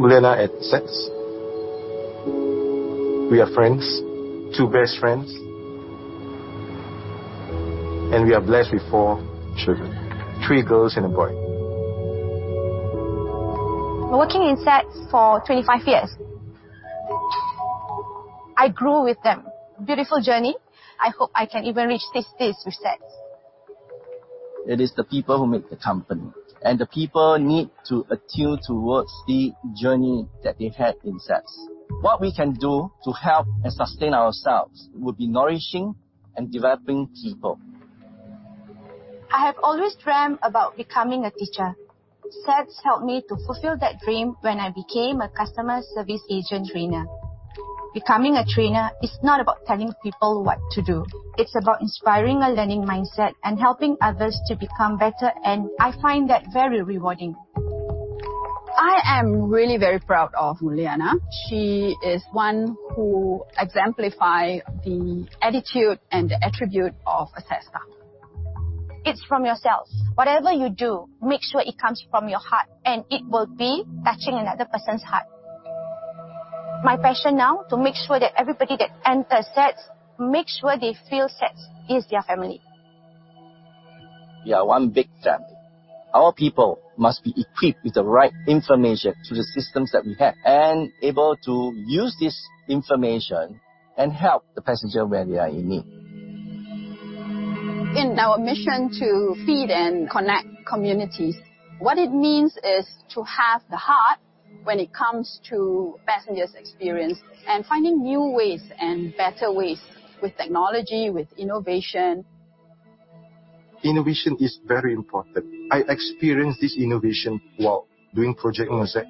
I met Mulyana at SATS. We are friends, two best friends. We are blessed with four children, three girls and a boy. Working in SATS for 25 years. I grew with them. Beautiful journey. I hope I can even reach 60 with SATS. It is the people who make the company, and the people need to attune towards the journey that they had in SATS. What we can do to help and sustain ourselves will be nourishing and developing people. I have always dreamt about becoming a teacher. SATS helped me to fulfill that dream when I became a customer service agent trainer. Becoming a trainer is not about telling people what to do. It's about inspiring a learning mindset and helping others to become better, and I find that very rewarding. I am really very proud of Mulyana. She is one who exemplify the attitude and the attribute of a SATS staff. It's from yourself. Whatever you do, make sure it comes from your heart, and it will be touching another person's heart. My passion now to make sure that everybody that enters SATS, make sure they feel SATS is their family. We are one big family. Our people must be equipped with the right information through the systems that we have and able to use this information and help the passenger where they are in need. In our mission to feed and connect communities, what it means is to have the heart when it comes to passengers' experience and finding new ways and better ways with technology, with innovation. Innovation is very important. I experience this innovation while doing Project Mosaic.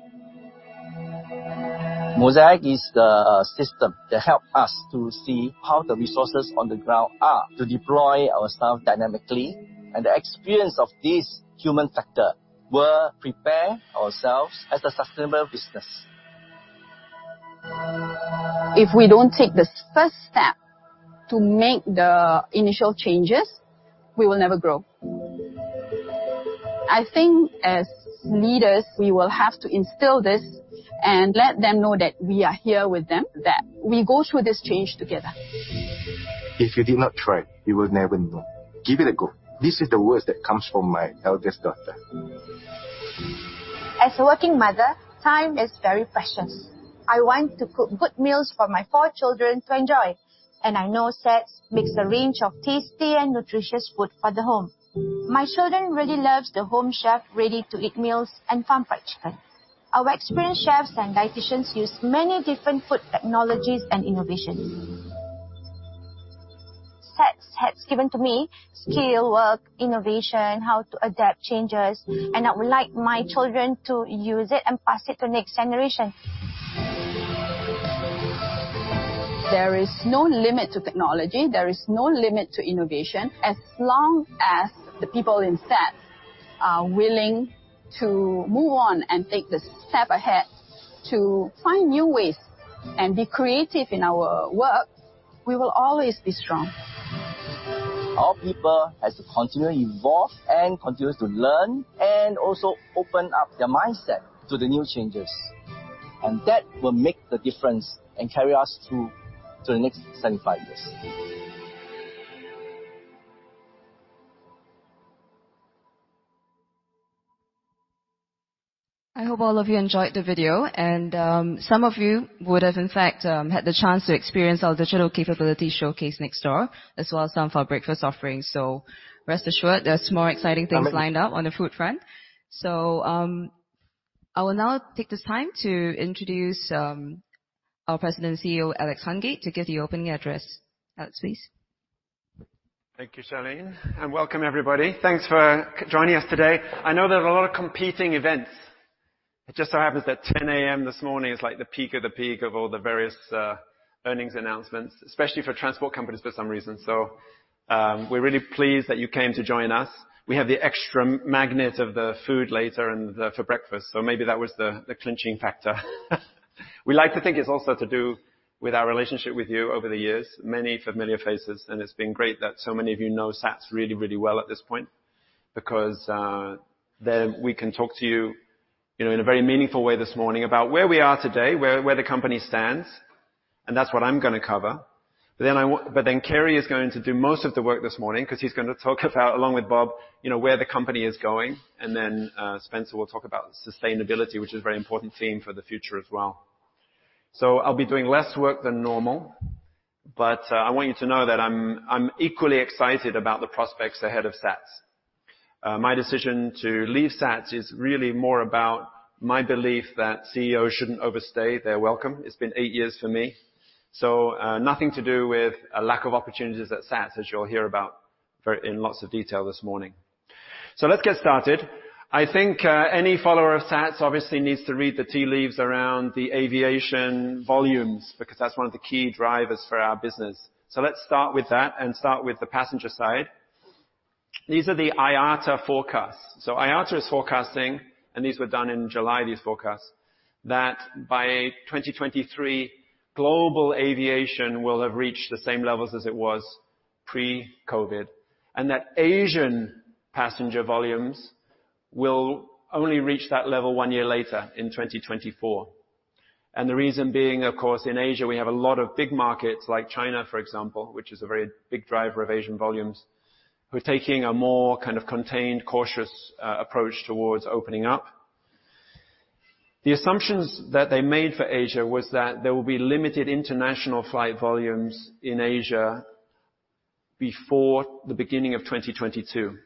Mosaic is the system that help us to see how the resources on the ground are to deploy our staff dynamically and the experience of this human factor will prepare ourselves as a sustainable business. If we don't take the first step to make the initial changes, we will never grow. I think as leaders, we will have to instill this and let them know that we are here with them, that we go through this change together. If you did not try, you will never know. Give it a go. This is the words that comes from my eldest daughter. As a working mother, time is very precious. I want to cook good meals for my four children to enjoy, and I know SATS makes a range of tasty and nutritious food for the home. My children really love the Home Chef ready-to-eat meals and pan-fried chicken. Our experienced chefs and dietitians use many different food technologies and innovation. SATS has given to me skill, work, innovation, how to adapt changes, and I would like my children to use it and pass it to next generation. There is no limit to technology. There is no limit to innovation. As long as the people in SATS are willing to move on and take the step ahead to find new ways and be creative in our work, we will always be strong. Our people has to continually evolve and continues to learn and also open up their mindset to the new changes. That will make the difference and carry us through to the next 75 years. I hope all of you enjoyed the video and some of you would have in fact had the chance to experience our digital capability showcase next door as well as some of our breakfast offerings. Rest assured there's more exciting things lined up on the food front. I will now take this time to introduce our President and CEO, Alex Hungate, to give the opening address. Alex, please. Thank you, Charlene, and welcome everybody. Thanks for joining us today. I know there are a lot of competing events. It just so happens that 10 A.M. this morning is like the peak of the peak of all the various earnings announcements, especially for transport companies for some reason. We're really pleased that you came to join us. We have the extra magnet of the food later for breakfast, so maybe that was the clinching factor. We like to think it's also to do with our relationship with you over the years. Many familiar faces, and it's been great that so many of you know SATS really, really well at this point because then we can talk to you know, in a very meaningful way this morning about where we are today, where the company stands, and that's what I'm gonna cover. Kerry is going to do most of the work this morning 'cause he's gonna talk about, along with Bob, you know, where the company is going. Spencer will talk about sustainability, which is a very important theme for the future as well. I'll be doing less work than normal, but I want you to know that I'm equally excited about the prospects ahead of SATS. My decision to leave SATS is really more about my belief that CEOs shouldn't overstay their welcome. It's been eight years for me. Nothing to do with a lack of opportunities at SATS, as you'll hear about in lots of detail this morning. Let's get started. I think any follower of SATS obviously needs to read the tea leaves around the aviation volumes, because that's one of the key drivers for our business. Let's start with that and start with the passenger side. These are the IATA forecasts. IATA is forecasting, and these were done in July, these forecasts, that by 2023, global aviation will have reached the same levels as it was pre-COVID. Asian passenger volumes will only reach that level one year later in 2024. The reason being, of course, in Asia, we have a lot of big markets like China, for example, which is a very big driver of Asian volumes. We're taking a more kind of contained cautious approach towards opening up. The assumptions that they made for Asia was that there will be limited international flight volumes in Asia before the beginning of 2022.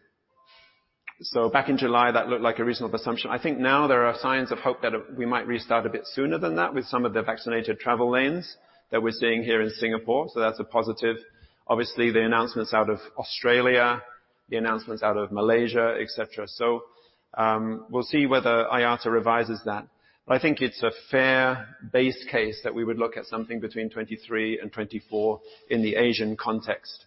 Back in July, that looked like a reasonable assumption. I think now there are signs of hope that we might restart a bit sooner than that with some of the Vaccinated Travel Lanes that we're seeing here in Singapore. That's a positive. Obviously, the announcements out of Australia, the announcements out of Malaysia, et cetera. We'll see whether IATA revises that. But I think it's a fair base case that we would look at something between 2023 and 2024 in the Asian context.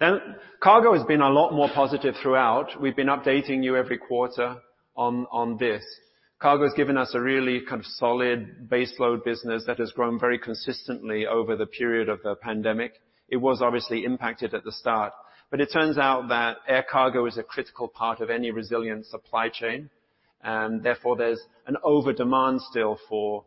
Now, cargo has been a lot more positive throughout. We've been updating you every quarter on this. Cargo's given us a really kind of solid baseload business that has grown very consistently over the period of the pandemic. It was obviously impacted at the start, but it turns out that air cargo is a critical part of any resilient supply chain, and therefore, there's an overdemand still for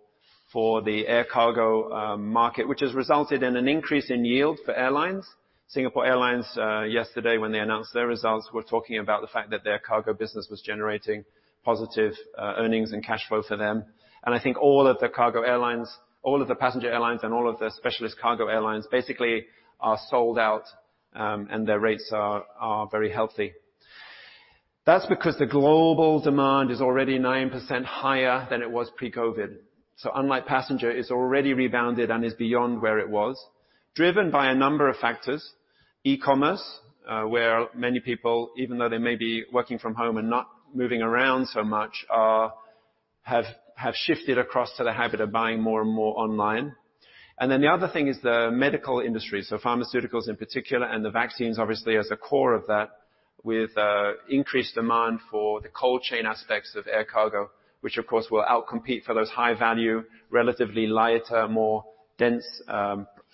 the air cargo market, which has resulted in an increase in yield for airlines. Singapore Airlines yesterday, when they announced their results, were talking about the fact that their cargo business was generating positive earnings and cash flow for them. I think all of the cargo airlines, all of the passenger airlines and all of the specialist cargo airlines basically are sold out, and their rates are very healthy. That's because the global demand is already 9% higher than it was pre-COVID. Unlike passenger, it's already rebounded and is beyond where it was. Driven by a number of factors, e-commerce, where many people, even though they may be working from home and not moving around so much have shifted across to the habit of buying more and more online. The other thing is the medical industry, so pharmaceuticals in particular, and the vaccines obviously as the core of that with increased demand for the cold chain aspects of air cargo, which of course will outcompete for those high-value, relatively lighter, more dense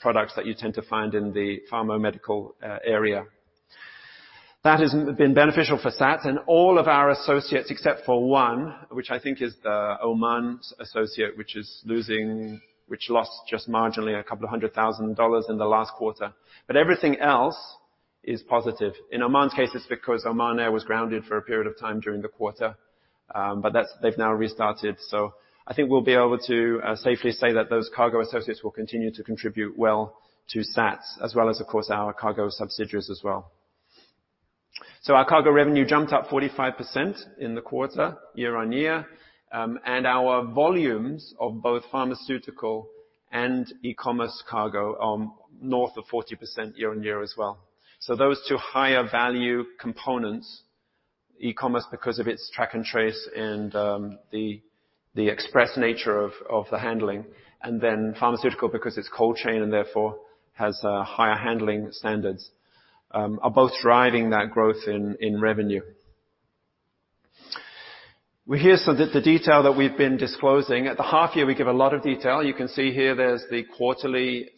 products that you tend to find in the pharma medical area. That has been beneficial for SATS and all of our associates, except for one, which I think is the Oman associate, which lost just marginally a couple hundred thousand dollars in the last quarter. Everything else is positive. In Oman's case, it's because Oman Air was grounded for a period of time during the quarter, but they've now restarted. I think we'll be able to safely say that those cargo associates will continue to contribute well to SATS as well as, of course, our cargo subsidiaries as well. Our cargo revenue jumped up 45% in the quarter year-on-year. Our volumes of both pharmaceutical and e-commerce cargo are north of 40% year-on-year as well. Those two higher value components, e-commerce because of its track and trace and the express nature of the handling, and then pharmaceutical because it's cold chain and therefore has higher handling standards, are both driving that growth in revenue. Well, here's the detail that we've been disclosing. At the half year, we give a lot of detail. You can see here there's the quarterly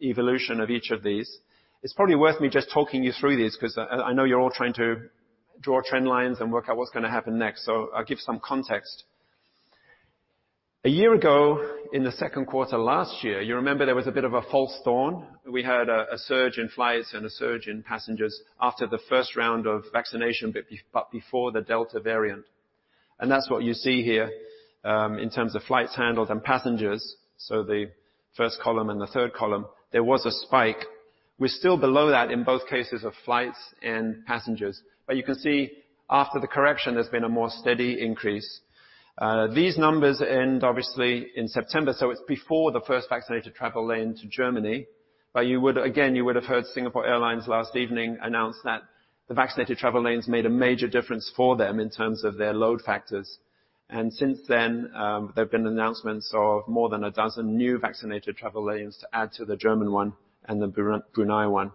evolution of each of these. It's probably worth me just talking you through these 'cause I know you're all trying to draw trend lines and work out what's gonna happen next. I'll give some context. A year ago, in the second quarter last year, you remember there was a bit of a false dawn. We had a surge in flights and a surge in passengers after the first round of vaccination but before the Delta variant. That's what you see here, in terms of flights handled and passengers. The first column and the third column, there was a spike. We're still below that in both cases of flights and passengers. You can see after the correction, there's been a more steady increase. These numbers end obviously in September, so it's before the first Vaccinated Travel Lane to Germany. Again, you would have heard Singapore Airlines last evening announce that the Vaccinated Travel Lanes made a major difference for them in terms of their load factors. Since then, there have been announcements of more than 12 new Vaccinated Travel Lanes to add to the German one and the Brunei one.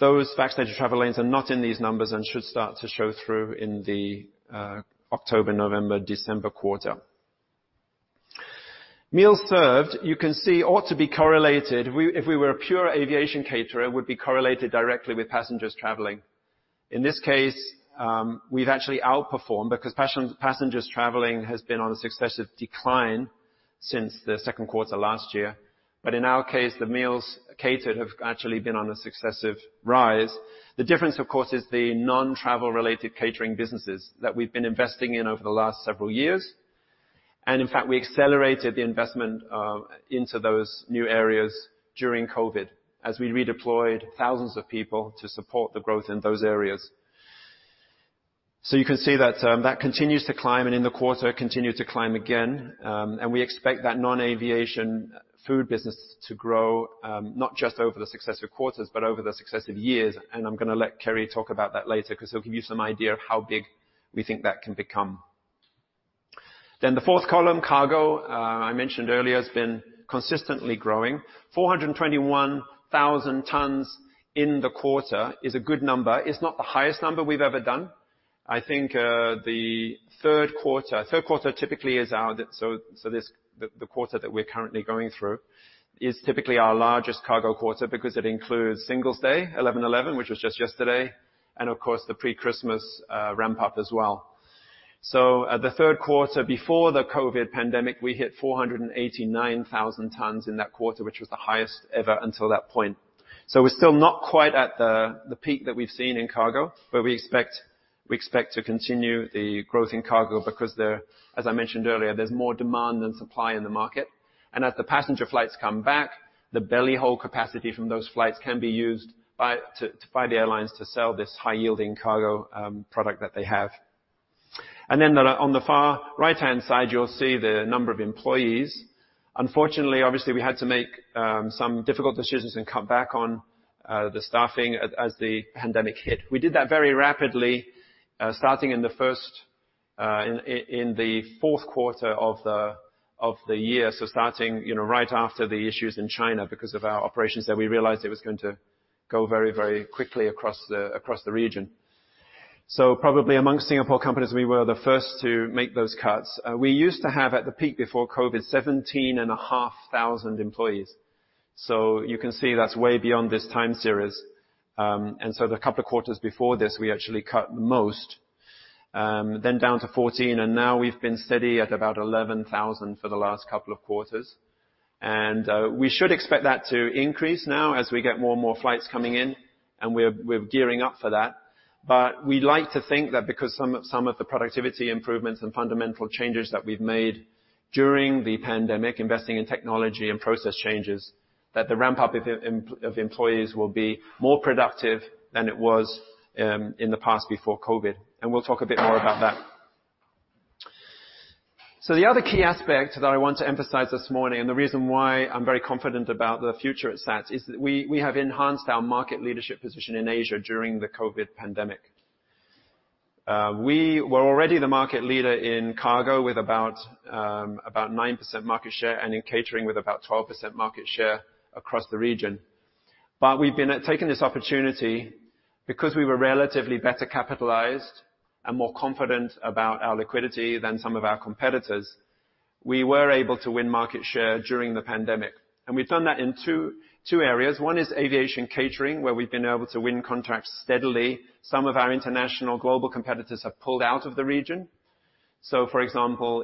Those Vaccinated Travel Lanes are not in these numbers and should start to show through in the October, November, December quarter. Meals served, you can see, ought to be correlated. If we were a pure aviation caterer, it would be correlated directly with passengers traveling. In this case, we've actually outperformed because passengers traveling has been on a successive decline since the second quarter last year. In our case, the meals catered have actually been on a successive rise. The difference, of course, is the non-travel related catering businesses that we've been investing in over the last several years. In fact, we accelerated the investment into those new areas during COVID as we redeployed thousands of people to support the growth in those areas. You can see that that continues to climb and in the quarter continued to climb again. We expect that non-aviation food business to grow, not just over the successive quarters, but over the successive years. I'm gonna let Kerry talk about that later 'cause he'll give you some idea of how big we think that can become. The fourth column, cargo, I mentioned earlier, has been consistently growing. 421,000 tons in the quarter is a good number. It's not the highest number we've ever done. I think, the third quarter typically is our largest cargo quarter because it includes Singles' Day, 11/11, which was just yesterday, and of course, the pre-Christmas ramp-up as well. At the third quarter, before the COVID pandemic, we hit 489,000 tons in that quarter, which was the highest ever until that point. We're still not quite at the peak that we've seen in cargo, but we expect to continue the growth in cargo because, as I mentioned earlier, there's more demand than supply in the market. As the passenger flights come back, the belly hold capacity from those flights can be used by the airlines to sell this high-yielding cargo product that they have. On the far right-hand side, you'll see the number of employees. Unfortunately, obviously, we had to make some difficult decisions and cut back on the staffing as the pandemic hit. We did that very rapidly, starting in the fourth quarter of the year, right after the issues in China because of our operations there. We realized it was going to go very quickly across the region. Probably amongst Singapore companies, we were the first to make those cuts. We used to have, at the peak before COVID, 17,500 employees. You can see that's way beyond this time series. The couple of quarters before this, we actually cut the most, then down to 14,000, and now we've been steady at about 11,000 for the last couple of quarters. We should expect that to increase now as we get more and more flights coming in, and we're gearing up for that. We like to think that because some of the productivity improvements and fundamental changes that we've made during the pandemic, investing in technology and process changes, that the ramp-up of employees will be more productive than it was in the past before COVID. We'll talk a bit more about that. The other key aspect that I want to emphasize this morning, and the reason why I'm very confident about the future at SATS, is we have enhanced our market leadership position in Asia during the COVID pandemic. We were already the market leader in cargo with about 9% market share and in catering with about 12% market share across the region. We've been taking this opportunity because we were relatively better capitalized and more confident about our liquidity than some of our competitors. We were able to win market share during the pandemic. We've done that in two areas. One is aviation catering, where we've been able to win contracts steadily. Some of our international global competitors have pulled out of the region. For example,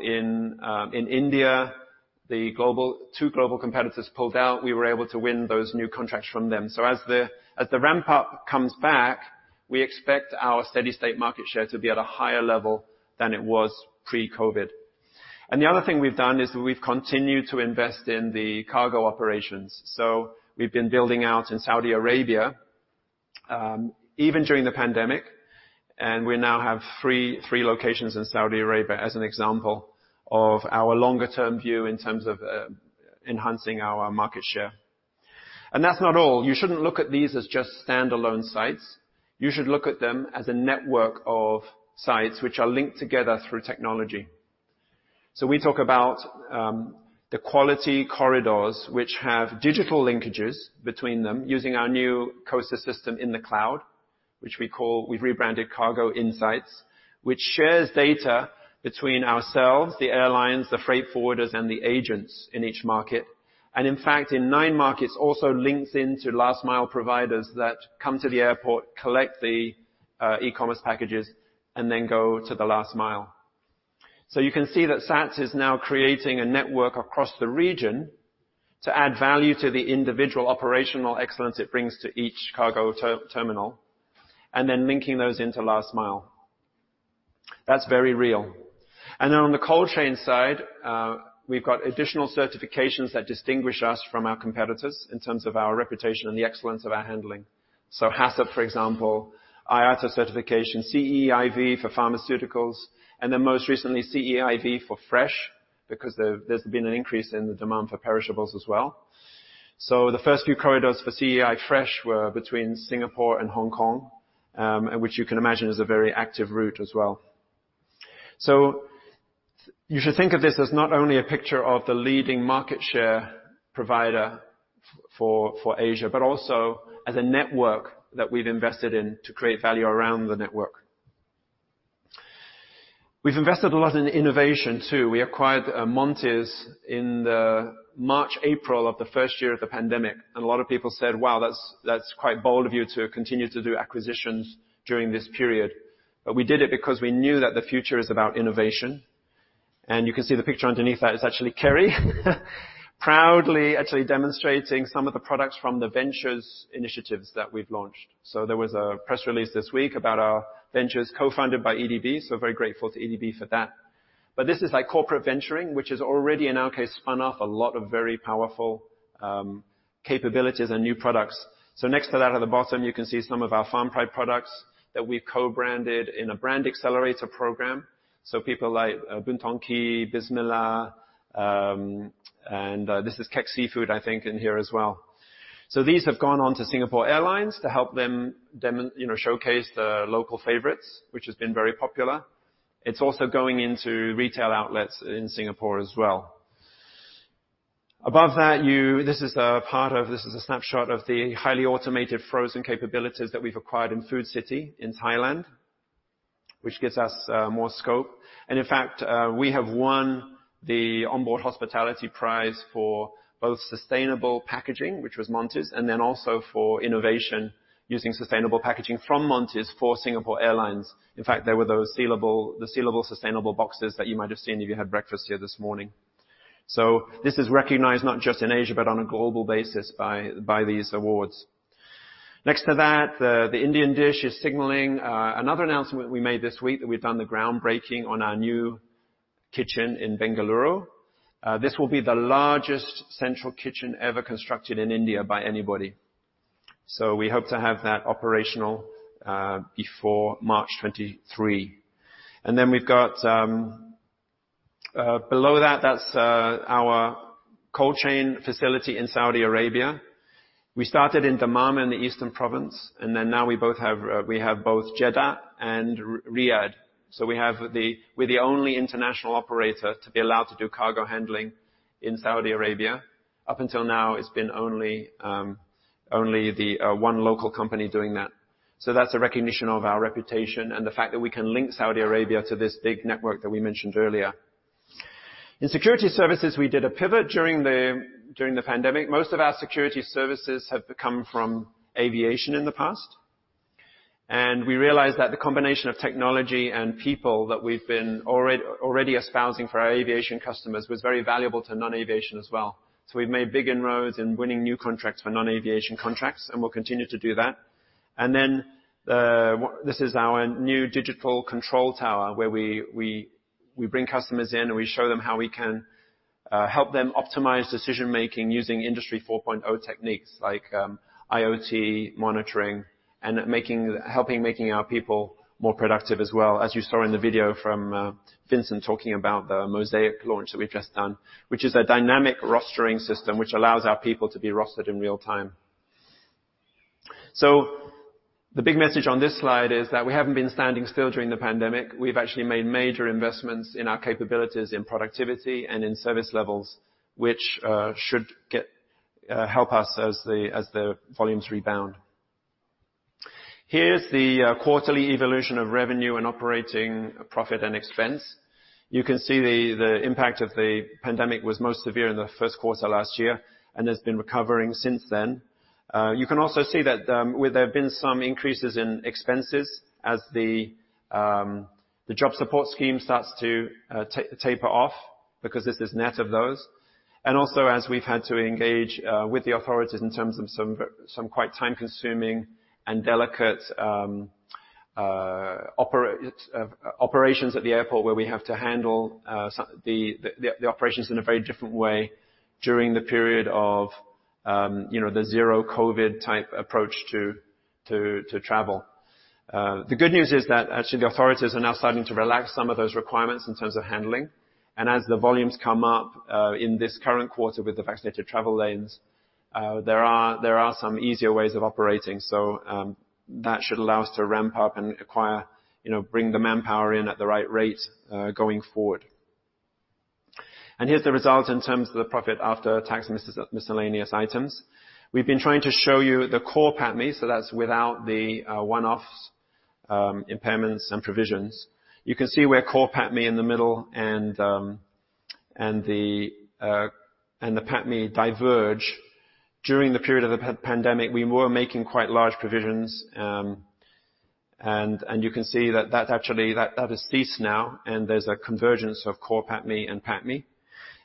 in India, two global competitors pulled out. We were able to win those new contracts from them. As the ramp-up comes back, we expect our steady-state market share to be at a higher level than it was pre-COVID. The other thing we've done is we've continued to invest in the cargo operations. We've been building out in Saudi Arabia, even during the pandemic, and we now have three locations in Saudi Arabia as an example of our longer term view in terms of enhancing our market share. That's not all. You shouldn't look at these as just standalone sites. You should look at them as a network of sites which are linked together through technology. We talk about the quality corridors, which have digital linkages between them using our new COSYS+ system in the cloud, which we've rebranded Cargo Insights, which shares data between ourselves, the airlines, the freight forwarders, and the agents in each market. In fact, in nine markets, also links into last mile providers that come to the airport, collect the e-commerce packages, and then go to the last mile. You can see that SATS is now creating a network across the region to add value to the individual operational excellence it brings to each cargo terminal and then linking those into last mile. That's very real. On the cold chain side, we've got additional certifications that distinguish us from our competitors in terms of our reputation and the excellence of our handling. HACCP, for example, IATA certification, CEIV for pharmaceuticals, and then most recently, CEIV Fresh because there's been an increase in the demand for perishables as well. The first few corridors for CEIV Fresh were between Singapore and Hong Kong, and which you can imagine is a very active route as well. You should think of this as not only a picture of the leading market share provider for Asia, but also as a network that we've invested in to create value around the network. We've invested a lot in innovation, too. We acquired Monty's in the March, April of the first year of the pandemic, and a lot of people said, "Wow, that's quite bold of you to continue to do acquisitions during this period." We did it because we knew that the future is about innovation. You can see the picture underneath that. It's actually Kerry proudly actually demonstrating some of the products from the ventures initiatives that we've launched. There was a press release this week about our ventures co-founded by EDB, so very grateful to EDB for that. But this is like corporate venturing, which has already, in our case, spun off a lot of very powerful, capabilities and new products. Next to that, at the bottom, you can see some of our Farmpride products that we've co-branded in a brand accelerator program. People like Boon Tong Kee, Bismillah, and this is Keng Eng Kee Seafood, I think, in here as well. These have gone on to Singapore Airlines to help them, you know, showcase the local favorites, which has been very popular. It's also going into retail outlets in Singapore as well. Above that, this is a snapshot of the highly automated frozen capabilities that we've acquired in Food City in Thailand, which gives us more scope. In fact, we have won the onboard hospitality prize for both sustainable packaging, which was Monty's, and then also for innovation using sustainable packaging from Monty's for Singapore Airlines. In fact, they were those sealable sustainable boxes that you might have seen if you had breakfast here this morning. This is recognized not just in Asia, but on a global basis by these awards. Next to that, the Indian dish is signaling another announcement we made this week that we've done the groundbreaking on our new kitchen in Bengaluru. This will be the largest central kitchen ever constructed in India by anybody. We hope to have that operational before March 2023. We've got below that's our cold chain facility in Saudi Arabia. We started in Dammam, in the Eastern Province, and then now we have both Jeddah and Riyadh. We're the only international operator to be allowed to do cargo handling in Saudi Arabia. Up until now, it's been only one local company doing that. That's a recognition of our reputation and the fact that we can link Saudi Arabia to this big network that we mentioned earlier. In security services, we did a pivot during the pandemic. Most of our security services have come from aviation in the past, and we realized that the combination of technology and people that we've been already espousing for our aviation customers was very valuable to non-aviation as well. We've made big inroads in winning new contracts for non-aviation contracts, and we'll continue to do that. This is our new digital control tower where we bring customers in and we show them how we can help them optimize decision-making using Industry 4.0 techniques like IoT monitoring and helping make our people more productive as well, as you saw in the video from Vincent talking about the Mosaic launch that we've just done, which is a dynamic rostering system which allows our people to be rostered in real time. The big message on this slide is that we haven't been standing still during the pandemic. We've actually made major investments in our capabilities in productivity and in service levels, which should help us as the volumes rebound. Here's the quarterly evolution of revenue and operating profit and expense. You can see the impact of the pandemic was most severe in the first quarter last year and has been recovering since then. You can also see that where there have been some increases in expenses as the jobs support scheme starts to taper off because this is net of those. Also as we've had to engage with the authorities in terms of some quite time-consuming and delicate operations at the airport where we have to handle the operations in a very different way during the period of, you know, the zero COVID type approach to travel. The good news is that actually the authorities are now starting to relax some of those requirements in terms of handling. As the volumes come up in this current quarter with the Vaccinated Travel Lanes, there are some easier ways of operating. That should allow us to ramp up and acquire, you know, bring the manpower in at the right rate going forward. Here's the result in terms of the profit after tax and minority interests. We've been trying to show you the core PATMI, so that's without the one-offs, impairments, and provisions. You can see where core PATMI in the middle and the PATMI diverge. During the period of the pandemic, we were making quite large provisions, and you can see that has ceased now, and there's a convergence of core PATMI and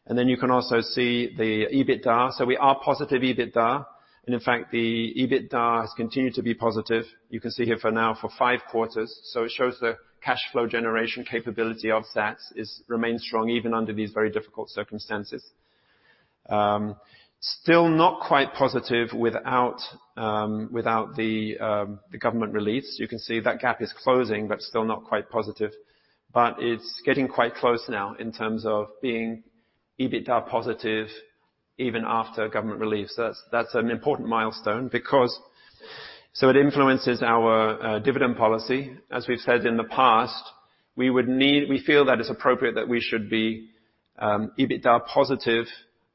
PATMI. Then you can also see the EBITDA. We are positive EBITDA. In fact, the EBITDA has continued to be positive, you can see here for five quarters. It shows the cash flow generation capability of SATS remains strong even under these very difficult circumstances. Still not quite positive without the government reliefs. You can see that gap is closing, but still not quite positive. It's getting quite close now in terms of being EBITDA positive even after government relief. That's an important milestone because it influences our dividend policy. As we've said in the past, we feel that it's appropriate that we should be EBITDA positive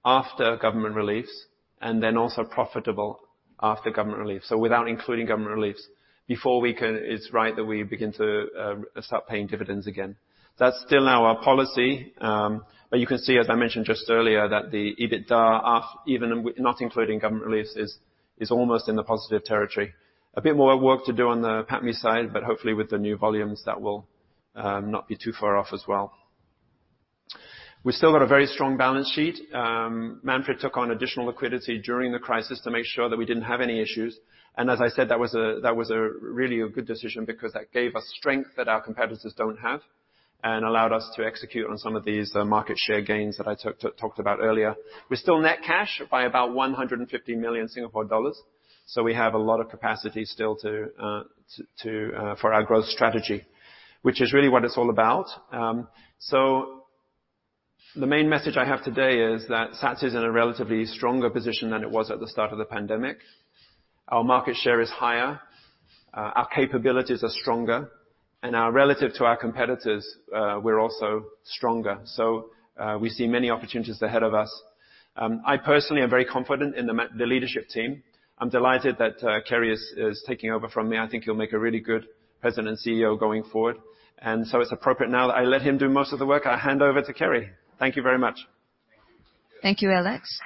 after government reliefs and then also profitable after government reliefs without including government reliefs before we can begin to start paying dividends again. That's still our policy, but you can see, as I mentioned just earlier, that the EBITDA even not including government reliefs is almost in the positive territory. A bit more work to do on the PATMI side, but hopefully with the new volumes, that will not be too far off as well. We still got a very strong balance sheet. Manfred took on additional liquidity during the crisis to make sure that we didn't have any issues. As I said, that was a really good decision because that gave us strength that our competitors don't have and allowed us to execute on some of these market share gains that I talked about earlier. We're still net cash by about 150 million Singapore dollars, so we have a lot of capacity still to for our growth strategy, which is really what it's all about. The main message I have today is that SATS is in a relatively stronger position than it was at the start of the pandemic. Our market share is higher, our capabilities are stronger, and our, relative to our competitors, we're also stronger. We see many opportunities ahead of us. I personally am very confident in the leadership team. I'm delighted that Kerry is taking over from me. I think he'll make a really good President and CEO going forward. It's appropriate now that I let him do most of the work, I hand over to Kerry. Thank you very much. Thank you, Alex.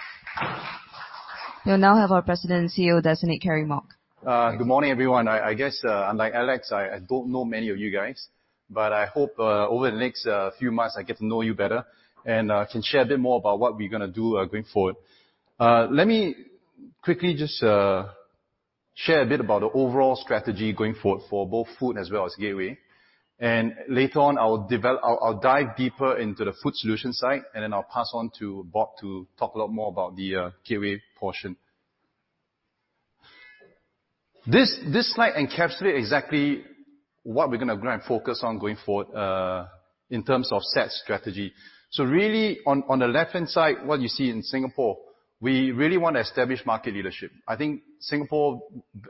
We'll now have our President and CEO-designate, Kerry Mok. Good morning, everyone. I guess, unlike Alex, I don't know many of you guys, but I hope over the next few months I get to know you better and can share a bit more about what we're gonna do going forward. Let me quickly just share a bit about the overall strategy going forward for both Food as well as Gateway. Later on, I'll dive deeper into the Food Solution side, and then I'll pass on to Bob to talk a lot more about the Gateway portion. This slide encapsulate exactly what we're gonna go and focus on going forward in terms of SATS strategy. Really, on the left-hand side, what you see in Singapore, we really wanna establish market leadership. I think,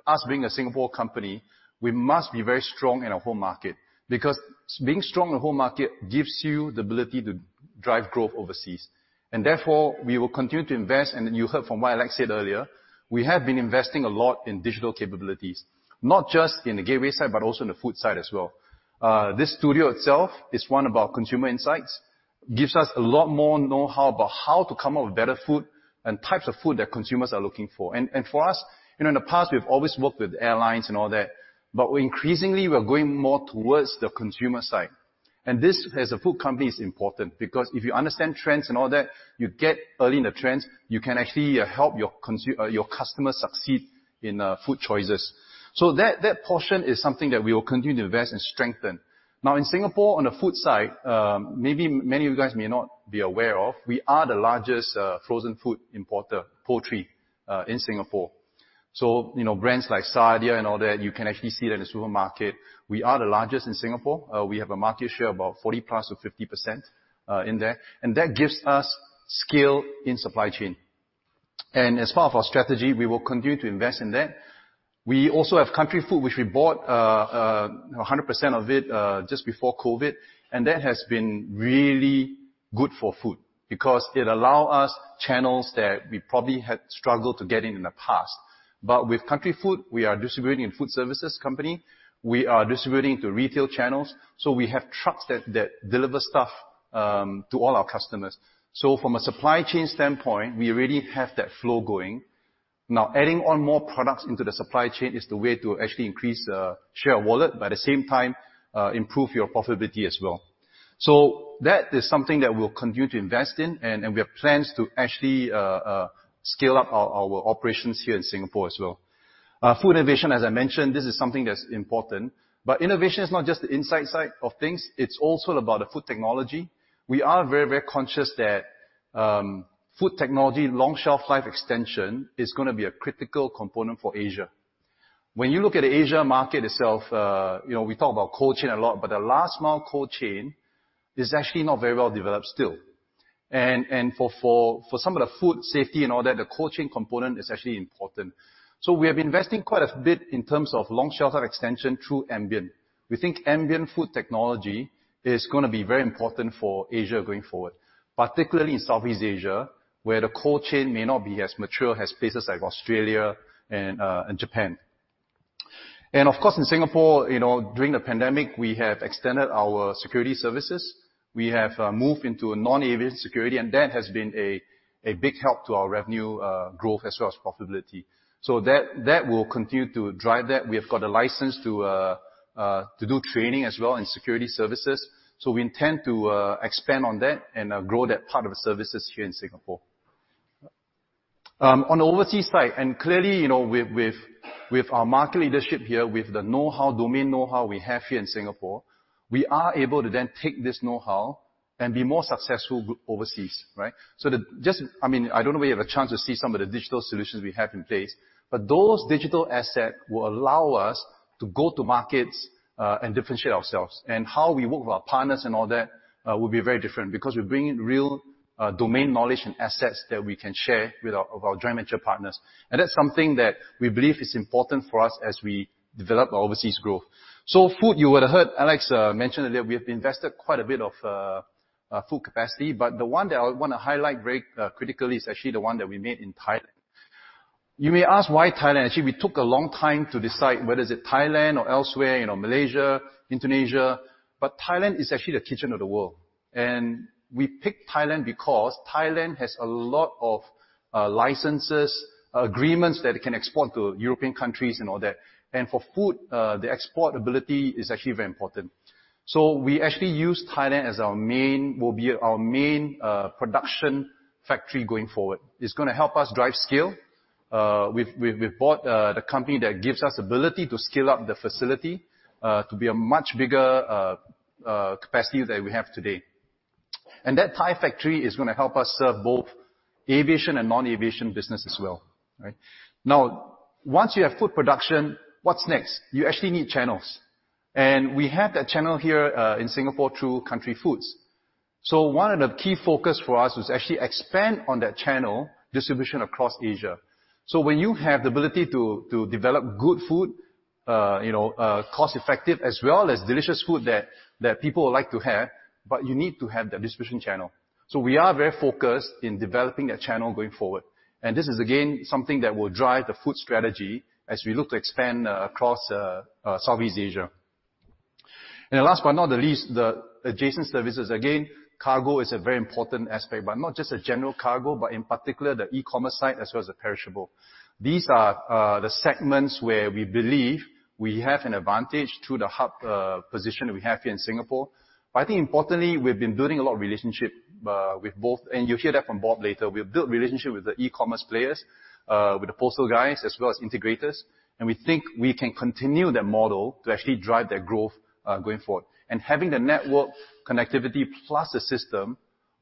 us being a Singapore company, we must be very strong in our home market, because being strong in home market gives you the ability to drive growth overseas. Therefore, we will continue to invest. You heard from what Alex said earlier, we have been investing a lot in digital capabilities. Not just in the Gateway side, but also in the Food side as well. This studio itself is one of our consumer insights that gives us a lot more know-how about how to come up with better food and types of food that consumers are looking for. For us, you know, in the past we've always worked with airlines and all that, but we're increasingly going more towards the consumer side. This, as a food company, is important because if you understand trends and all that, you get early in the trends, you can actually help your customer succeed in food choices. That portion is something that we will continue to invest and strengthen. In Singapore, on the Food side, maybe many of you guys may not be aware of, we are the largest frozen food importer, poultry, in Singapore. You know, brands like Sadia and all that, you can actually see that in the supermarket. We are the largest in Singapore. We have a market share of about 40%-50%, in there, and that gives us scale in supply chain. As part of our strategy, we will continue to invest in that. We also have Country Foods, which we bought 100% of it just before COVID, and that has been really good for Food because it allow us channels that we probably had struggled to get in the past. With Country Foods, we are distributing Food Services company. We are distributing to retail channels. We have trucks that deliver stuff to all our customers. From a supply chain standpoint, we already have that flow going. Now, adding on more products into the supply chain is the way to actually increase share of wallet, but at the same time improve your profitability as well. That is something that we'll continue to invest in and we have plans to actually scale up our operations here in Singapore as well. Food innovation, as I mentioned, this is something that's important, but innovation is not just the insight side of things, it's also about the food technology. We are very, very conscious that, food technology, long shelf life extension is gonna be a critical component for Asia. When you look at the Asia market itself, you know, we talk about cold chain a lot, but the last mile cold chain is actually not very well developed still. For some of the food safety and all that, the cold chain component is actually important. We have been investing quite a bit in terms of long shelf life extension through ambient. We think ambient food technology is gonna be very important for Asia going forward, particularly in Southeast Asia, where the cold chain may not be as mature as places like Australia and Japan. Of course, in Singapore, you know, during the pandemic, we have extended our security services. We have moved into a non-aviation security, and that has been a big help to our revenue growth as well as profitability. That will continue to drive that. We have got a license to do training as well in security services, so we intend to expand on that and grow that part of the services here in Singapore. On the overseas side, clearly, you know, with our market leadership here, with the knowhow, domain knowhow we have here in Singapore, we are able to then take this knowhow and be more successful overseas, right? I mean, I don't know whether you have a chance to see some of the digital solutions we have in place, but those digital asset will allow us to go to markets and differentiate ourselves. How we work with our partners and all that will be very different because we're bringing real domain knowledge and assets that we can share with our joint venture partners. That's something that we believe is important for us as we develop our overseas growth. Food, you would have heard Alex mention earlier, we have invested quite a bit of food capacity, but the one that I wanna highlight very critically is actually the one that we made in Thailand. You may ask why Thailand. Actually, we took a long time to decide whether is it Thailand or elsewhere, you know, Malaysia, Indonesia, but Thailand is actually the kitchen of the world. We picked Thailand because Thailand has a lot of licenses, agreements that it can export to European countries and all that. For food, the export ability is actually very important. We actually use Thailand as our main production factory going forward. It's gonna help us drive scale. We've bought the company that gives us ability to scale up the facility to be a much bigger capacity than we have today. That Thai factory is gonna help us serve both aviation and non-aviation business as well, right? Now, once you have food production, what's next? You actually need channels. We have that channel here in Singapore through Country Foods. One of the key focus for us was actually expand on that channel distribution across Asia. When you have the ability to develop good food, you know, cost effective, as well as delicious food that people would like to have, but you need to have the distribution channel. We are very focused in developing that channel going forward. This is again, something that will drive the food strategy as we look to expand across Southeast Asia. The last but not the least, the adjacent services. Again, cargo is a very important aspect. Not just the general cargo, but in particular the e-commerce side, as well as the perishable. These are the segments where we believe we have an advantage through the hub position that we have here in Singapore. I think importantly, we've been building a lot of relationship with both, and you'll hear that from Bob later. We've built relationship with the e-commerce players, with the postal guys, as well as integrators, and we think we can continue that model to actually drive that growth going forward. Having the network connectivity plus the system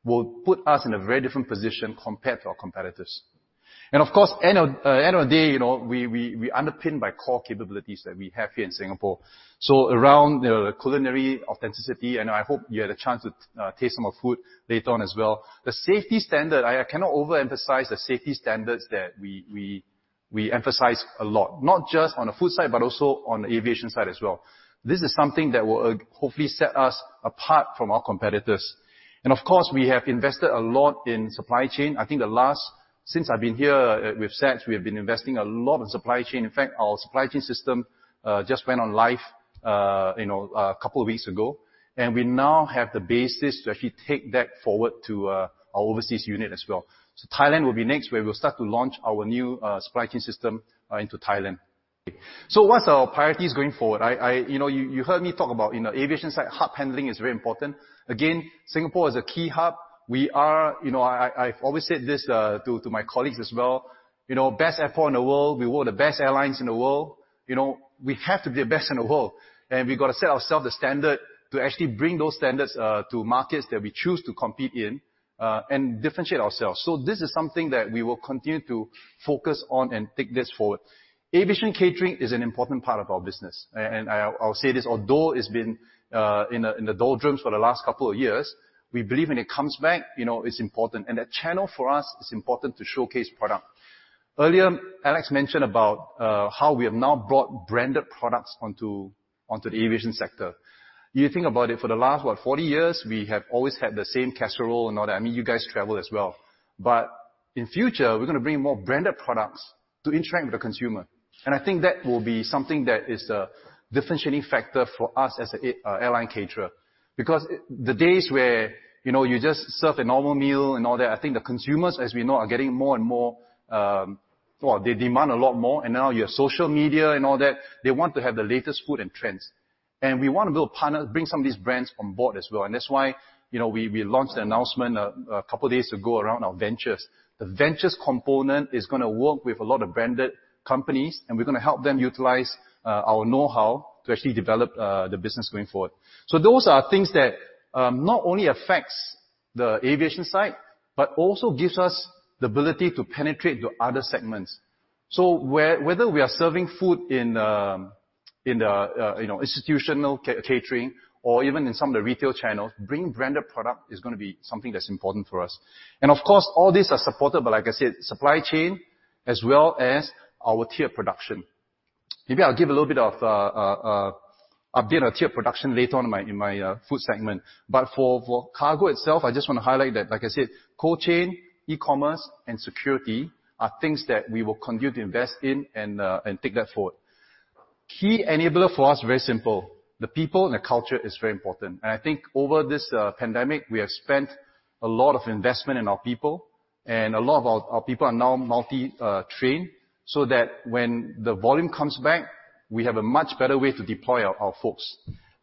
will put us in a very different position compared to our competitors. Of course, end of the day, you know, we underpinned by core capabilities that we have here in Singapore. Around the culinary authenticity, and I hope you had a chance to taste some of food later on as well. The safety standard, I cannot overemphasize the safety standards that we emphasize a lot, not just on the Food side, but also on the aviation side as well. This is something that will hopefully set us apart from our competitors. Of course, we have invested a lot in supply chain. I think the last since I've been here, with SATS, we have been investing a lot in supply chain. In fact, our supply chain system just went on live, you know, a couple of weeks ago, and we now have the basis to actually take that forward to our overseas unit as well. Thailand will be next, where we'll start to launch our new supply chain system into Thailand. What's our priorities going forward? I, you know, you heard me talk about, you know, aviation side, hub handling is very important. Again, Singapore is a key hub. We are, you know, I've always said this, to my colleagues as well, you know, best airport in the world. We work with the best airlines in the world. You know, we have to be the best in the world, and we've got to set ourselves the standard to actually bring those standards to markets that we choose to compete in and differentiate ourselves. This is something that we will continue to focus on and take this forward. Aviation catering is an important part of our business. I’ll say this although it’s been in the doldrums for the last couple of years. We believe when it comes back, you know, it’s important. That channel for us is important to showcase product. Earlier, Alex mentioned about how we have now brought branded products onto the aviation sector. You think about it, for the last, what, 40 years, we have always had the same casserole and all that. I mean, you guys travel as well. In future, we're gonna bring more branded products to interact with the consumer, and I think that will be something that is a differentiating factor for us as a airline caterer. Because the days where, you know, you just serve a normal meal and all that, I think the consumers, as we know, are getting more and more. Well, they demand a lot more. And now you have social media and all that. They want to have the latest food and trends. And we wanna build partners, bring some of these brands on board as well. And that's why, you know, we launched the announcement a couple of days ago around our ventures. The ventures component is gonna work with a lot of branded companies, and we're gonna help them utilize our know-how to actually develop the business going forward. Those are things that not only affects the aviation side but also gives us the ability to penetrate to other segments. Whether we are serving food in the institutional catering or even in some of the retail channels, bringing branded product is gonna be something that's important for us. Of course, all these are supported by, like I said, supply chain as well as our tiered production. Maybe I'll give a little bit of update on tiered production later on in my Food segment. For cargo itself, I just wanna highlight that, like I said, cold chain, e-commerce, and security are things that we will continue to invest in and take that forward. Key enabler for us, very simple. The people and the culture is very important. I think over this pandemic, we have spent a lot of investment in our people, and a lot of our people are now multi-trained so that when the volume comes back, we have a much better way to deploy our folks.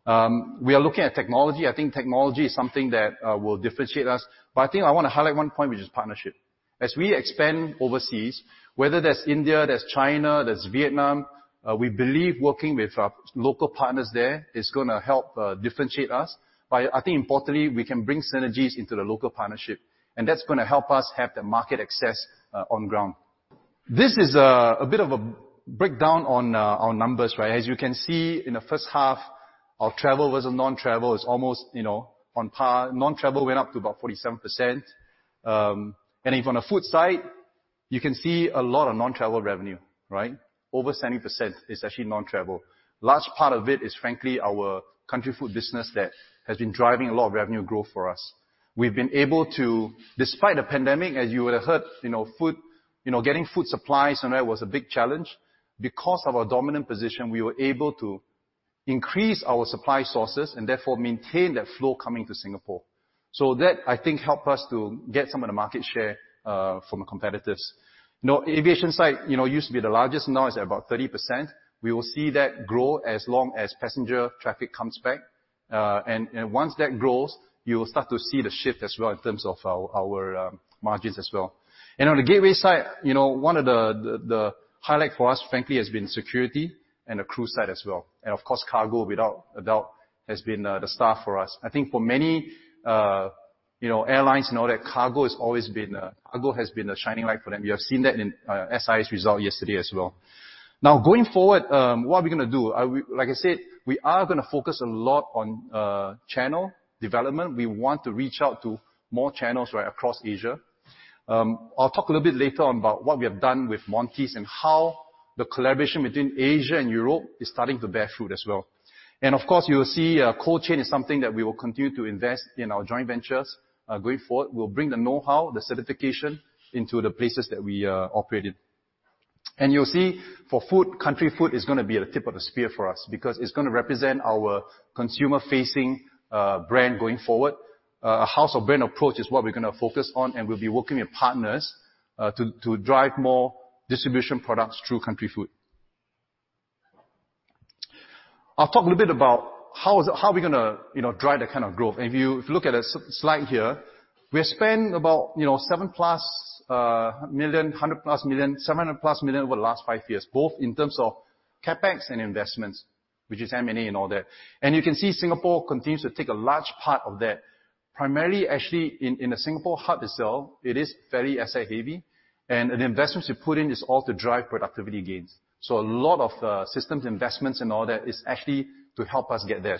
We are looking at technology. I think technology is something that will differentiate us. I wanna highlight one point, which is partnership. As we expand overseas, whether that's India, that's China, that's Vietnam, we believe working with our local partners there is gonna help differentiate us. I think importantly, we can bring synergies into the local partnership, and that's gonna help us have the market access on ground. This is a bit of a breakdown on our numbers, right? As you can see, in the first half, our travel versus non-travel is almost, you know, on par. Non-travel went up to about 47%. And if on the Food side, you can see a lot of non-travel revenue, right? Over 70% is actually non-travel. Large part of it is frankly, our Country Foods business that has been driving a lot of revenue growth for us. We've been able to, despite the pandemic, as you would have heard, you know, food, you know, getting food supplies and that was a big challenge. Because of our dominant position, we were able to increase our supply sources and therefore maintain that flow coming to Singapore. So that, I think, helped us to get some of the market share from competitors. You know, aviation side, you know, used to be the largest, now it's about 30%. We will see that grow as long as passenger traffic comes back. Once that grows, you'll start to see the shift as well in terms of our margins as well. On the Gateway side, you know, one of the highlights for us, frankly, has been security and the crew side as well. Of course, cargo, without a doubt, has been the star for us. I think for many, you know, airlines and all that, cargo has been a shining light for them. We have seen that in SIA results yesterday as well. Now, going forward, what are we gonna do? Like I said, we are gonna focus a lot on channel development. We want to reach out to more channels, right, across Asia. I'll talk a little bit later on about what we have done with Monty's and how the collaboration between Asia and Europe is starting to bear fruit as well. Of course, you will see cold chain is something that we will continue to invest in our joint ventures going forward. We'll bring the know-how, the certification into the places that we operate in. You'll see for food, Country Foods is gonna be at the tip of the spear for us, because it's gonna represent our consumer-facing brand going forward. A house of brands approach is what we're gonna focus on, and we'll be working with partners to drive more distribution products through Country Foods. I'll talk a little bit about how are we gonna, you know, drive that kind of growth. If you look at the slide here, we have spent about, you know, 700+ million over the last five years, both in terms of CapEx and investments, which is M&A and all that. You can see Singapore continues to take a large part of that, primarily, actually, in the Singapore hub itself, it is very asset heavy. The investments we put in is all to drive productivity gains. A lot of systems, investments and all that is actually to help us get there.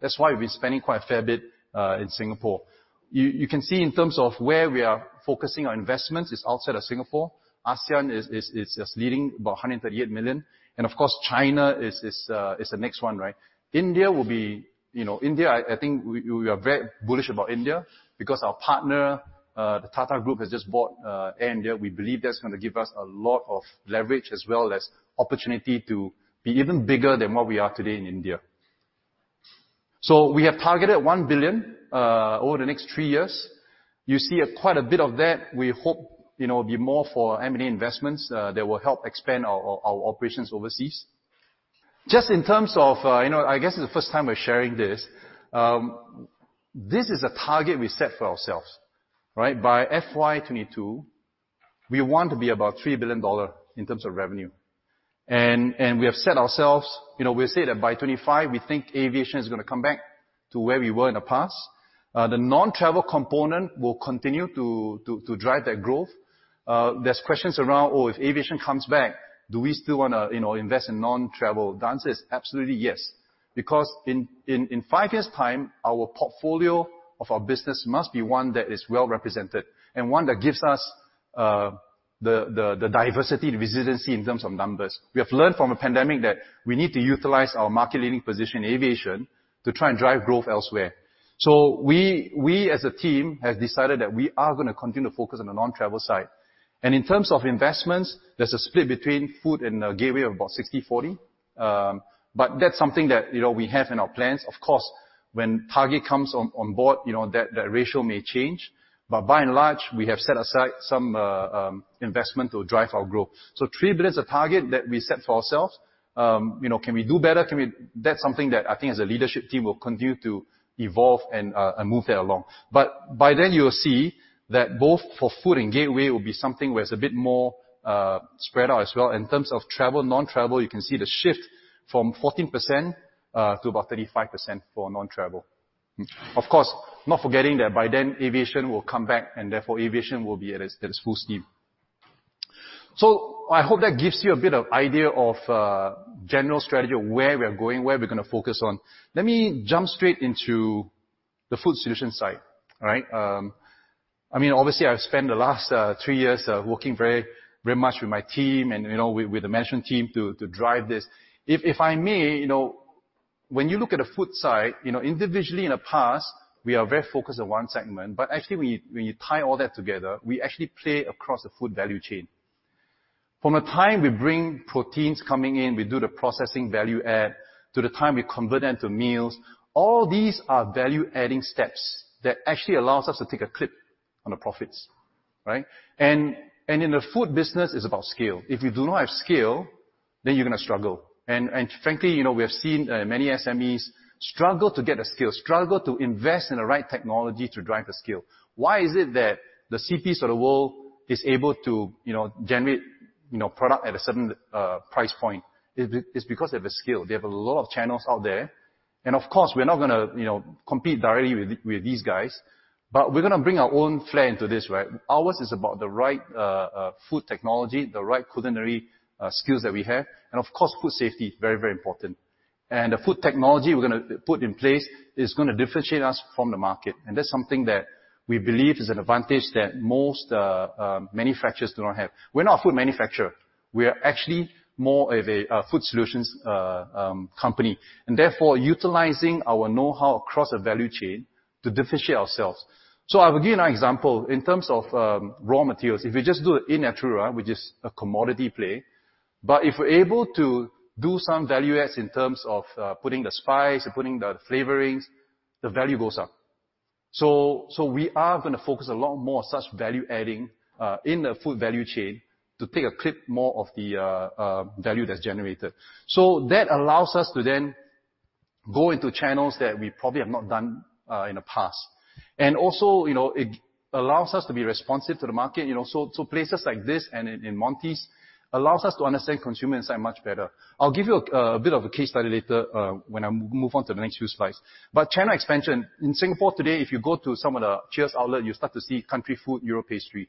That's why we're spending quite a fair bit in Singapore. You can see in terms of where we are focusing our investments is outside of Singapore. ASEAN is leading, about 138 million. Of course, China is the next one, right? India will be, you know, India. I think we are very bullish about India because our partner, the Tata Group, has just bought Air India. We believe that's gonna give us a lot of leverage as well as opportunity to be even bigger than what we are today in India. We have targeted 1 billion over the next three years. You see quite a bit of that, we hope, you know, be more for M&A investments that will help expand our operations overseas. Just in terms of, I guess it's the first time we're sharing this. This is a target we set for ourselves, right? By FY 2022, we want to be about 3 billion dollar in terms of revenue. We have set ourselves, you know, we say that by 2025, we think aviation is gonna come back to where we were in the past. The non-travel component will continue to drive that growth. There's questions around, "Oh, if aviation comes back, do we still wanna, you know, invest in non-travel?" The answer is absolutely yes, because in five years' time, our portfolio of our business must be one that is well-represented and one that gives us the diversity, the resiliency in terms of numbers. We have learned from the pandemic that we need to utilize our market leading position in aviation to try and drive growth elsewhere. We, as a team, have decided that we are gonna continue to focus on the non-travel side. In terms of investments, there's a split between Food and Gateway of about 60/40. That's something that, you know, we have in our plans. Of course, when Target comes on board, you know, that the ratio may change. By and large, we have set aside some investment to drive our growth. 3 billion is a target that we set for ourselves. You know, can we do better? That's something that I think as a leadership team will continue to evolve and move that along. By then you'll see that both for Food and Gateway will be something where it's a bit more spread out as well. In terms of travel, non-travel, you can see the shift from 14% to about 35% for non-travel. Of course, not forgetting that by then aviation will come back, and therefore aviation will be at its full steam. I hope that gives you a bit of idea of general strategy of where we are going, where we're gonna focus on. Let me jump straight into the Food Solution side, right? I mean, obviously, I've spent the last three years working very, very much with my team and, you know, with the management team to drive this. If I may, you know, when you look at the food side, you know, individually in the past, we are very focused on one segment. But actually, when you tie all that together, we actually play across the food value chain. From the time we bring proteins coming in, we do the processing value add, to the time we convert them to meals, all these are value-adding steps that actually allows us to take a clip on the profits, right? In the food business, it's about scale. If you do not have scale, then you're gonna struggle. Frankly, you know, we have seen many SMEs struggle to get the scale, struggle to invest in the right technology to drive the scale. Why is it that the CPs of the world is able to, you know, generate, you know, product at a certain price point? It's because they have a scale. They have a lot of channels out there. And of course, we're not gonna, you know, compete directly with these guys, but we're gonna bring our own flair into this, right? Ours is about the right food technology, the right culinary skills that we have, and of course, food safety, very, very important. The food technology we're gonna put in place is gonna differentiate us from the market, and that's something that we believe is an advantage that most manufacturers do not have. We're not a food manufacturer. We are actually more of a food solutions company, and therefore utilizing our know-how across the value chain to differentiate ourselves. I will give you an example. In terms of raw materials, if you just do it in natura, which is a commodity play, but if we're able to do some value adds in terms of putting the spice and putting the flavorings, the value goes up. We are gonna focus a lot more on such value-adding in the food value chain to take a clip more of the value that's generated. That allows us to then go into channels that we probably have not done in the past. It allows us to be responsive to the market. Places like this and Monty's allows us to understand consumer insight much better. I'll give you a bit of a case study later when I move on to the next few slides. Channel expansion. In Singapore today, if you go to some of the Cheers outlet, you'll start to see Country Foods European pastry.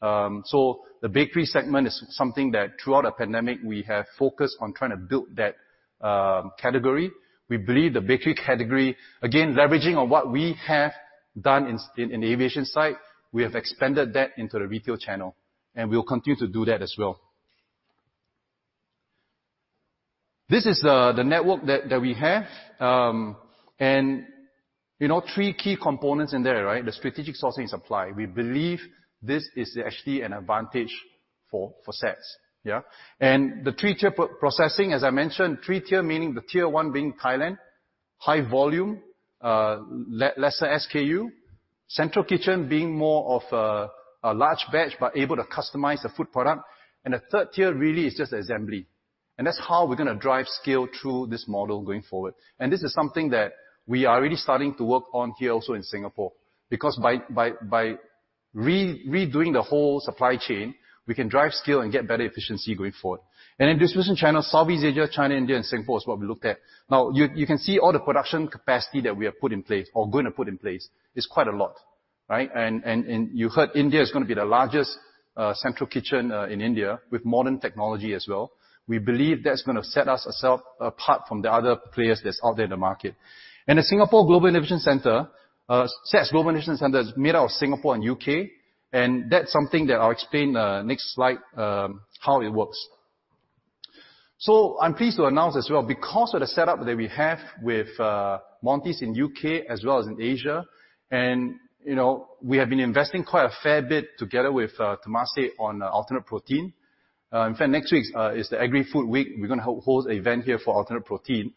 The bakery segment is something that throughout the pandemic we have focused on trying to build that category. We believe the bakery category, again, leveraging on what we have done in the aviation side, we have expanded that into the retail channel, and we will continue to do that as well. This is the network that we have. You know, three key components in there, right? The strategic sourcing supply. We believe this is actually an advantage for SATS. The three-tier processing, as I mentioned, three-tier meaning the tier one being Thailand, high volume, lesser SKU. Central kitchen being more of a large batch but able to customize the food product. The third tier really is just assembly. That's how we're gonna drive scale through this model going forward. This is something that we are already starting to work on here also in Singapore, because by redoing the whole supply chain, we can drive scale and get better efficiency going forward. In distribution channel, Southeast Asia, China, India, and Singapore is what we looked at. Now, you can see all the production capacity that we have put in place or going to put in place is quite a lot, right? You heard India is gonna be the largest central kitchen in India with modern technology as well. We believe that's gonna set us ourself apart from the other players that's out there in the market. The Singapore Global Innovation Centre, SATS Global Innovation Centre is made out of Singapore and U.K., and that's something that I'll explain next slide how it works. I'm pleased to announce as well, because of the setup that we have with Monty's in U.K. as well as in Asia, and you know, we have been investing quite a fair bit together with Temasek on alternative protein. In fact, next week is the Agri-Food Week. We're gonna host event here for alternative protein.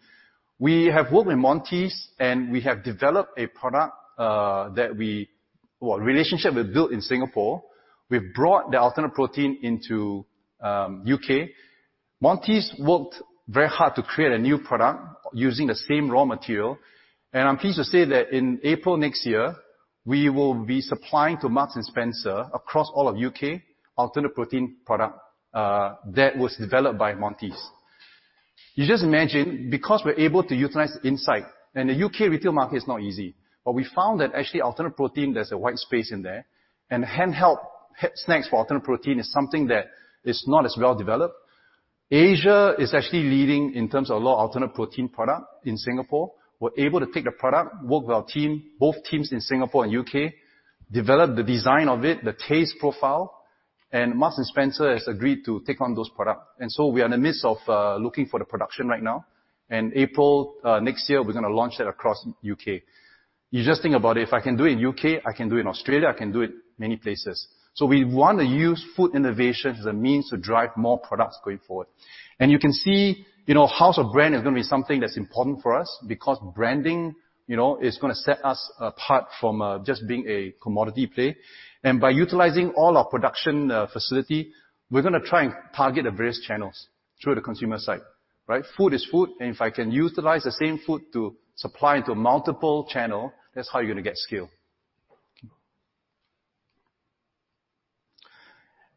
We have worked with Monty's, and we have developed a product. Well, relationship we've built in Singapore, we've brought the alternative protein into U.K. Monty's worked very hard to create a new product using the same raw material, and I'm pleased to say that in April next year, we will be supplying to Marks & Spencer across all of U.K. alternative protein product that was developed by Monty's. You just imagine, because we're able to utilize the insight, and the U.K. retail market is not easy, but we found that actually alternative protein, there's a wide space in there, and handheld healthy snacks for alternative protein is something that is not as well developed. Asia is actually leading in terms of a lot of alternative protein product in Singapore. We're able to take the product, work with our team, both teams in Singapore and U.K., develop the design of it, the taste profile, and Marks & Spencer has agreed to take on those product. We are in the midst of looking for the production right now. In April next year we're gonna launch that across U.K. You just think about it. If I can do it in U.K., I can do it in Australia, I can do it many places. We want to use food innovation as a means to drive more products going forward. You can see, you know, house of brand is gonna be something that's important for us because branding, you know, is gonna set us apart from just being a commodity play. By utilizing all our production facility, we're gonna try and target the various channels through the consumer side, right? Food is food, and if I can utilize the same food to supply into multiple channel, that's how you're gonna get scale.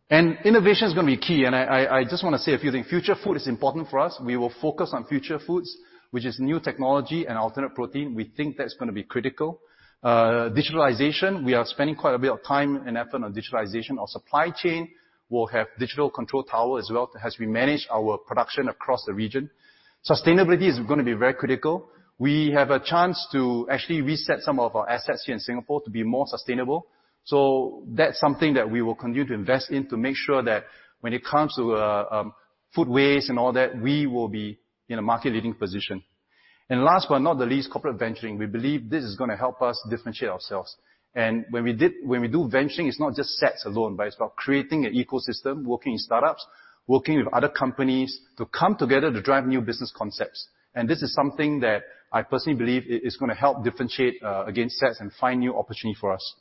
Innovation is gonna be key, and I just wanna say a few things. Future food is important for us. We will focus on future foods, which is new technology and alternate protein. We think that's gonna be critical. Digitalization, we are spending quite a bit of time and effort on digitalization. Our supply chain will have digital control tower as well as we manage our production across the region. Sustainability is gonna be very critical. We have a chance to actually reset some of our assets here in Singapore to be more sustainable. That's something that we will continue to invest in to make sure that when it comes to food waste and all that, we will be in a market leading position. Last but not the least, corporate venturing. We believe this is gonna help us differentiate ourselves. When we do venturing, it's not just SATS alone, but it's about creating an ecosystem, working in startups, working with other companies to come together to drive new business concepts. This is something that I personally believe is gonna help differentiate against SATS and find new opportunity for us.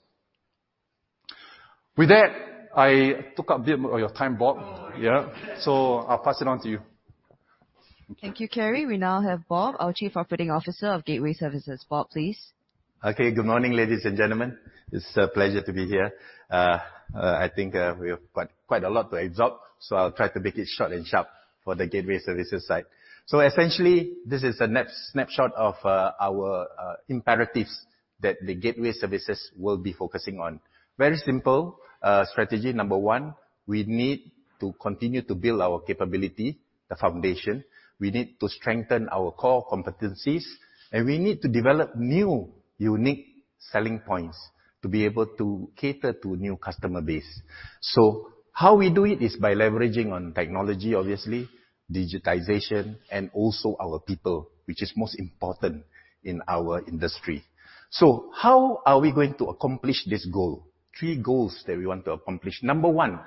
With that, I took up a bit more of your time, Bob. Yeah. I'll pass it on to you. Thank you, Kerry. We now have Bob, our Chief Operating Officer of Gateway Services. Bob, please. Okay. Good morning, ladies and gentlemen. It's a pleasure to be here. I think we've got quite a lot to exhaust, so I'll try to make it short and sharp for the Gateway Services side. Essentially, this is a snapshot of our imperatives that the Gateway Services will be focusing on. Very simple. Strategy number one, we need to continue to build our capability, the foundation. We need to strengthen our core competencies, and we need to develop new, unique selling points to be able to cater to new customer base. How we do it is by leveraging on technology, obviously, digitization, and also our people, which is most important in our industry. How are we going to accomplish this goal? Three goals that we want to accomplish. Number one,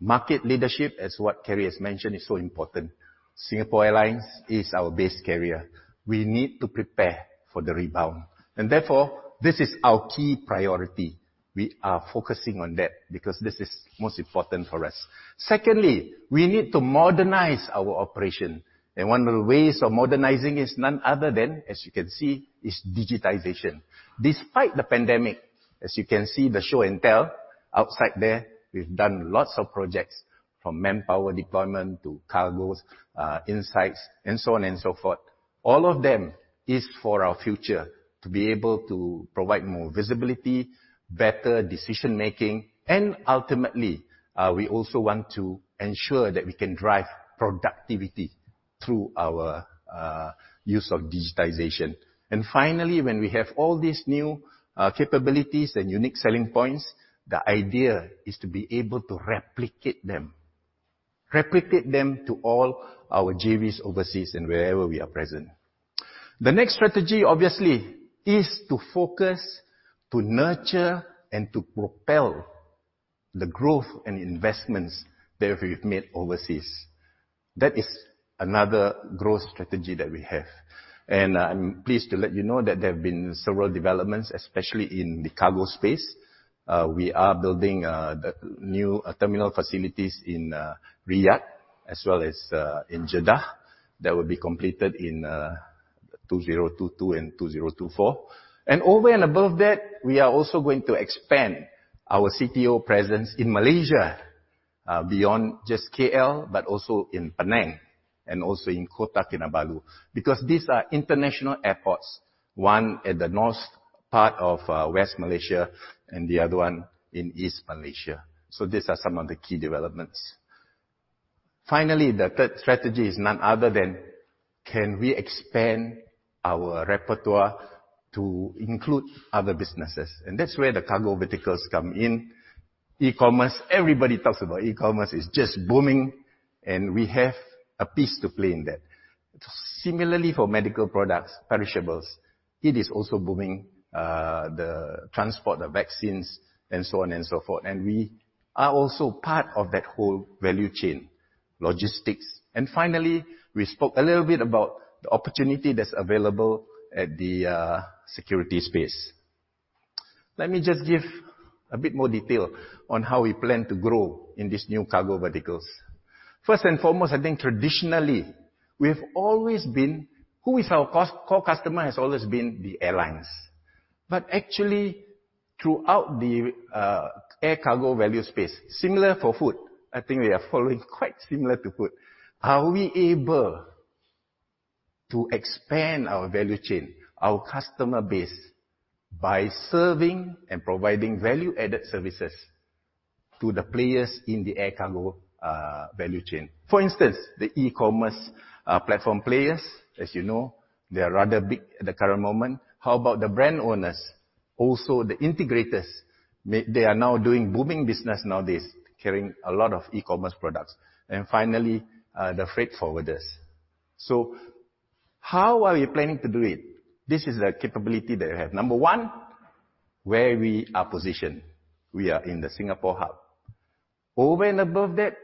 market leadership, as what Kerry has mentioned, is so important. Singapore Airlines is our base carrier. We need to prepare for the rebound. Therefore, this is our key priority. We are focusing on that because this is most important for us. Secondly, we need to modernize our operation. One of the ways of modernizing is none other than, as you can see, is digitization. Despite the pandemic, as you can see the show and tell outside there, we've done lots of projects, from manpower deployment to cargo insights and so on and so forth. All of them is for our future to be able to provide more visibility, better decision-making, and ultimately, we also want to ensure that we can drive productivity through our use of digitization. Finally, when we have all these new capabilities and unique selling points, the idea is to be able to replicate them to all our JVs overseas and wherever we are present. The next strategy, obviously, is to focus, to nurture, and to propel the growth and investments that we've made overseas. That is another growth strategy that we have. I'm pleased to let you know that there have been several developments, especially in the cargo space. We are building the new terminal facilities in Riyadh as well as in Jeddah that will be completed in 2022 and 2024. Over and above that, we are also going to expand our CTO presence in Malaysia beyond just KL, but also in Penang and also in Kota Kinabalu. Because these are international airports, one at the north part of West Malaysia and the other one in East Malaysia. These are some of the key developments. Finally, the third strategy is none other than can we expand our repertoire to include other businesses? That's where the cargo verticals come in. E-commerce, everybody talks about e-commerce. It's just booming, and we have a piece to play in that. Similarly, for medical products, perishables, it is also booming, the transport of vaccines and so on and so forth. We are also part of that whole value chain, logistics. Finally, we spoke a little bit about the opportunity that's available at the security space. Let me just give a bit more detail on how we plan to grow in these new cargo verticals. First and foremost, I think traditionally, our core customer has always been the airlines. Actually, throughout the air cargo value space, similar for food, I think we are following quite similar to food. Are we able to expand our value chain, our customer base, by serving and providing value-added services to the players in the air cargo value chain? For instance, the e-commerce platform players, as you know, they are rather big at the current moment. How about the brand owners? Also, the integrators, they are now doing booming business nowadays, carrying a lot of e-commerce products. And finally, the freight forwarders. How are we planning to do it? This is the capability that I have. Number one, where we are positioned. We are in the Singapore hub. Over and above that,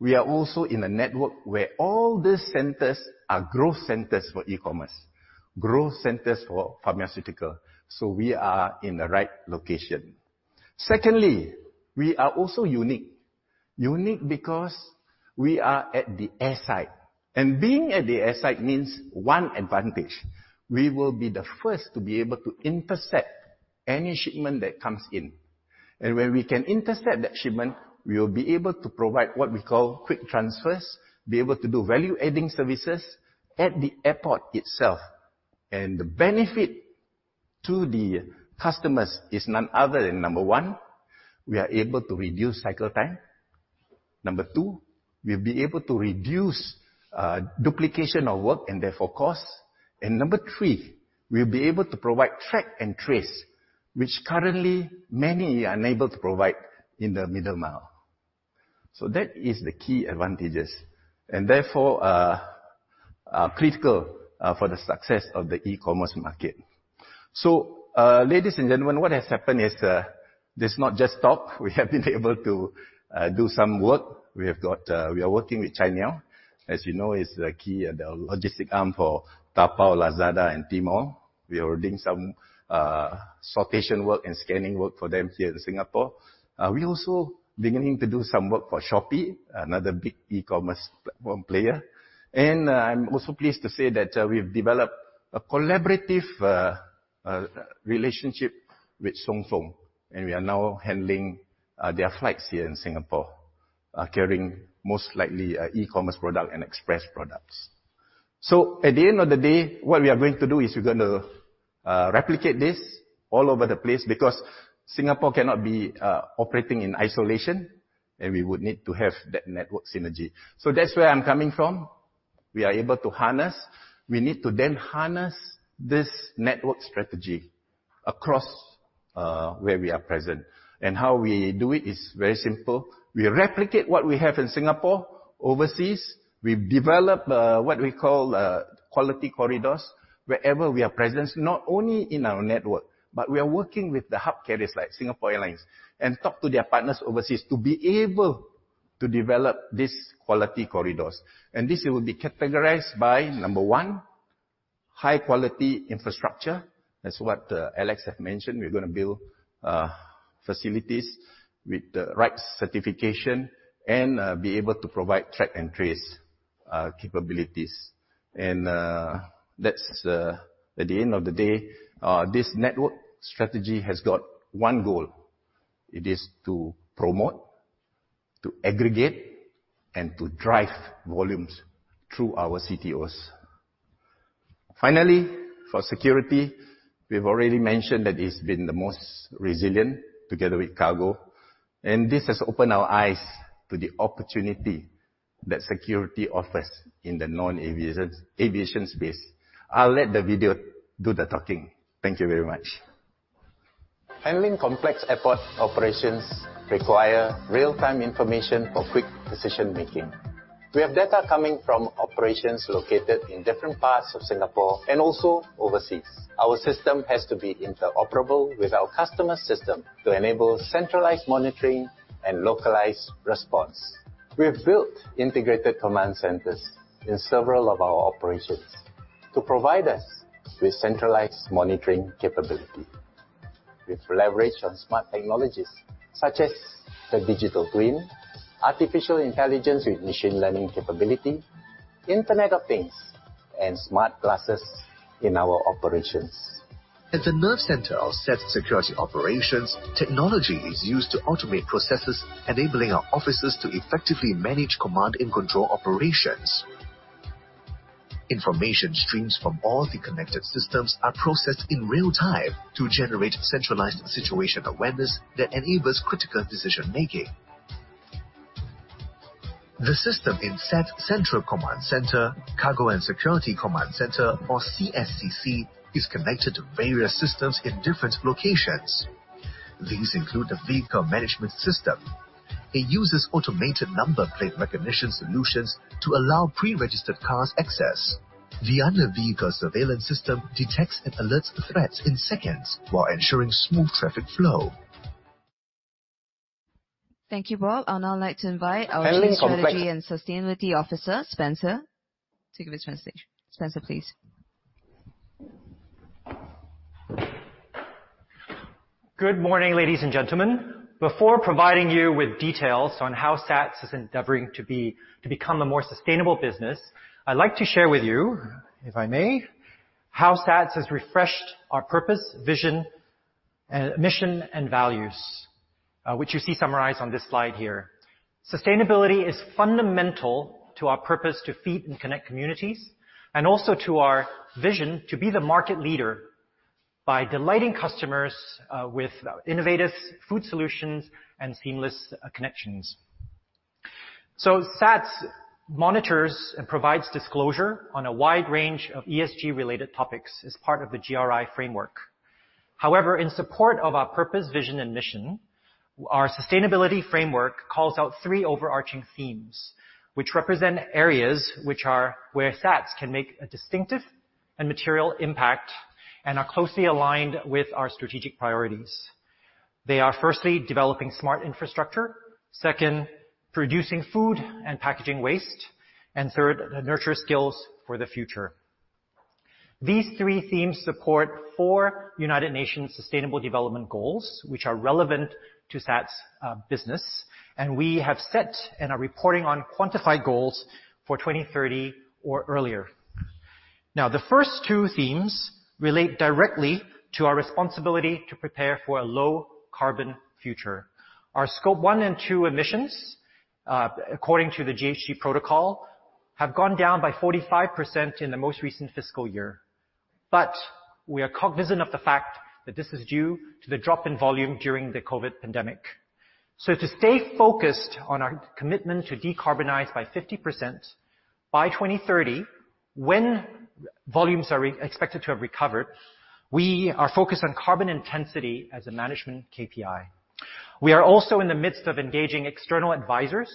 we are also in a network where all the centers are growth centers for e-commerce, growth centers for pharmaceutical. We are in the right location. Secondly, we are also unique. Unique because we are at the air side. Being at the air side means one advantage. We will be the first to be able to intercept any shipment that comes in. When we can intercept that shipment, we will be able to provide what we call quick transfers, be able to do value-adding services at the airport itself. The benefit to the customers is none other than, number one, we are able to reduce cycle time. Number two, we'll be able to reduce duplication of work and therefore costs. Number three, we'll be able to provide track and trace, which currently many are unable to provide in the middle mile. That is the key advantages and therefore critical for the success of the e-commerce market. Ladies and gentlemen, what has happened is this is not just talk. We have been able to do some work. We are working with Cainiao, which as you know is the key logistics arm for Taobao, Lazada, and Tmall. We are doing some sortation work and scanning work for them here in Singapore. We're also beginning to do some work for Shopee, another big e-commerce platform player. I'm also pleased to say that we've developed a collaborative relationship with ZTO Express, and we are now handling their flights here in Singapore, carrying most likely e-commerce product and express products. At the end of the day, what we are going to do is we're gonna replicate this all over the place because Singapore cannot be operating in isolation, and we would need to have that network synergy. That's where I'm coming from. We need to then harness this network strategy across where we are present. How we do it is very simple. We replicate what we have in Singapore overseas. We develop what we call quality corridors wherever we are present, not only in our network, but we are working with the hub carriers like Singapore Airlines and talk to their partners overseas to be able to develop these quality corridors. This will be categorized by, number one, high quality infrastructure. That's what Alex have mentioned. We're gonna build facilities with the right certification and be able to provide track and trace capabilities. That's at the end of the day this network strategy has got one goal. It is to promote, to aggregate, and to drive volumes through our CTOs. Finally, for security, we've already mentioned that it's been the most resilient together with cargo, and this has opened our eyes to the opportunity that security offers in the non-aviation, aviation space. I'll let the video do the talking. Thank you very much. Handling complex airport operations require real-time information for quick decision-making. We have data coming from operations located in different parts of Singapore and also overseas. Our system has to be interoperable with our customer system to enable centralized monitoring and localized response. We have built integrated command centers in several of our operations to provide us with centralized monitoring capability. We've leveraged on smart technologies such as the digital twin, artificial intelligence with machine learning capability, Internet of Things, and smart glasses in our operations. At the nerve center of SATS security operations, technology is used to automate processes, enabling our officers to effectively manage command and control operations. Information streams from all the connected systems are processed in real time to generate centralized situation awareness that enables critical decision-making. The system in SATS Central Command Center, Cargo and Security Command Center, or CSCC, is connected to various systems in different locations. These include the vehicle management system. It uses automated number plate recognition solutions to allow pre-registered cars access. The under-vehicle surveillance system detects and alerts threats in seconds while ensuring smooth traffic flow. Thank you, Bob. I'd now like to invite our strategy and sustainability officer, Spencer, to give his presentation. Spencer, please. Good morning, ladies and gentlemen. Before providing you with details on how SATS is endeavoring to be, to become a more sustainable business, I'd like to share with you, if I may, how SATS has refreshed our purpose, vision, mission, and values, which you see summarized on this slide here. Sustainability is fundamental to our purpose to feed and connect communities, and also to our vision to be the market leader by delighting customers with innovative Food Solutions and seamless connections. SATS monitors and provides disclosure on a wide range of ESG-related topics as part of the GRI framework. However, in support of our purpose, vision, and mission, our sustainability framework calls out three overarching themes, which represent areas which are where SATS can make a distinctive and material impact and are closely aligned with our strategic priorities. They are, firstly, developing smart infrastructure. Second, reducing food and packaging waste. Third, nurture skills for the future. These three themes support four United Nations Sustainable Development Goals, which are relevant to SATS business, and we have set and are reporting on quantified goals for 2030 or earlier. Now, the first two themes relate directly to our responsibility to prepare for a low carbon future. Our Scope 1 and 2 emissions, according to the GHG Protocol, have gone down by 45% in the most recent fiscal year. We are cognizant of the fact that this is due to the drop in volume during the COVID pandemic. To stay focused on our commitment to decarbonize by 50% by 2030, when volumes are expected to have recovered, we are focused on carbon intensity as a management KPI. We are also in the midst of engaging external advisors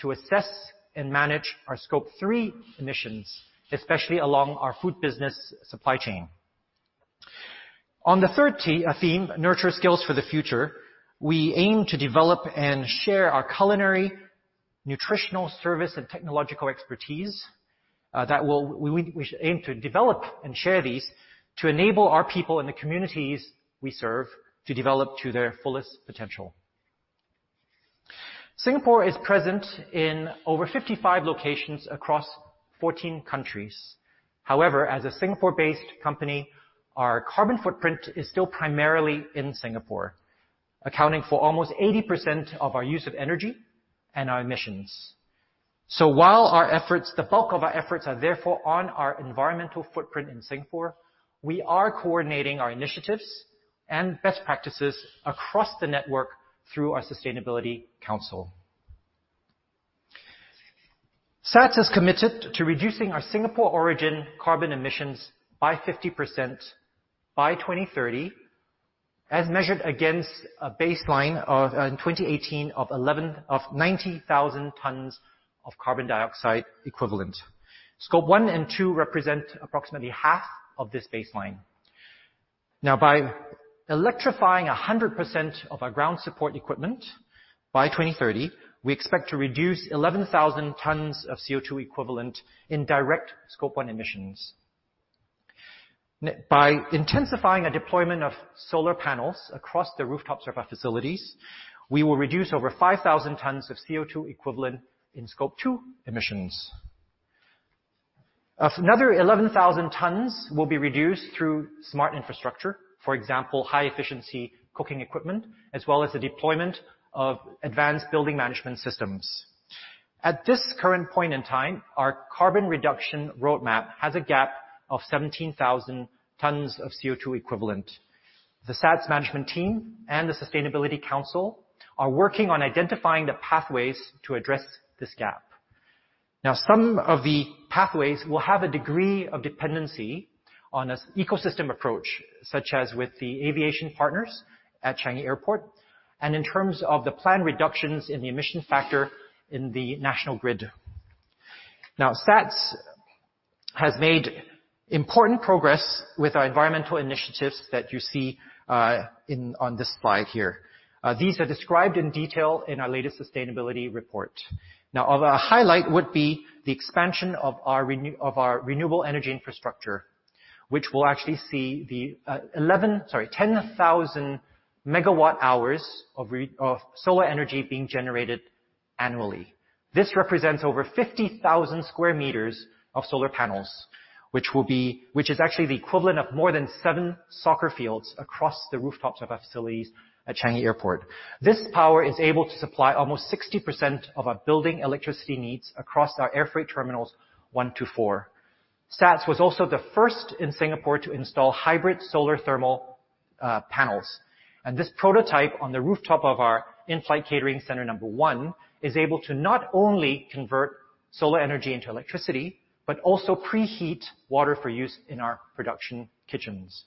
to assess and manage our Scope 3 emissions, especially along our food business supply chain. On the third theme, nurture skills for the future, we aim to develop and share our culinary, nutritional service, and technological expertise to enable our people in the communities we serve to develop to their fullest potential. SATS is present in over 55 locations across 14 countries. However, as a Singapore-based company, our carbon footprint is still primarily in Singapore, accounting for almost 80% of our use of energy and our emissions. While the bulk of our efforts are therefore on our environmental footprint in Singapore, we are coordinating our initiatives and best practices across the network through our sustainability council. SATS is committed to reducing our Singapore origin carbon emissions by 50% by 2030 as measured against a baseline of 2018 of 90,000 tons of carbon dioxide equivalent. Scope 1 and 2 represent approximately half of this baseline. By electrifying 100% of our ground support equipment by 2030, we expect to reduce 11,000 tons of CO₂ equivalent in direct Scope 1 emissions. By intensifying a deployment of solar panels across the rooftop surface facilities, we will reduce over 5,000 tons of CO₂ equivalent in Scope 2 emissions. Another 11,000 tons will be reduced through smart infrastructure, for example, high-efficiency cooking equipment as well as the deployment of advanced building management systems. At this current point in time, our carbon reduction roadmap has a gap of 17,000 tons of CO₂ equivalent. The SATS management team and the sustainability council are working on identifying the pathways to address this gap. Now, some of the pathways will have a degree of dependency on an ecosystem approach, such as with the aviation partners at Changi Airport, and in terms of the planned reductions in the emission factor in the national grid. Now, SATS has made important progress with our environmental initiatives that you see on this slide here. These are described in detail in our latest sustainability report. Now, of our highlight would be the expansion of our renewable energy infrastructure, which will actually see the 10,000 MWh of solar energy being generated annually. This represents over 50,000 sq m of solar panels, which is actually the equivalent of more than seven soccer fields across the rooftops of our facilities at Changi Airport. This power is able to supply almost 60% of our building electricity needs across our air freight terminals one to four. SATS was also the first in Singapore to install hybrid solar thermal panels. This prototype on the rooftop of our in-flight catering center number one is able to not only convert solar energy into electricity, but also pre-heat water for use in our production kitchens.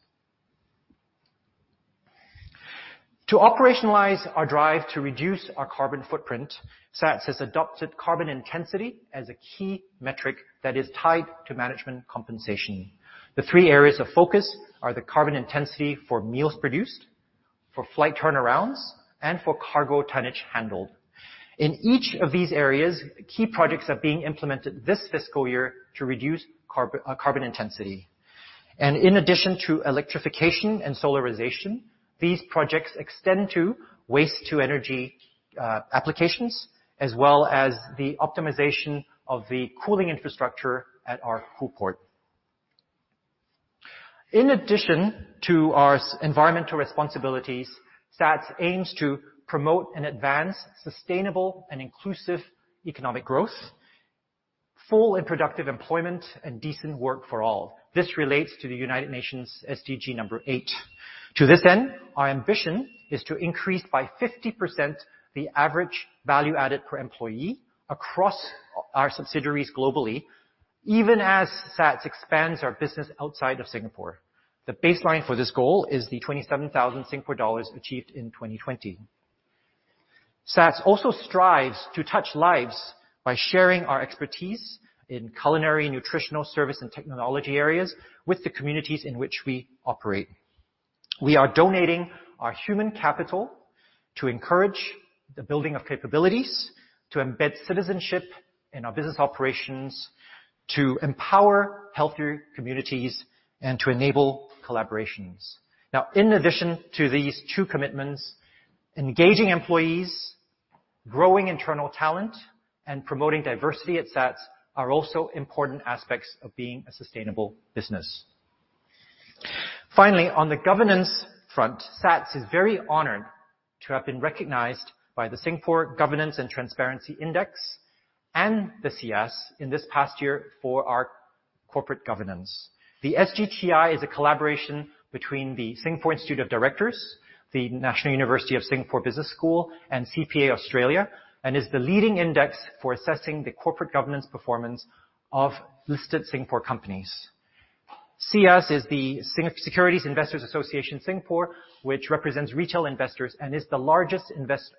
To operationalize our drive to reduce our carbon footprint, SATS has adopted carbon intensity as a key metric that is tied to management compensation. The three areas of focus are the carbon intensity for meals produced, for flight turnarounds, and for cargo tonnage handled. In each of these areas, key projects are being implemented this fiscal year to reduce carbon intensity. In addition to electrification and solarization, these projects extend to waste-to-energy applications, as well as the optimization of the cooling infrastructure at our Coolport. In addition to our environmental responsibilities, SATS aims to promote and advance sustainable and inclusive economic growth, full and productive employment, and decent work for all. This relates to the United Nations SDG 8. To this end, our ambition is to increase by 50% the average value added per employee across our subsidiaries globally, even as SATS expands our business outside of Singapore. The baseline for this goal is the 27,000 Singapore dollars achieved in 2020. SATS also strives to touch lives by sharing our expertise in culinary, nutritional service, and technology areas with the communities in which we operate. We are donating our human capital to encourage the building of capabilities, to embed citizenship in our business operations, to empower healthier communities, and to enable collaborations. Now, in addition to these two commitments, engaging employees, growing internal talent, and promoting diversity at SATS are also important aspects of being a sustainable business. Finally, on the governance front, SATS is very honored to have been recognized by the Singapore Governance and Transparency Index and the SIAS in this past year for our corporate governance. The SGTI is a collaboration between the Singapore Institute of Directors, the National University of Singapore Business School, and CPA Australia, and is the leading index for assessing the corporate governance performance of listed Singapore companies. SIAS is the Securities Investors Association (Singapore), which represents retail investors and is the largest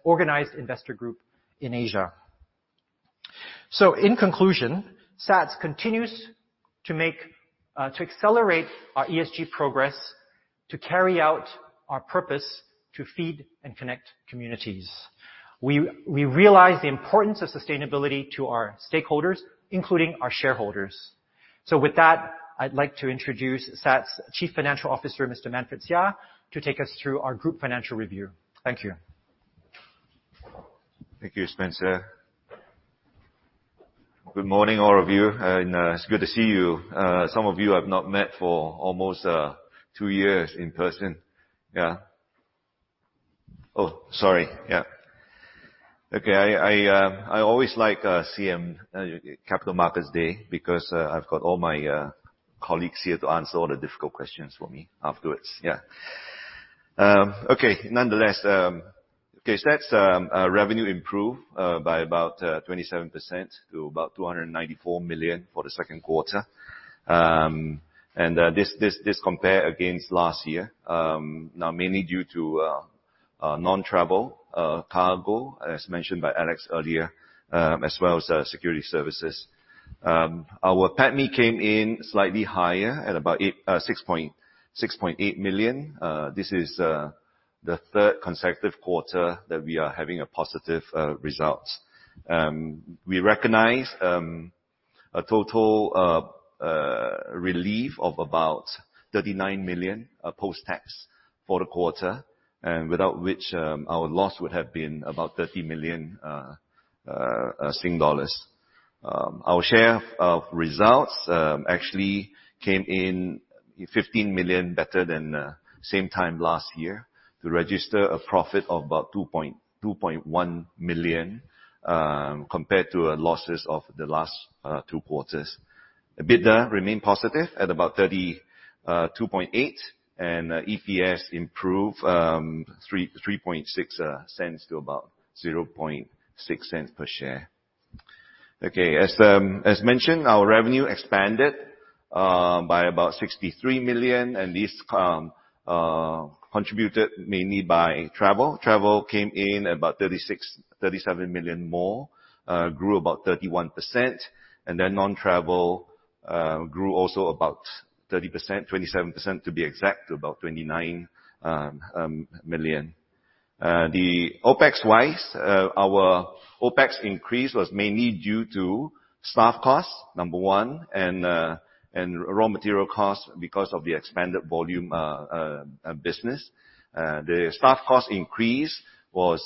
organized investor group in Asia. In conclusion, SATS continues to accelerate our ESG progress, to carry out our purpose to feed and connect communities. We realize the importance of sustainability to our stakeholders, including our shareholders. With that, I'd like to introduce SATS Chief Financial Officer, Mr. Manfred Seah, to take us through our group financial review. Thank you. Thank you, Spencer. Good morning, all of you. It's good to see you. Some of you I've not met for almost two years in person. I always like CMD, Capital Markets Day, because I've got all my colleagues here to answer all the difficult questions for me afterwards. Nonetheless, SATS revenue improved by about 27% to about 294 million for the second quarter. This compares against last year now mainly due to non-travel cargo, as mentioned by Alex earlier, as well as security services. Our PATMI came in slightly higher at about 6.8 million. This is the third consecutive quarter that we are having positive results. We recognize a total relief of about 39 million post-tax for the quarter, and without which, our loss would have been about 30 million Sing dollars. Our share of results actually came in 15 million better than same time last year to register a profit of about 2.1 million compared to losses of the last two quarters. EBITDA remained positive at about 32.8 million, and EPS improved 3.6 cents to about 0.6 cents per share. Okay. As mentioned, our revenue expanded by about 63 million, and this contributed mainly by travel. Travel came in about 36 million-37 million more, grew about 31%, and then non-travel grew also about 30%, 27% to be exact, to about 29 million. OpEx-wise, our OpEx increase was mainly due to staff costs, number one, and raw material costs because of the expanded volume business. The staff cost increase was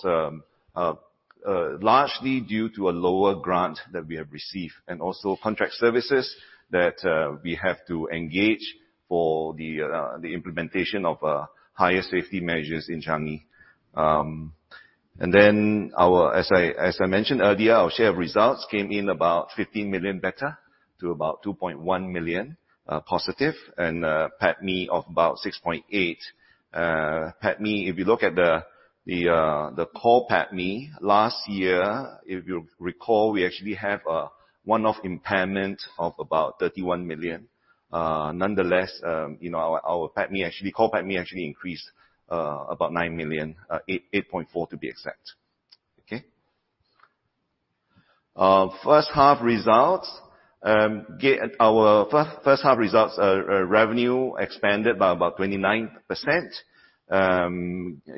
largely due to a lower grant that we have received and also contract services that we have to engage for the implementation of higher safety measures in Changi. As I mentioned earlier, our share of results came in about 15 million better to about 2.1 million positive and PATMI of about 6.8 million. PATMI, if you look at the core PATMI last year, if you recall, we actually have a one-off impairment of about 31 million. Nonetheless, you know, our PATMI actually, core PATMI actually increased about 9 million, 8.4 million to be exact. Okay? First half results, our first half results, revenue expanded by about 29%.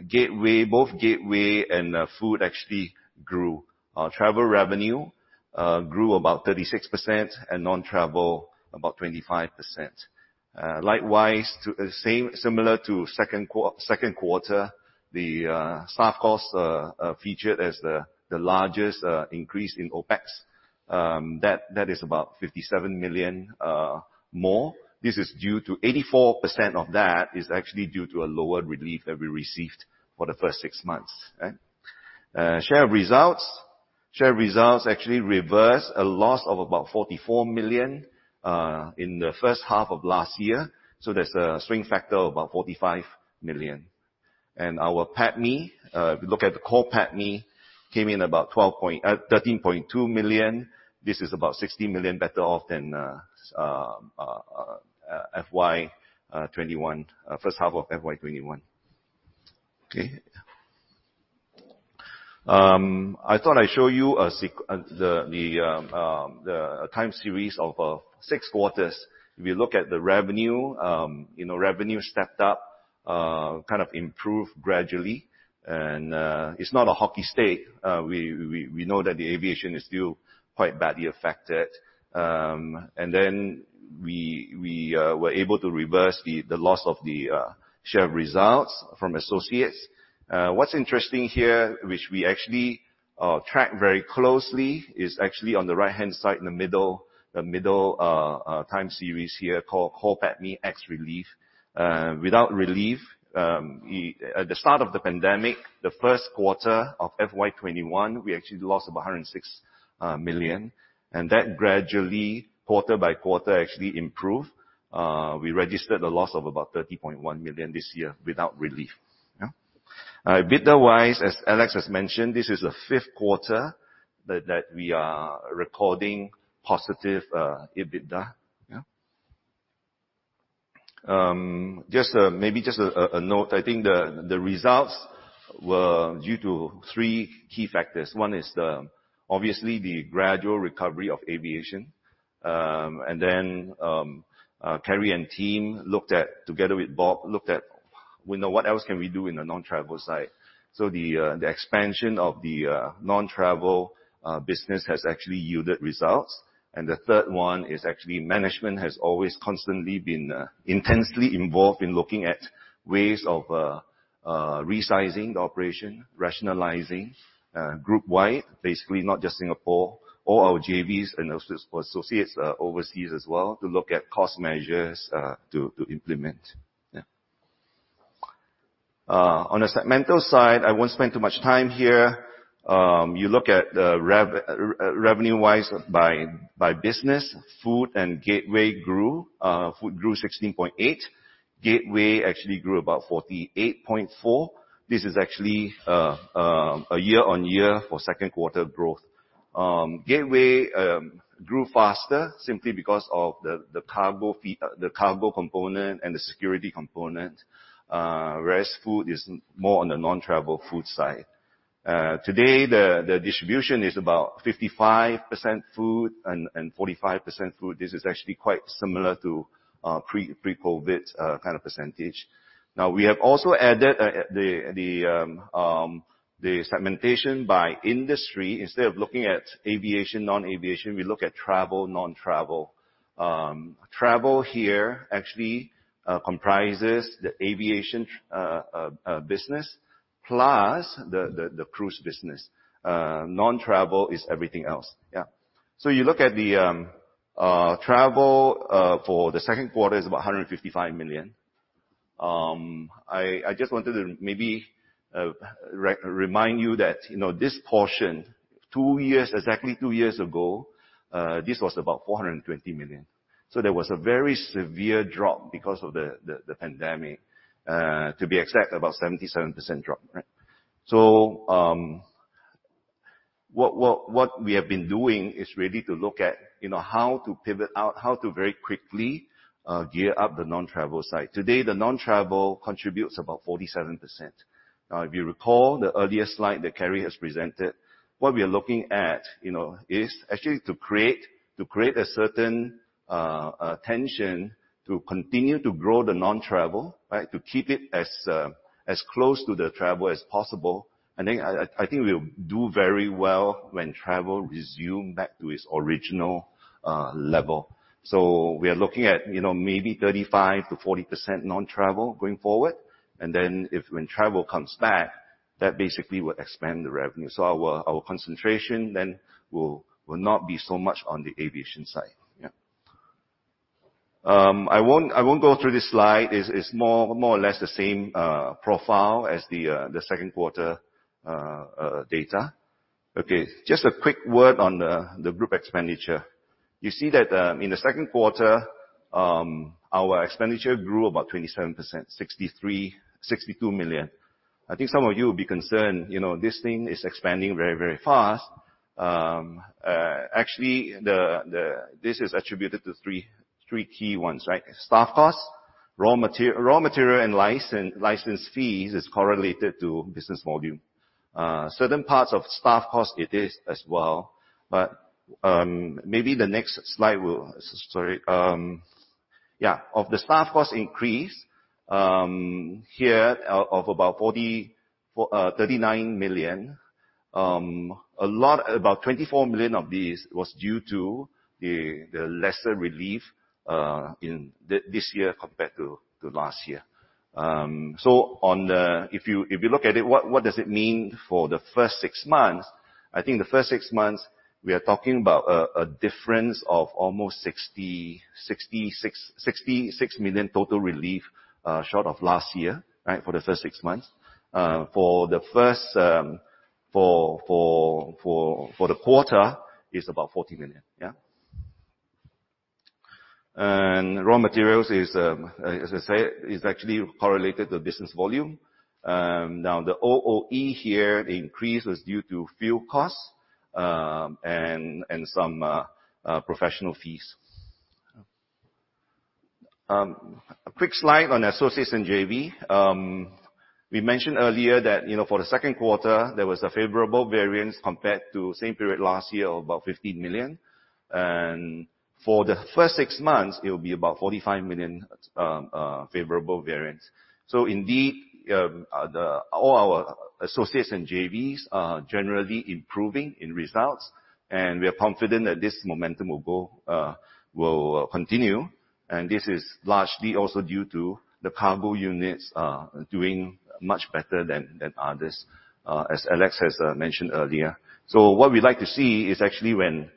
Gateway, both Gateway and Food actually grew. Our travel revenue grew about 36% and non-travel about 25%. Likewise, similar to second quarter, the staff costs featured as the largest increase in OPEX. That is about 57 million more. This is due to 84% of that is actually due to a lower relief that we received for the first six months. Share results actually reversed a loss of about 44 million in the first half of last year. There's a swing factor of about 45 million. Our PATMI, if you look at the core PATMI, came in about 13.2 million. This is about 60 million better off than FY 2021, first half of FY 2021. Okay. I thought I'd show you the time series of six quarters. If you look at the revenue, you know, revenue stepped up kind of improved gradually. It's not a hockey stick. We know that the aviation is still quite badly affected. We were able to reverse the loss of the share of results from associates. What's interesting here, which we actually track very closely, is actually on the right-hand side in the middle, the middle time series here called core PATMI ex relief. Without relief, at the start of the pandemic, the first quarter of FY 2021, we actually lost about 106 million, and that gradually, quarter by quarter, actually improved. We registered a loss of about 30.1 million this year without relief. EBITDA wise, as Alex has mentioned, this is the fifth quarter that we are recording positive EBITDA. Just maybe a note. I think the results were due to three key factors. One is obviously the gradual recovery of aviation. Kerry and team, together with Bob, looked at you know what else can we do in the non-travel side. The expansion of the non-travel business has actually yielded results. The third one is actually management has always constantly been intensely involved in looking at ways of resizing the operation, rationalizing group-wide, basically, not just Singapore, all our JVs and also associates overseas as well, to look at cost measures to implement. Yeah. On a segmental side, I won't spend too much time here. You look at the revenue-wise by business, Food and Gateway grew. Food grew 16.8%. Gateway actually grew about 48.4%. This is actually a year-on-year for second quarter growth. Gateway grew faster simply because of the cargo fee, the cargo component and the security component. Whereas Food is more on the non-travel food side. Today the distribution is about 55% food and 45% food. This is actually quite similar to pre-COVID kind of percentage. Now, we have also added the segmentation by industry. Instead of looking at aviation, non-aviation, we look at travel, non-travel. Travel here actually comprises the aviation business plus the cruise business. Non-travel is everything else. You look at the travel, the second quarter is about 155 million. I just wanted to maybe remind you that, you know, this portion two years, exactly two years ago, this was about 420 million. There was a very severe drop because of the pandemic. To be exact, about 77% drop, right? What we have been doing is really to look at, you know, how to pivot out, how to very quickly gear up the non-travel side. Today, the non-travel contributes about 47%. Now, if you recall the earlier slide that Kerry has presented, what we are looking at, you know, is actually to create a certain tension to continue to grow the non-travel, right? To keep it as close to the travel as possible, and then I think we'll do very well when travel resumes back to its original level. We are looking at, you know, maybe 35%-40% non-travel going forward. Then if when travel comes back, that basically will expand the revenue. Our concentration then will not be so much on the aviation side. Yeah. I won't go through this slide. It's more or less the same profile as the second quarter data. Okay. Just a quick word on the group expenditure. You see that in the second quarter, our expenditure grew about 27%, 62 million. I think some of you will be concerned, you know, this thing is expanding very fast. Actually, this is attributed to three key ones, right? Staff costs, raw material and license fees are correlated to business volume. Certain parts of staff costs are as well, but maybe the next slide will. Sorry. Yeah. Of the staff cost increase, here of about 39 million, about 24 million of this was due to the lesser relief in this year compared to last year. If you look at it, what does it mean for the first six months? I think the first six months we are talking about a difference of almost 66 million total relief short of last year, right? For the first six months. For the first quarter is about 40 million. Yeah. Raw materials is, as I said, actually correlated to business volume. Now the other operating expenses increase was due to fuel costs and some professional fees. A quick slide on associates and JV. We mentioned earlier that for the second quarter, there was a favorable variance compared to same period last year of about 15 million. For the first six months, it'll be about 45 million favorable variance. Indeed, all our associates and JVs are generally improving in results, and we are confident that this momentum will continue. This is largely also due to the cargo units are doing much better than others, as Alex has mentioned earlier. What we'd like to see is actually when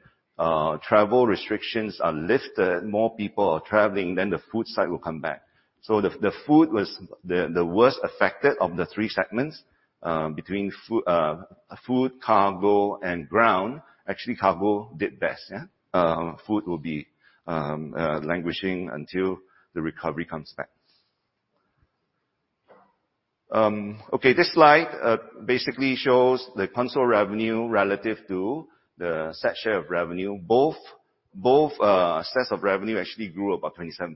travel restrictions are lifted, more people are traveling, then the food side will come back. The food was the worst affected of the three segments between food, cargo, and ground. Actually, cargo did best, yeah. Food will be languishing until the recovery comes back. Okay. This slide basically shows the consolidated revenue relative to the SATS share of revenue. Both sets of revenue actually grew about 27%.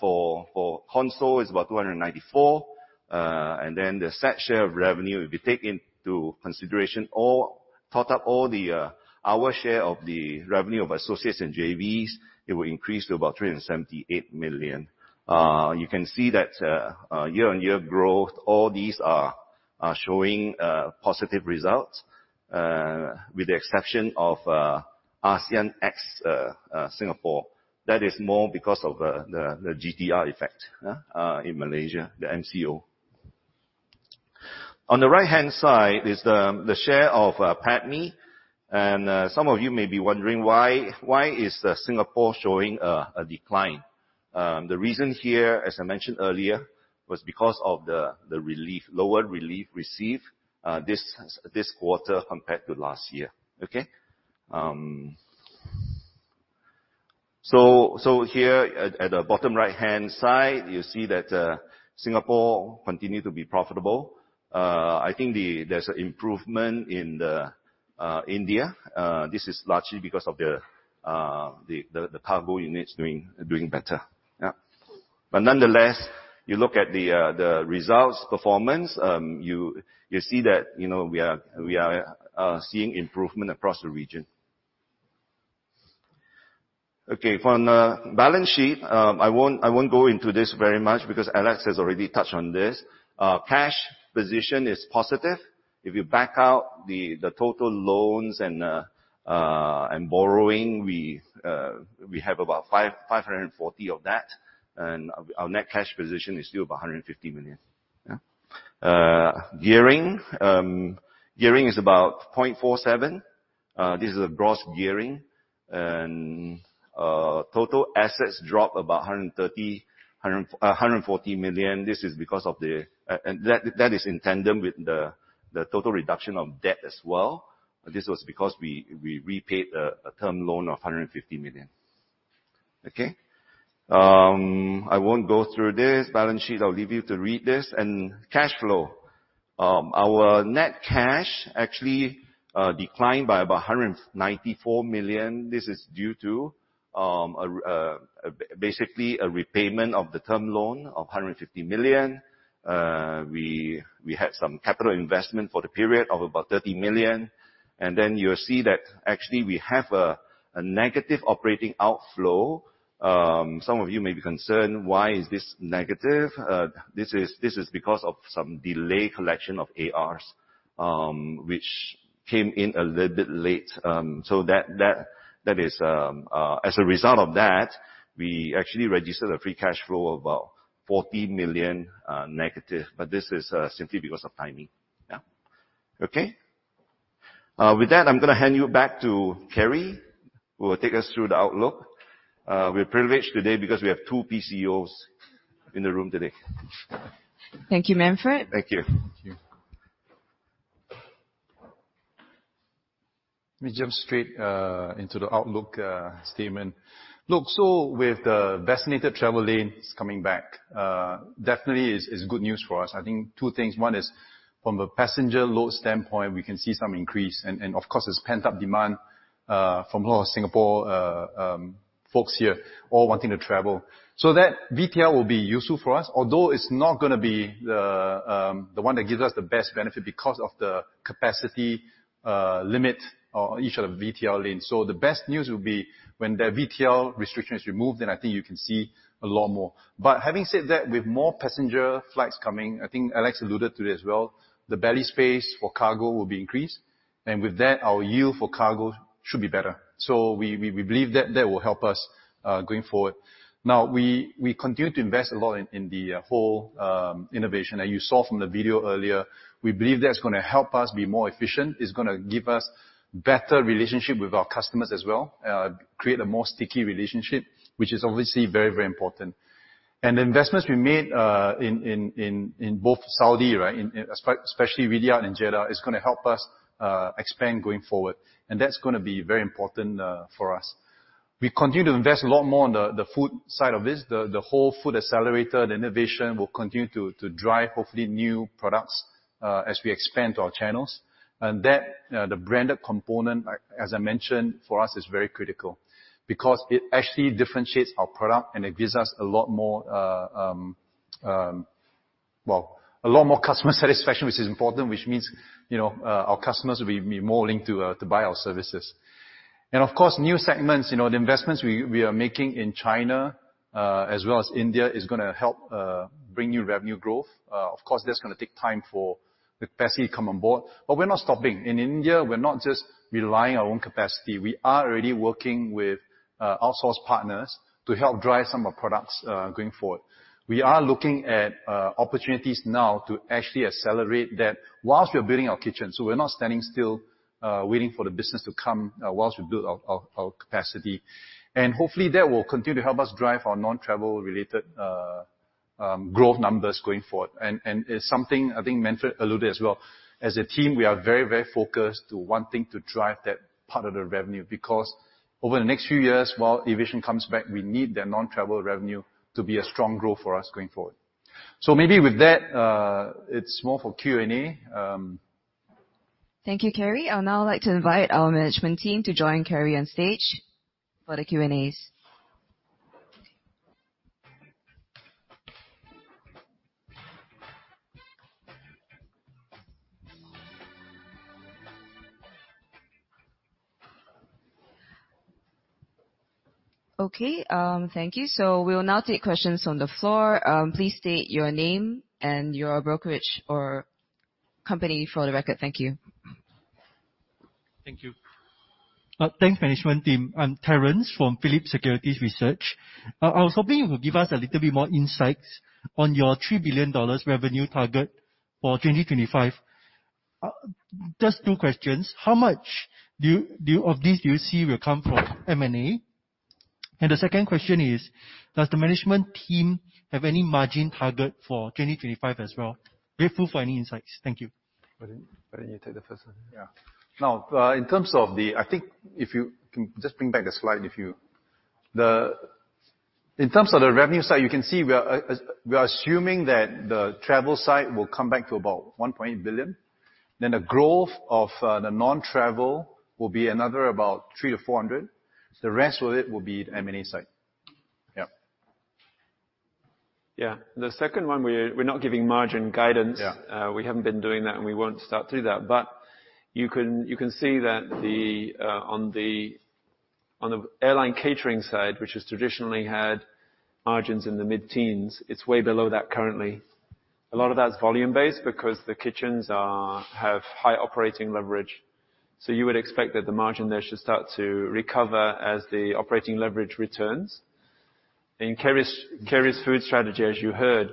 For consolidated, it's about 294 million. Then the SATS share of revenue, if you take into consideration all our share of the revenue of Associates and JVs, it will increase to about 378 million. You can see that year-on-year growth, all these are showing positive results with the exception of ASEAN ex Singapore. That is more because of the GTR effect, yeah, in Malaysia, the MCO. On the right-hand side is the share of PATMI, and some of you may be wondering why is Singapore showing a decline? The reason here, as I mentioned earlier, was because of the relief, lower relief received this quarter compared to last year. Okay. So here at the bottom right-hand side, you see that Singapore continue to be profitable. I think there's an improvement in the India. This is largely because of the cargo units doing better. Yeah. Nonetheless, you look at the results performance, you see that, you know, we are seeing improvement across the region. Okay. Now, on the balance sheet, I won't go into this very much because Alex has already touched on this. Cash position is positive. If you back out the total loans and borrowing, we have about 540 million of that, and our net cash position is still about 150 million. Yeah. Gearing is about 0.47. This is a gross gearing. Total assets dropped about 140 million. This is because of that, and that is in tandem with the total reduction of debt as well. This was because we repaid a term loan of 150 million. Okay? I won't go through this balance sheet. I'll leave you to read this. Cash flow. Our net cash actually declined by about 194 million. This is due to basically a repayment of the term loan of 150 million. We had some capital investment for the period of about 30 million. You'll see that actually we have a negative operating outflow. Some of you may be concerned why is this negative? This is because of some delayed collection of ARS, which came in a little bit late. As a result of that, we actually registered a free cash flow of about -40 million, but this is simply because of timing. With that, I'm gonna hand you back to Kerry, who will take us through the outlook. We're privileged today because we have two PCOs in the room today. Thank you, Manfred. Thank you. Thank you. Let me jump straight into the outlook statement. Look, with the designated travel lanes coming back, definitely is good news for us. I think two things. One is from a passenger load standpoint, we can see some increase and of course, there's pent-up demand from a lot of Singapore folks here all wanting to travel. That VTL will be useful for us, although it's not gonna be the one that gives us the best benefit because of the capacity limit on each of the VTL lanes. The best news will be when the VTL restriction is removed, then I think you can see a lot more. Having said that, with more passenger flights coming, I think Alex alluded to it as well, the belly space for cargo will be increased, and with that, our yield for cargo should be better. We believe that will help us going forward. We continue to invest a lot in the whole innovation that you saw from the video earlier. We believe that's gonna help us be more efficient. It's gonna give us better relationship with our customers as well, create a more sticky relationship, which is obviously very important. The investments we made in both Saudi, right, in especially Riyadh and Jeddah, is gonna help us expand going forward. That's gonna be very important for us. We continue to invest a lot more on the food side of this. The whole food accelerator, the innovation will continue to drive hopefully new products as we expand our channels. That the branded component, as I mentioned, for us is very critical because it actually differentiates our product and it gives us a lot more well, a lot more customer satisfaction, which is important, which means you know our customers will be more willing to buy our services. Of course, new segments you know the investments we are making in China as well as India is gonna help bring new revenue growth. Of course, that's gonna take time for the capacity come on board. We're not stopping. In India, we're not just relying on our own capacity. We are already working with outsource partners to help drive some of our products going forward. We are looking at opportunities now to actually accelerate that while we are building our kitchen. We're not standing still, waiting for the business to come, while we build our capacity. Hopefully that will continue to help us drive our non-travel related growth numbers going forward. It's something I think Manfred alluded as well. As a team, we are very, very focused to wanting to drive that part of the revenue because over the next few years, while aviation comes back, we need the non-travel revenue to be a strong growth for us going forward. Maybe with that, it's more for Q&A. Thank you, Kerry. I'd now like to invite our management team to join Kerry on stage for the Q&As. Okay, thank you. We will now take questions on the floor. Please state your name and your brokerage or company for the record. Thank you. Thank you. Thanks, management team. I'm Terence from Phillip Securities Research. I was hoping you could give us a little bit more insights on your 3 billion dollars revenue target for 2025. Just two questions. How much of this do you see will come from M&A? The second question is, does the management team have any margin target for 2025 as well? Grateful for any insights. Thank you. Why don't you take the first one? Yeah. Now, I think if you can just bring back the slide. In terms of the revenue side, you can see we are assuming that the travel side will come back to about 1 billion, then the growth of the non-travel will be another about 300 million-400 million. The rest of it will be the M&A side. Yeah. Yeah. The second one, we're not giving margin guidance. Yeah. We haven't been doing that, and we won't start to do that. You can see that on the airline catering side, which has traditionally had margins in the mid-teens, it's way below that currently. A lot of that's volume-based because the kitchens have high operating leverage. You would expect that the margin there should start to recover as the operating leverage returns. Kerry's food strategy, as you heard,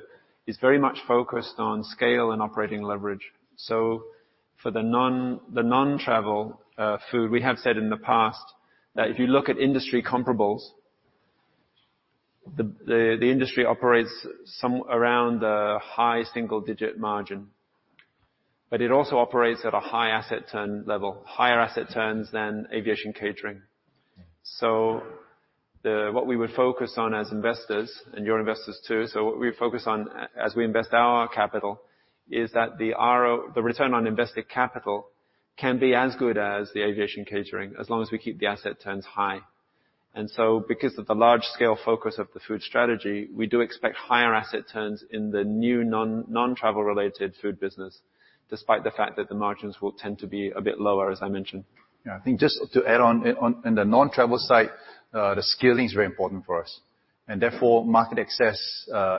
is very much focused on scale and operating leverage. For the non-travel food, we have said in the past that if you look at industry comparables, the industry operates around a high single-digit margin. It also operates at a high asset turn level, higher asset turns than aviation catering. What we would focus on as investors, and you're investors too, what we focus on as we invest our capital, is that the return on invested capital can be as good as the aviation catering, as long as we keep the asset turns high. Because of the large scale focus of the food strategy, we do expect higher asset turns in the new non-travel related food business, despite the fact that the margins will tend to be a bit lower, as I mentioned. Yeah. I think just to add on, in the non-travel side, the scaling is very important for us. Therefore, market access,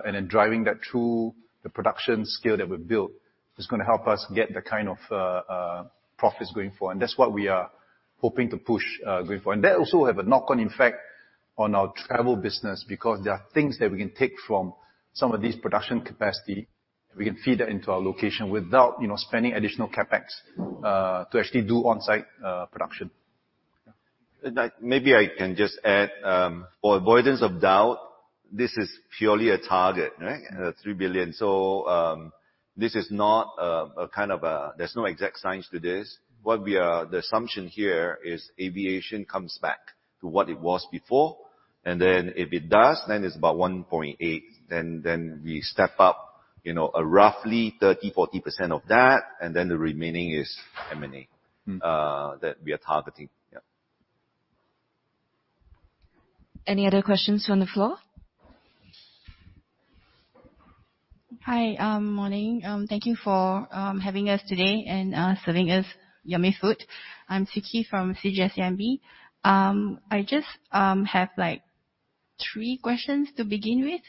and in driving that through the production scale that we've built is gonna help us get the kind of profits going forward. That's what we are hoping to push going forward. That also have a knock-on effect on our travel business, because there are things that we can take from some of these production capacity, and we can feed that into our location without, you know, spending additional CapEx to actually do on-site production. Yeah. Like, maybe I can just add, for avoidance of doubt, this is purely a target, right? 3 billion. This is not a kind of a. There's no exact science to this. The assumption here is aviation comes back to what it was before, and if it does, it's about 1.8 billion. Then we step up, you know, roughly 30%-40% of that, and the remaining is M&A— Mm. — that we are targeting. Yeah. Any other questions from the floor? Hi. Morning. Thank you for having us today and serving us yummy food. I'm Siew Khee from CGS-CIMB. I just have, like, three questions to begin with.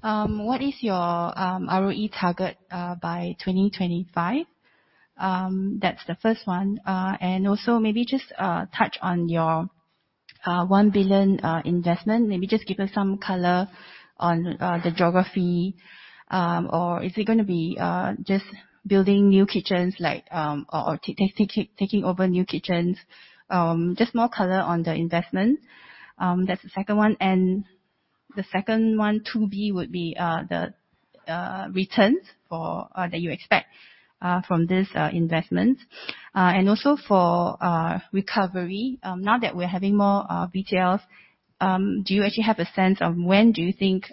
What is your ROE target by 2025? That's the first one. Also maybe just touch on your 1 billion investment. Maybe just give us some color on the geography, or is it gonna be just building new kitchens like, or taking over new kitchens? Just more color on the investment. That's the second one. The second one, 2B, would be the returns for that you expect from this investment. For recovery, now that we're having more details, do you actually have a sense of when do you think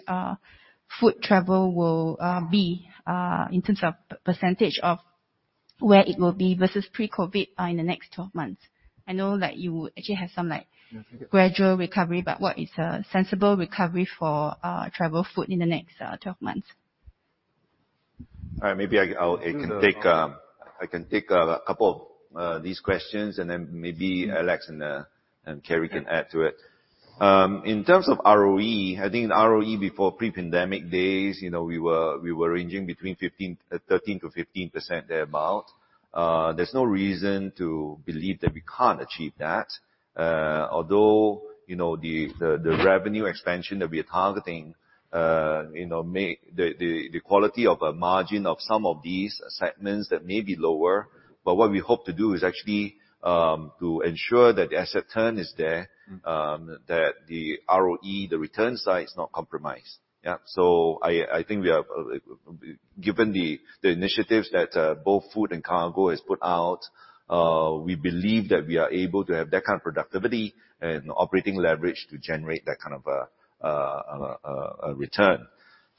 food travel will be in terms of percentage of where it will be versus pre-COVID in the next 12 months? I know that you actually have some, like gradual recovery, but what is a sensible recovery for travel food in the next 12 months? All right. Maybe I'll take a couple of these questions and then maybe Alex and Kerry can add to it. In terms of ROE, I think ROE before pre-pandemic days, you know, we were ranging between 13%-15%, thereabout. There's no reason to believe that we can't achieve that. Although, you know, the revenue expansion that we are targeting, you know, the quality of a margin of some of these segments that may be lower, but what we hope to do is actually to ensure that the asset turn is there. Mm. That the ROE, the return side is not compromised. Yeah. I think we are given the initiatives that both food and cargo has put out. We believe that we are able to have that kind of productivity and operating leverage to generate that kind of a return.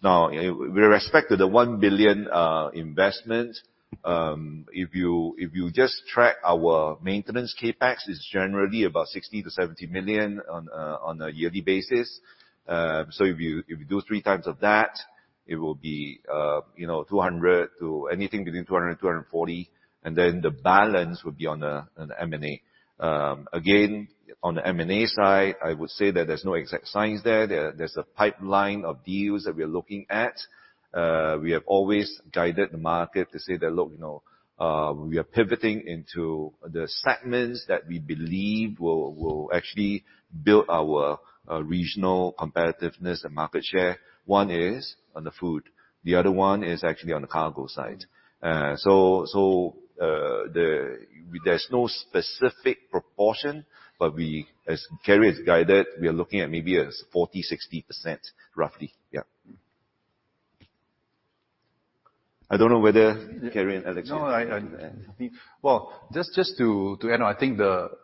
Now, in respect to the 1 billion investment, if you just track our maintenance CapEx, it's generally about 60 million-70 million on a yearly basis. If you do 3x of that, it will be, you know, 200 million to anything between 200 million and 240 million, and then the balance would be on the M&A. Again, on the M&A side, I would say that there's no exact science there. There's a pipeline of deals that we are looking at. We have always guided the market to say that, "Look, you know, we are pivoting into the segments that we believe will actually build our regional competitiveness and market share." One is on the food, the other one is actually on the cargo side. So, there's no specific proportion, but, as Kerry has guided, we are looking at maybe a 40%-60%, roughly. Yeah. I don't know whether Kerry and Alex. No. I— Yeah. I think, well, just to add on, I think the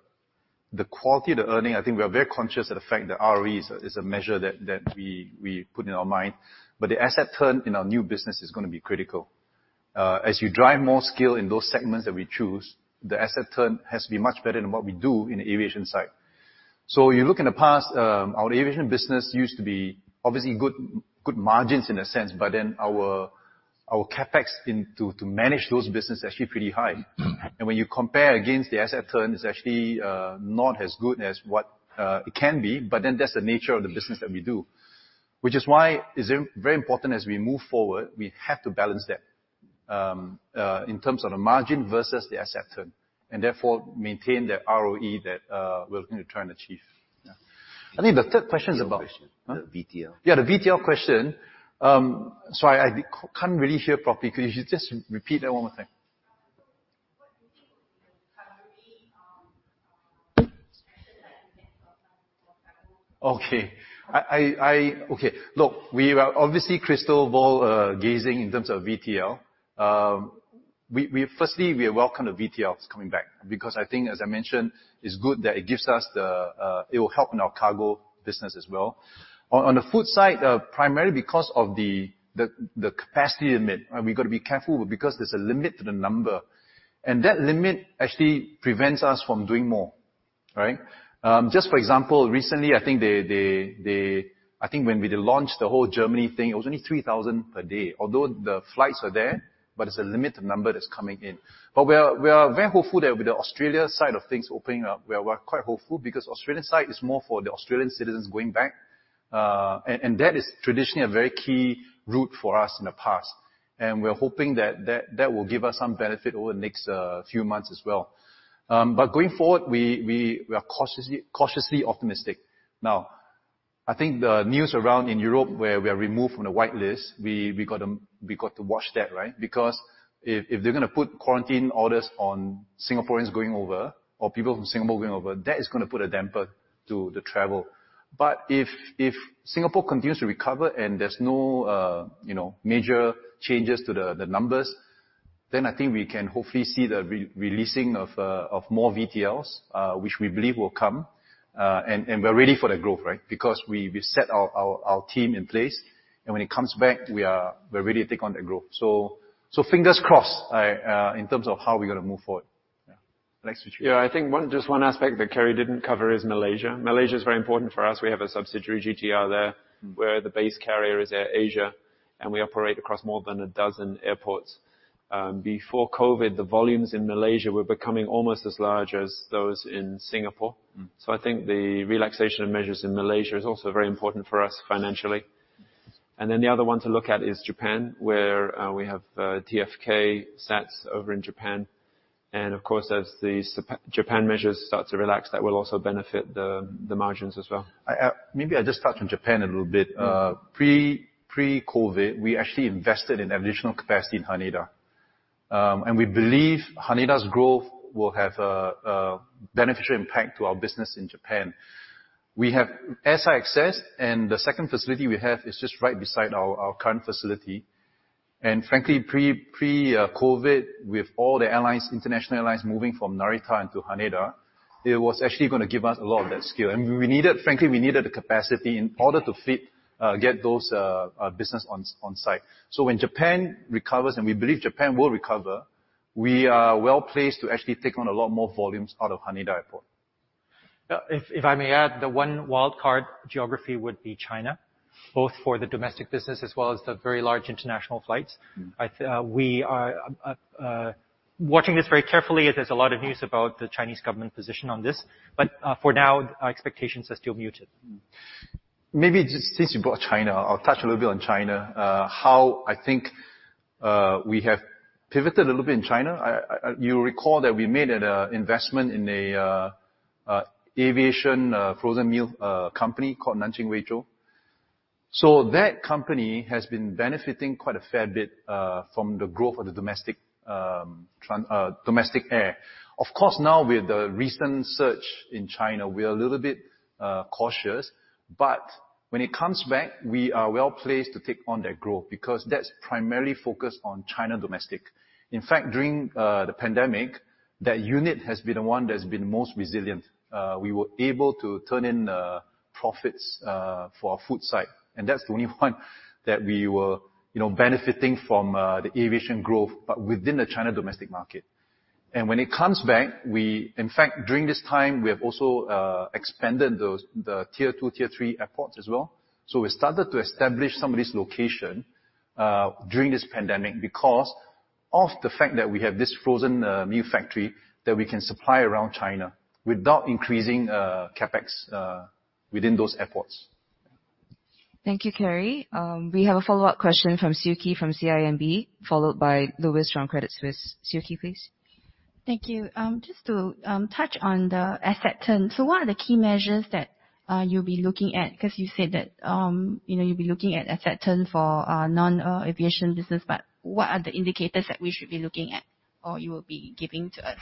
quality of the earnings. I think we are very conscious of the fact that ROE is a measure that we put in our mind. The asset turn in our new business is gonna be critical. As you drive more scale in those segments that we choose, the asset turn has to be much better than what we do in the aviation side. You look in the past, our aviation business used to be obviously good margins in a sense, but then our CapEx into managing those businesses actually pretty high. Mm-hmm. When you compare against the asset turn, it's actually not as good as what it can be. That's the nature of the business that we do. Which is why it's very important as we move forward, we have to balance that in terms of the margin versus the asset turn, and therefore maintain the ROE that we're gonna try and achieve. Yeah. I think the third question is about. The VTL. Yeah, the VTL question. So I can't really hear properly. Could you just repeat that one more time? Okay. Look, we are obviously crystal ball gazing in terms of VTL. We firstly welcome the VTLs coming back because I think, as I mentioned, it's good that it gives us. It will help in our cargo business as well. On the food side, primarily because of the capacity limit, we've got to be careful because there's a limit to the number, and that limit actually prevents us from doing more, right? Just for example, recently, I think when we did launch the whole Germany thing, it was only 3,000 per day, although the flights are there, but there's a limited number that's coming in. We are very hopeful that with the Australia side of things opening up, we are quite hopeful because Australian side is more for the Australian citizens going back, and that is traditionally a very key route for us in the past. We're hoping that will give us some benefit over the next few months as well. Going forward, we are cautiously optimistic. Now, I think the news around in Europe where we are removed from the white list, we got to watch that, right? Because if they're gonna put quarantine orders on Singaporeans going over or people from Singapore going over, that is gonna put a damper to the travel. If Singapore continues to recover and there's no, you know, major changes to the numbers, then I think we can hopefully see the re-releasing of more VTLs, which we believe will come, and we're ready for the growth, right? Because we set our team in place, and when it comes back, we're ready to take on the growth. So fingers crossed, I in terms of how we're gonna move forward. Yeah. Next, question. Yeah. I think one, just one aspect that Kerry didn't cover is Malaysia. Malaysia is very important for us. We have a subsidiary GTR there, where the base carrier is AirAsia, and we operate across more than a dozen airports. Before COVID, the volumes in Malaysia were becoming almost as large as those in Singapore. Mm. I think the relaxation of measures in Malaysia is also very important for us financially. Then the other one to look at is Japan, where we have TFK SATS over in Japan. Of course, as the Japan measures start to relax, that will also benefit the margins as well. I maybe just touch on Japan a little bit. Pre-COVID, we actually invested in additional capacity in Haneda. We believe Haneda's growth will have a beneficial impact to our business in Japan. We have SIA access, and the second facility we have is just right beside our current facility. Frankly, pre-COVID, with all the airlines, international airlines moving from Narita into Haneda, it was actually gonna give us a lot of that scale. We needed the capacity in order to get those business on-site. When Japan recovers, and we believe Japan will recover, we are well-placed to actually take on a lot more volumes out of Haneda Airport. Yeah. If I may add, the one wildcard geography would be China, both for the domestic business as well as the very large international flights. Mm. We are watching this very carefully, as there's a lot of news about the Chinese government position on this, but for now, our expectations are still muted. Maybe just since you brought China, I'll touch a little bit on China, how I think we have pivoted a little bit in China. You recall that we made an investment in a aviation frozen meal company called Nanjing Weizhou. That company has been benefiting quite a fair bit from the growth of the domestic air. Of course, now with the recent surge in China, we are a little bit cautious. When it comes back, we are well-placed to take on that growth because that's primarily focused on China domestic. In fact, during the pandemic, that unit has been the one that's been most resilient. We were able to turn in profits for our food side, and that's the only one that we were, you know, benefiting from the aviation growth, but within the China domestic market. When it comes back, in fact, during this time we have also expanded those the Tier 2, Tier 3 airports as well. We started to establish some of this location during this pandemic because of the fact that we have this frozen meal factory that we can supply around China without increasing CapEx within those airports. Thank you, Kerry. We have a follow-up question from Siew Khee from CIMB, followed by Louis from Credit Suisse. Siew Khee, please. Thank you. Just to touch on the asset turn, what are the key measures that you'll be looking at? 'Cause you said that, you know, you'll be looking at asset turn for non aviation business, but what are the indicators that we should be looking at or you will be giving to us?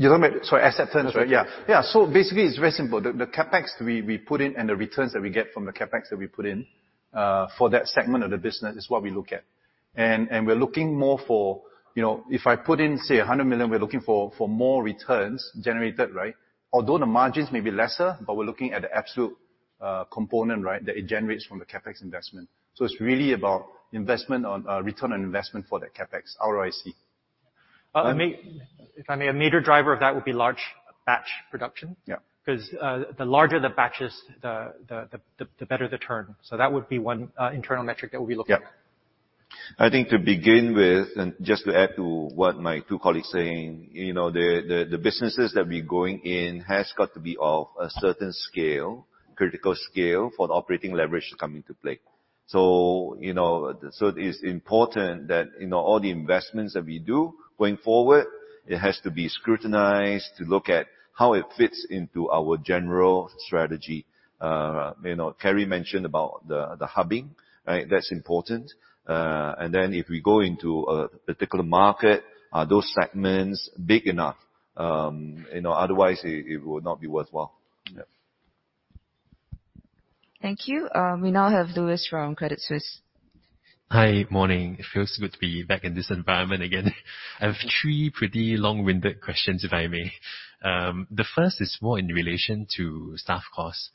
You're talking about, sorry, asset turns, right? Yeah. Yeah. Basically, it's very simple. The CapEx we put in and the returns that we get from the CapEx that we put in for that segment of the business is what we look at. We're looking more for, you know, if I put in, say, 100 million, we're looking for more returns generated, right? Although the margins may be lesser, but we're looking at the absolute component, right, that it generates from the CapEx investment. It's really about investment on return on investment for that CapEx, ROIC. Uh, may- Um- If I may, a major driver of that would be large batch production. Yeah. 'Cause the larger the batches, the better the turn. That would be one internal metric that we'll be looking at. I think to begin with, and just to add to what my two colleagues saying, you know, the businesses that we're going in has got to be of a certain scale, critical scale for the operating leverage to come into play. You know, it is important that, you know, all the investments that we do going forward, it has to be scrutinized to look at how it fits into our general strategy. You know, Kerry mentioned about the hubbing, right? That's important. If we go into a particular market, are those segments big enough? You know, otherwise it would not be worthwhile. Yeah. Thank you. We now have Louis from Credit Suisse. Hi. Morning. It feels good to be back in this environment again. I have three pretty long-winded questions, if I may. The first is more in relation to staff costs.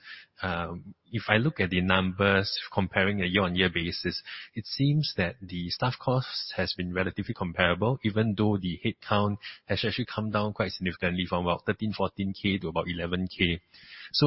If I look at the numbers comparing a year-on-year basis, it seems that the staff costs has been relatively comparable, even though the headcount has actually come down quite significantly from about 13,000 to 14,000 to about 11,000.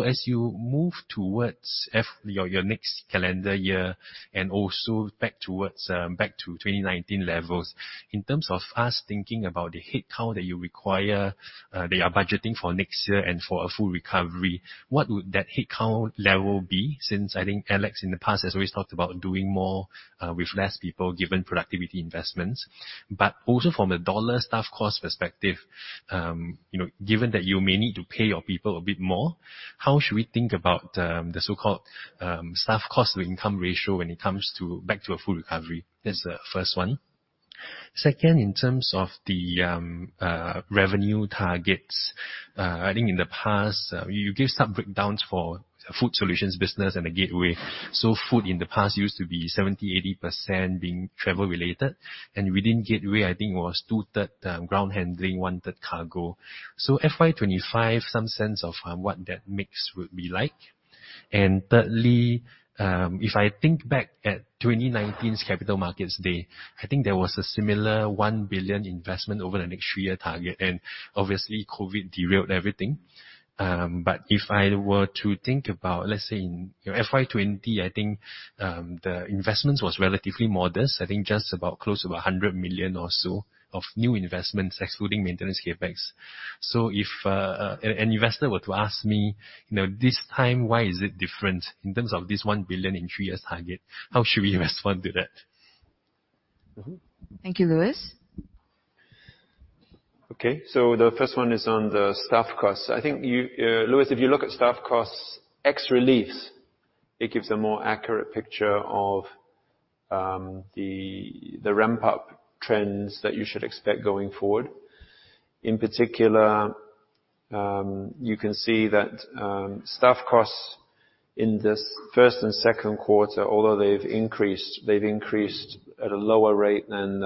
As you move towards your next calendar year and also back towards 2019 levels, in terms of us thinking about the headcount that you require, that you're budgeting for next year and for a full recovery, what would that headcount level be? Since I think Alex, in the past, has always talked about doing more with less people given productivity investments. Also from a dollar staff cost perspective, you know, given that you may need to pay your people a bit more, how should we think about the so-called staff cost-to-income ratio when it comes back to a full recovery? That's the first one. Second, in terms of the revenue targets, I think in the past you gave some breakdowns for Food Solutions business and the Gateway. Food in the past used to be 70%-80% travel related. Within Gateway, I think it was two-thirds ground handling, one-third cargo. FY 2025, some sense of what that mix would be like. Thirdly, if I think back at 2019's Capital Markets Day, I think there was a similar 1 billion investment over the next three-year target, and obviously COVID derailed everything. If I were to think about, let's say in, you know, FY 2020, I think, the investments was relatively modest. I think just about close to 100 million or so of new investments excluding maintenance CapEx. If an investor were to ask me, you know, this time why is it different in terms of this 1 billion in three years target, how should we respond to that? Thank you, Louis. Okay, the first one is on the staff costs. I think you, Louis, if you look at staff costs ex reliefs, it gives a more accurate picture of the ramp-up trends that you should expect going forward. In particular, you can see that staff costs in this first and second quarter, although they've increased, they've increased at a lower rate than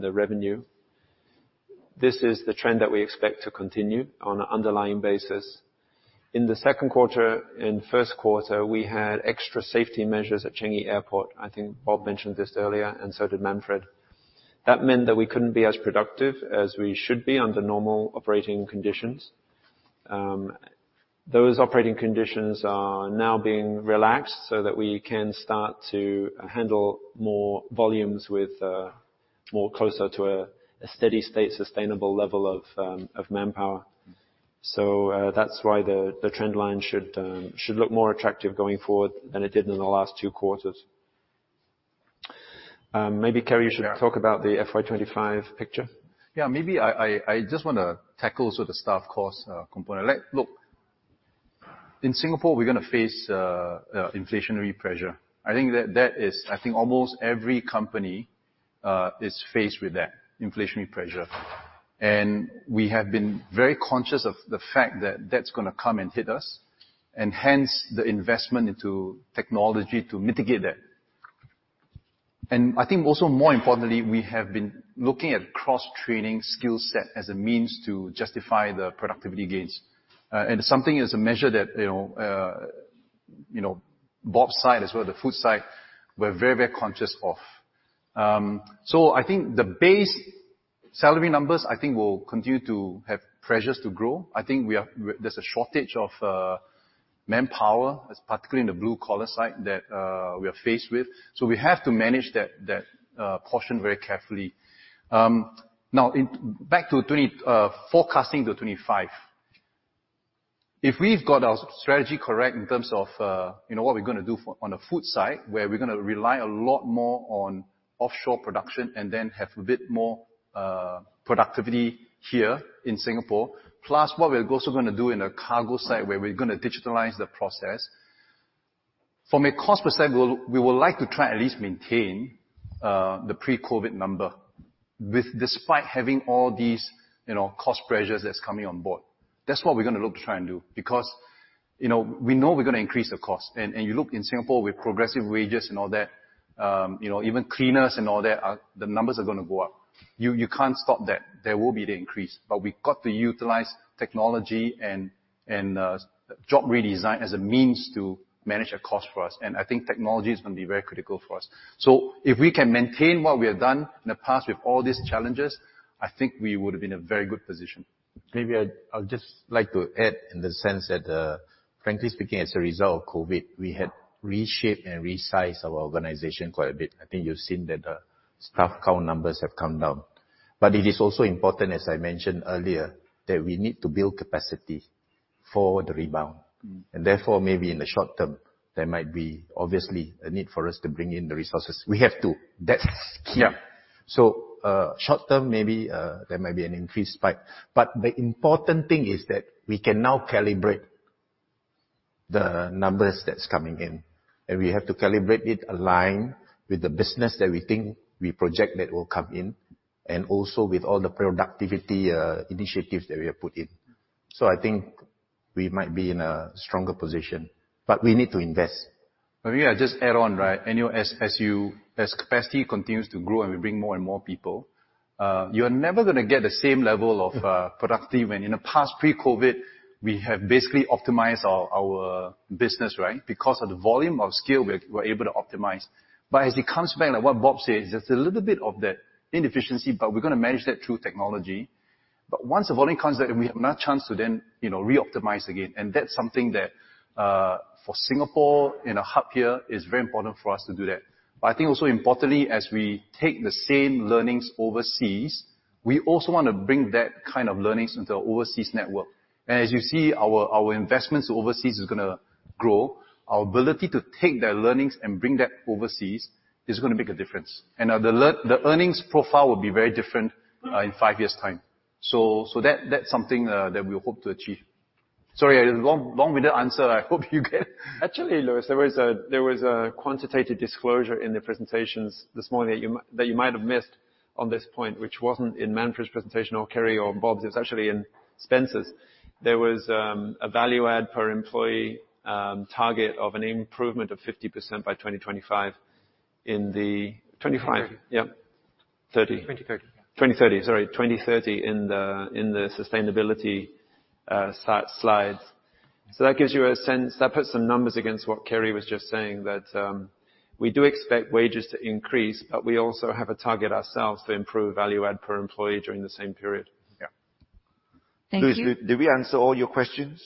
the revenue. This is the trend that we expect to continue on an underlying basis. In the second quarter and first quarter, we had extra safety measures at Changi Airport. I think Bob mentioned this earlier, and so did Manfred. That meant that we couldn't be as productive as we should be under normal operating conditions. Those operating conditions are now being relaxed so that we can start to handle more volumes with more closer to a steady state, sustainable level of manpower. That's why the trend line should look more attractive going forward than it did in the last two quarters. Maybe Kerry, you should— Yeah. — talk about the FY 2025 picture. Yeah, maybe I just wanna tackle sort of staff cost component. Look, in Singapore, we're gonna face inflationary pressure. I think that is. I think almost every company is faced with that, inflationary pressure. We have been very conscious of the fact that that's gonna come and hit us, and hence the investment into technology to mitigate that. I think also more importantly, we have been looking at cross-training skill set as a means to justify the productivity gains. Something as a measure that you know, Bob's side as well, the food side, we're very, very conscious of. I think the base salary numbers, I think, will continue to have pressures to grow. I think there's a shortage of manpower, particularly in the blue-collar side that we are faced with. We have to manage that portion very carefully. Now back to forecasting to 2025. If we've got our strategy correct in terms of, you know, what we're gonna do on the food side, where we're gonna rely a lot more on offshore production and then have a bit more productivity here in Singapore, plus what we're also gonna do in the cargo side, where we're gonna digitalize the process. From a cost perspective, we would like to try and at least maintain the pre-COVID number despite having all these, you know, cost pressures that's coming on board. That's what we're gonna look to try and do. Because, you know, we know we're gonna increase the cost. You look in Singapore with progressive wages and all that, you know, even cleaners and all that, the numbers are gonna go up. You can't stop that. There will be the increase, but we've got to utilize technology and job redesign as a means to manage our cost for us. I think technology is gonna be very critical for us. If we can maintain what we have done in the past with all these challenges, I think we would have been in a very good position. I'll just like to add in the sense that, frankly speaking, as a result of COVID, we had reshaped and resized our organization quite a bit. I think you've seen that, staff count numbers have come down. It is also important, as I mentioned earlier, that we need to build capacity for the rebound. Mm-hmm. Maybe in the short term, there might be obviously a need for us to bring in the resources. We have to. That's key. Short term, maybe there might be an increased spike, but the important thing is that we can now calibrate the numbers that's coming in, and we have to calibrate it aligned with the business that we think we project that will come in, and also with all the productivity initiatives that we have put in. I think we might be in a stronger position. We need to invest. Maybe I'll just add on, right? I know as capacity continues to grow and we bring more and more people, you're never gonna get the same level of productivity when in the past pre-COVID, we have basically optimized our business, right? Because of the volume of scale, we're able to optimize. As it comes back, like what Bob says, there's a little bit of that inefficiency, but we're gonna manage that through technology. Once the volume comes back and we have another chance to then, you know, re-optimize again, and that's something that for Singapore as a hub here, is very important for us to do that. I think also importantly, as we take the same learnings overseas, we also wanna bring that kind of learnings into our overseas network. As you see, our investments overseas is gonna grow. Our ability to take their learnings and bring that overseas is gonna make a difference. The earnings profile will be very different in five years' time. That that's something that we hope to achieve. Sorry, a long-winded answer. I hope you get Actually, Louis, there was a quantitative disclosure in the presentations this morning that you might have missed on this point, which wasn't in Manfred's presentation or Kerry or Bob's. It's actually in Spencer's. There was a value add per employee target of an improvement of 50% by 2025 in the— 2025? Yep. 2030. 2030. Sorry. 2030 in the sustainability slides. That gives you a sense. That puts some numbers against what Kerry was just saying that we do expect wages to increase, but we also have a target ourselves to improve value add per employee during the same period. Yeah. Thank you. Louis, did we answer all your questions?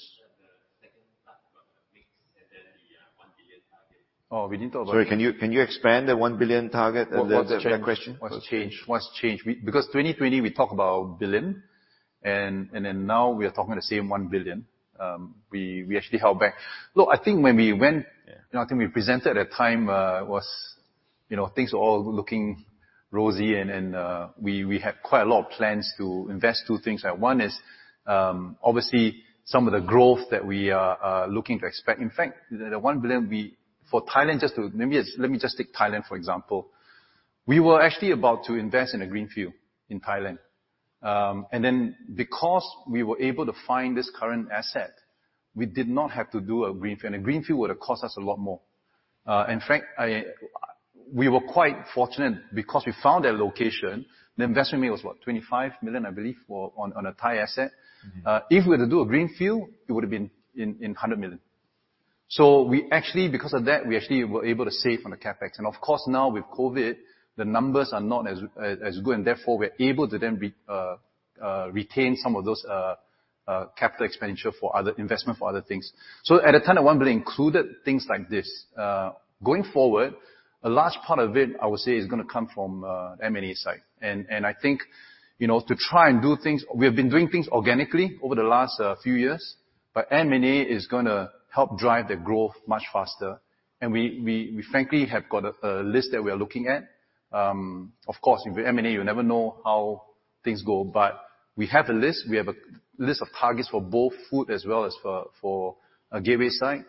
Oh, we didn't talk about. Sorry, can you expand the 1 billion target? That's the question. What's changed? Because 2020 we talk about billion and then now we are talking the same 1 billion. We actually held back. Look, I think when we went- you know, I think we presented at the time, you know, things were all looking rosy and we had quite a lot of plans to invest to things. Like, one is obviously some of the growth that we are looking to expect. In fact, the 1 billion. For Thailand, let me just take Thailand for example. We were actually about to invest in a greenfield in Thailand. Because we were able to find this current asset, we did not have to do a greenfield, and a greenfield would have cost us a lot more. In fact, we were quite fortunate because we found that location, the investment made was, what? 25 million, I believe, for on a Thai asset. If we had to do a greenfield, it would've been 100 million. We actually, because of that, we actually were able to save on the CapEx. Of course, now with COVID, the numbers are not as good, and therefore, we're able to then retain some of those capital expenditure for other investment for other things. At a time that 1 billion included things like this. Going forward, a large part of it, I would say, is gonna come from M&A side. I think, you know, we have been doing things organically over the last few years, but M&A is gonna help drive the growth much faster. We frankly have got a list that we are looking at. Of course, with M&A, you never know how things go. We have a list of targets for both food as well as for Gateway side.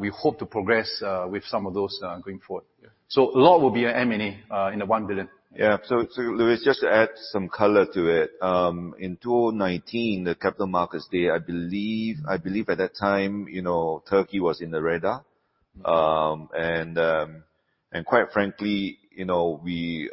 We hope to progress with some of those going forward. Yeah. A lot will be on M&A in 1 billion. Louis, just to add some color to it. In 2019, the Capital Markets Day, I believe at that time, you know, Turkey was on the radar. Quite frankly, you know, we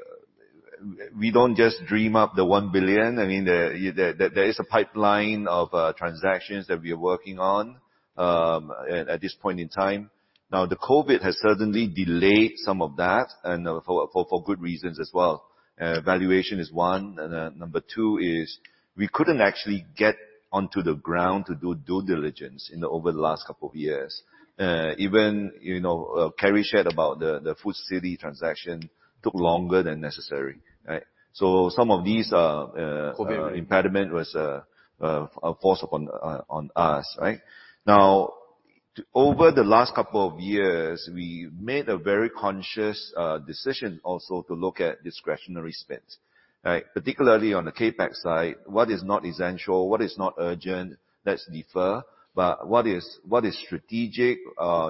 don't just dream up the 1 billion. I mean, there is a pipeline of transactions that we are working on at this point in time. Now, COVID has certainly delayed some of that and for good reasons as well. Valuation is one. Number two is we couldn't actually get onto the ground to do due diligence over the last couple of years. Even, you know, Kerry shared about the Food City transaction took longer than necessary, right? So some of these— COVID. Impediment was forced upon us, right? Now, over the last couple of years, we made a very conscious decision also to look at discretionary spends, right? Particularly on the CapEx side. What is not essential, what is not urgent, let's defer. But what is strategic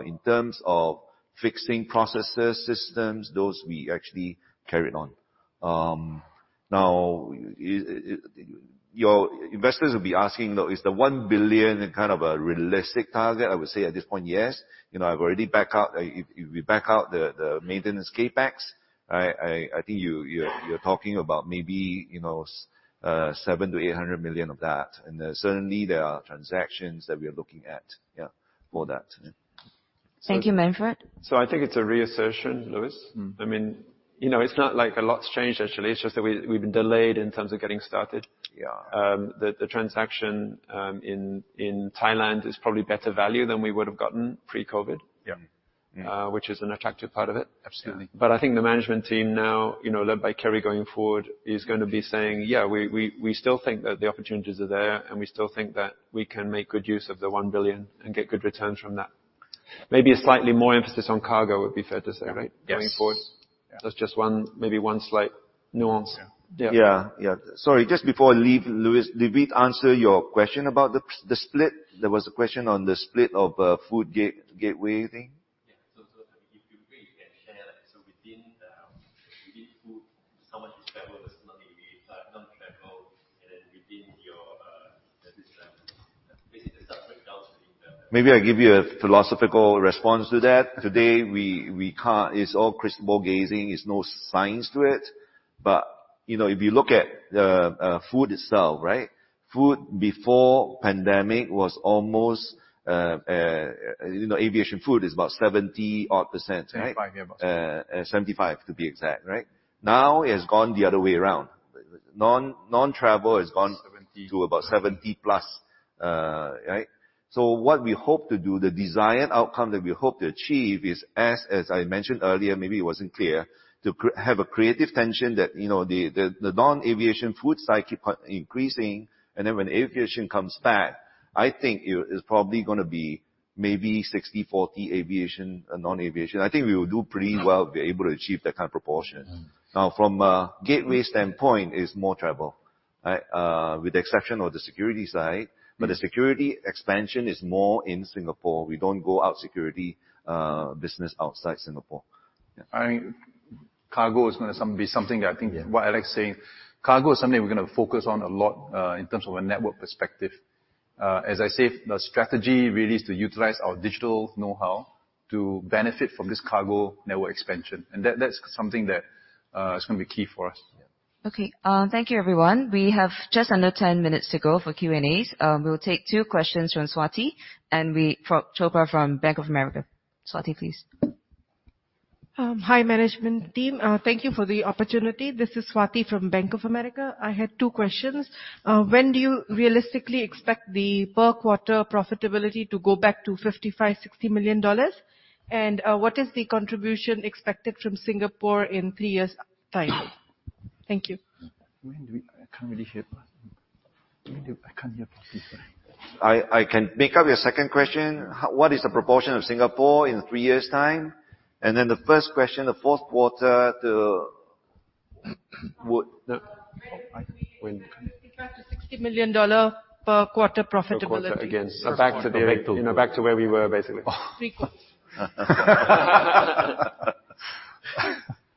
in terms of fixing processes, systems, those we actually carried on. Your investors will be asking, though, is the 1 billion kind of a realistic target? I would say at this point, yes. You know, I've already back out, if we back out the maintenance CapEx, right? I think you're talking about maybe, you know, 700 million-800 million of that. Certainly there are transactions that we are looking at, yeah, for that. Thank you, Manfred. I think it's a reassertion, Louis. Mm. I mean, you know, it's not like a lot's changed actually. It's just that we've been delayed in terms of getting started. Yeah. The transaction in Thailand is probably better value than we would have gotten pre-COVID. Yeah. Yeah. Which is an attractive part of it. Absolutely. I think the management team now, you know, led by Kerry going forward, is gonna be saying, "Yeah, we still think that the opportunities are there, and we still think that we can make good use of the 1 billion and get good returns from that." Maybe a slightly more emphasis on cargo would be fair to say, right? Yes. Going forward. Yeah. That's just one, maybe one slight nuance. Yeah. Yeah. Yeah. Yeah. Sorry, just before I leave, Louis, did we answer your question about the split? There was a question on the split of Food/Gateway thing. If you feel you can share, like, within Food, how much is travel versus non-aviation, non-travel, and then within your that is basically the substrate down to the— Maybe I give you a philosophical response to that. Today, we can't. It's all crystal ball gazing. There's no science to it. You know, if you look at Food itself, right? Food before pandemic was almost, you know, aviation food is about 70-odd%, right? 75%, yeah, about. 75%, to be exact, right? Now, it has gone the other way around. Non-travel has gone— 70% — to about 70%+. Right. What we hope to do, the desired outcome that we hope to achieve is, as I mentioned earlier, maybe it wasn't clear, have a creative tension that the non-aviation food side keep on increasing, and then when aviation comes back, I think it's probably gonna be maybe 60/40 aviation and non-aviation. I think we will do pretty well if we're able to achieve that kind of proportion. Mm. Now, from a gateway standpoint, it's more travel, right? With the exception of the security side. The security expansion is more in Singapore. We don't go into security business outside Singapore. I mean, cargo is gonna be something that I think- Yeah. What Alex is saying, cargo is something we're gonna focus on a lot in terms of a network perspective. As I say, the strategy really is to utilize our digital know-how to benefit from this cargo network expansion. That's something that is gonna be key for us. Okay. Thank you, everyone. We have just under 10 minutes to go for Q&As. We'll take two questions from Swati Chopra from Bank of America. Swati, please. Hi, management team. Thank you for the opportunity. This is Swati from Bank of America. I had two questions. When do you realistically expect the per quarter profitability to go back to 55 million-60 million dollars? What is the contribution expected from Singapore in three years time? Thank you. I can't really hear. I can't hear properly, sorry. I can pick up your second question. What is the proportion of Singapore in three years time? The first question, the fourth quarter to— When do you expect to be back to 60 million dollar per quarter profitability? Per quarter against. Back to the, you know, back to where we were, basically. Three years.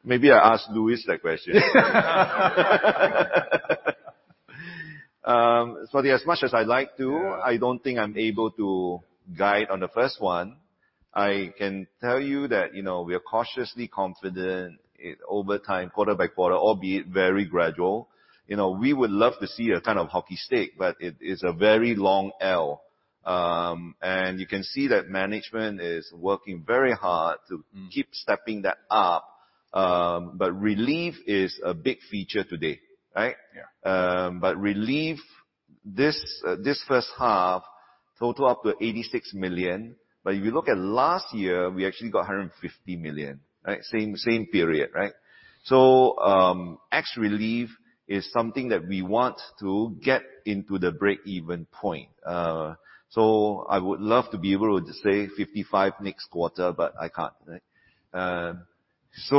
Maybe I ask Louis that question. Swati, as much as I'd like to, I don't think I'm able to guide on the first one. I can tell you that, you know, we are cautiously confident it, over time, quarter by quarter, albeit very gradual. You know, we would love to see a kind of hockey stick, but it is a very long L. You can see that management is working very hard to keep stepping that up. Relief is a big feature today, right? Yeah. Relief, this first half totals up to 86 million, but if you look at last year, we actually got 150 million, right? Same period, right? Ex-relief is something that we want to get into the break-even point. I would love to be able to say 55 million next quarter, but I can't, right?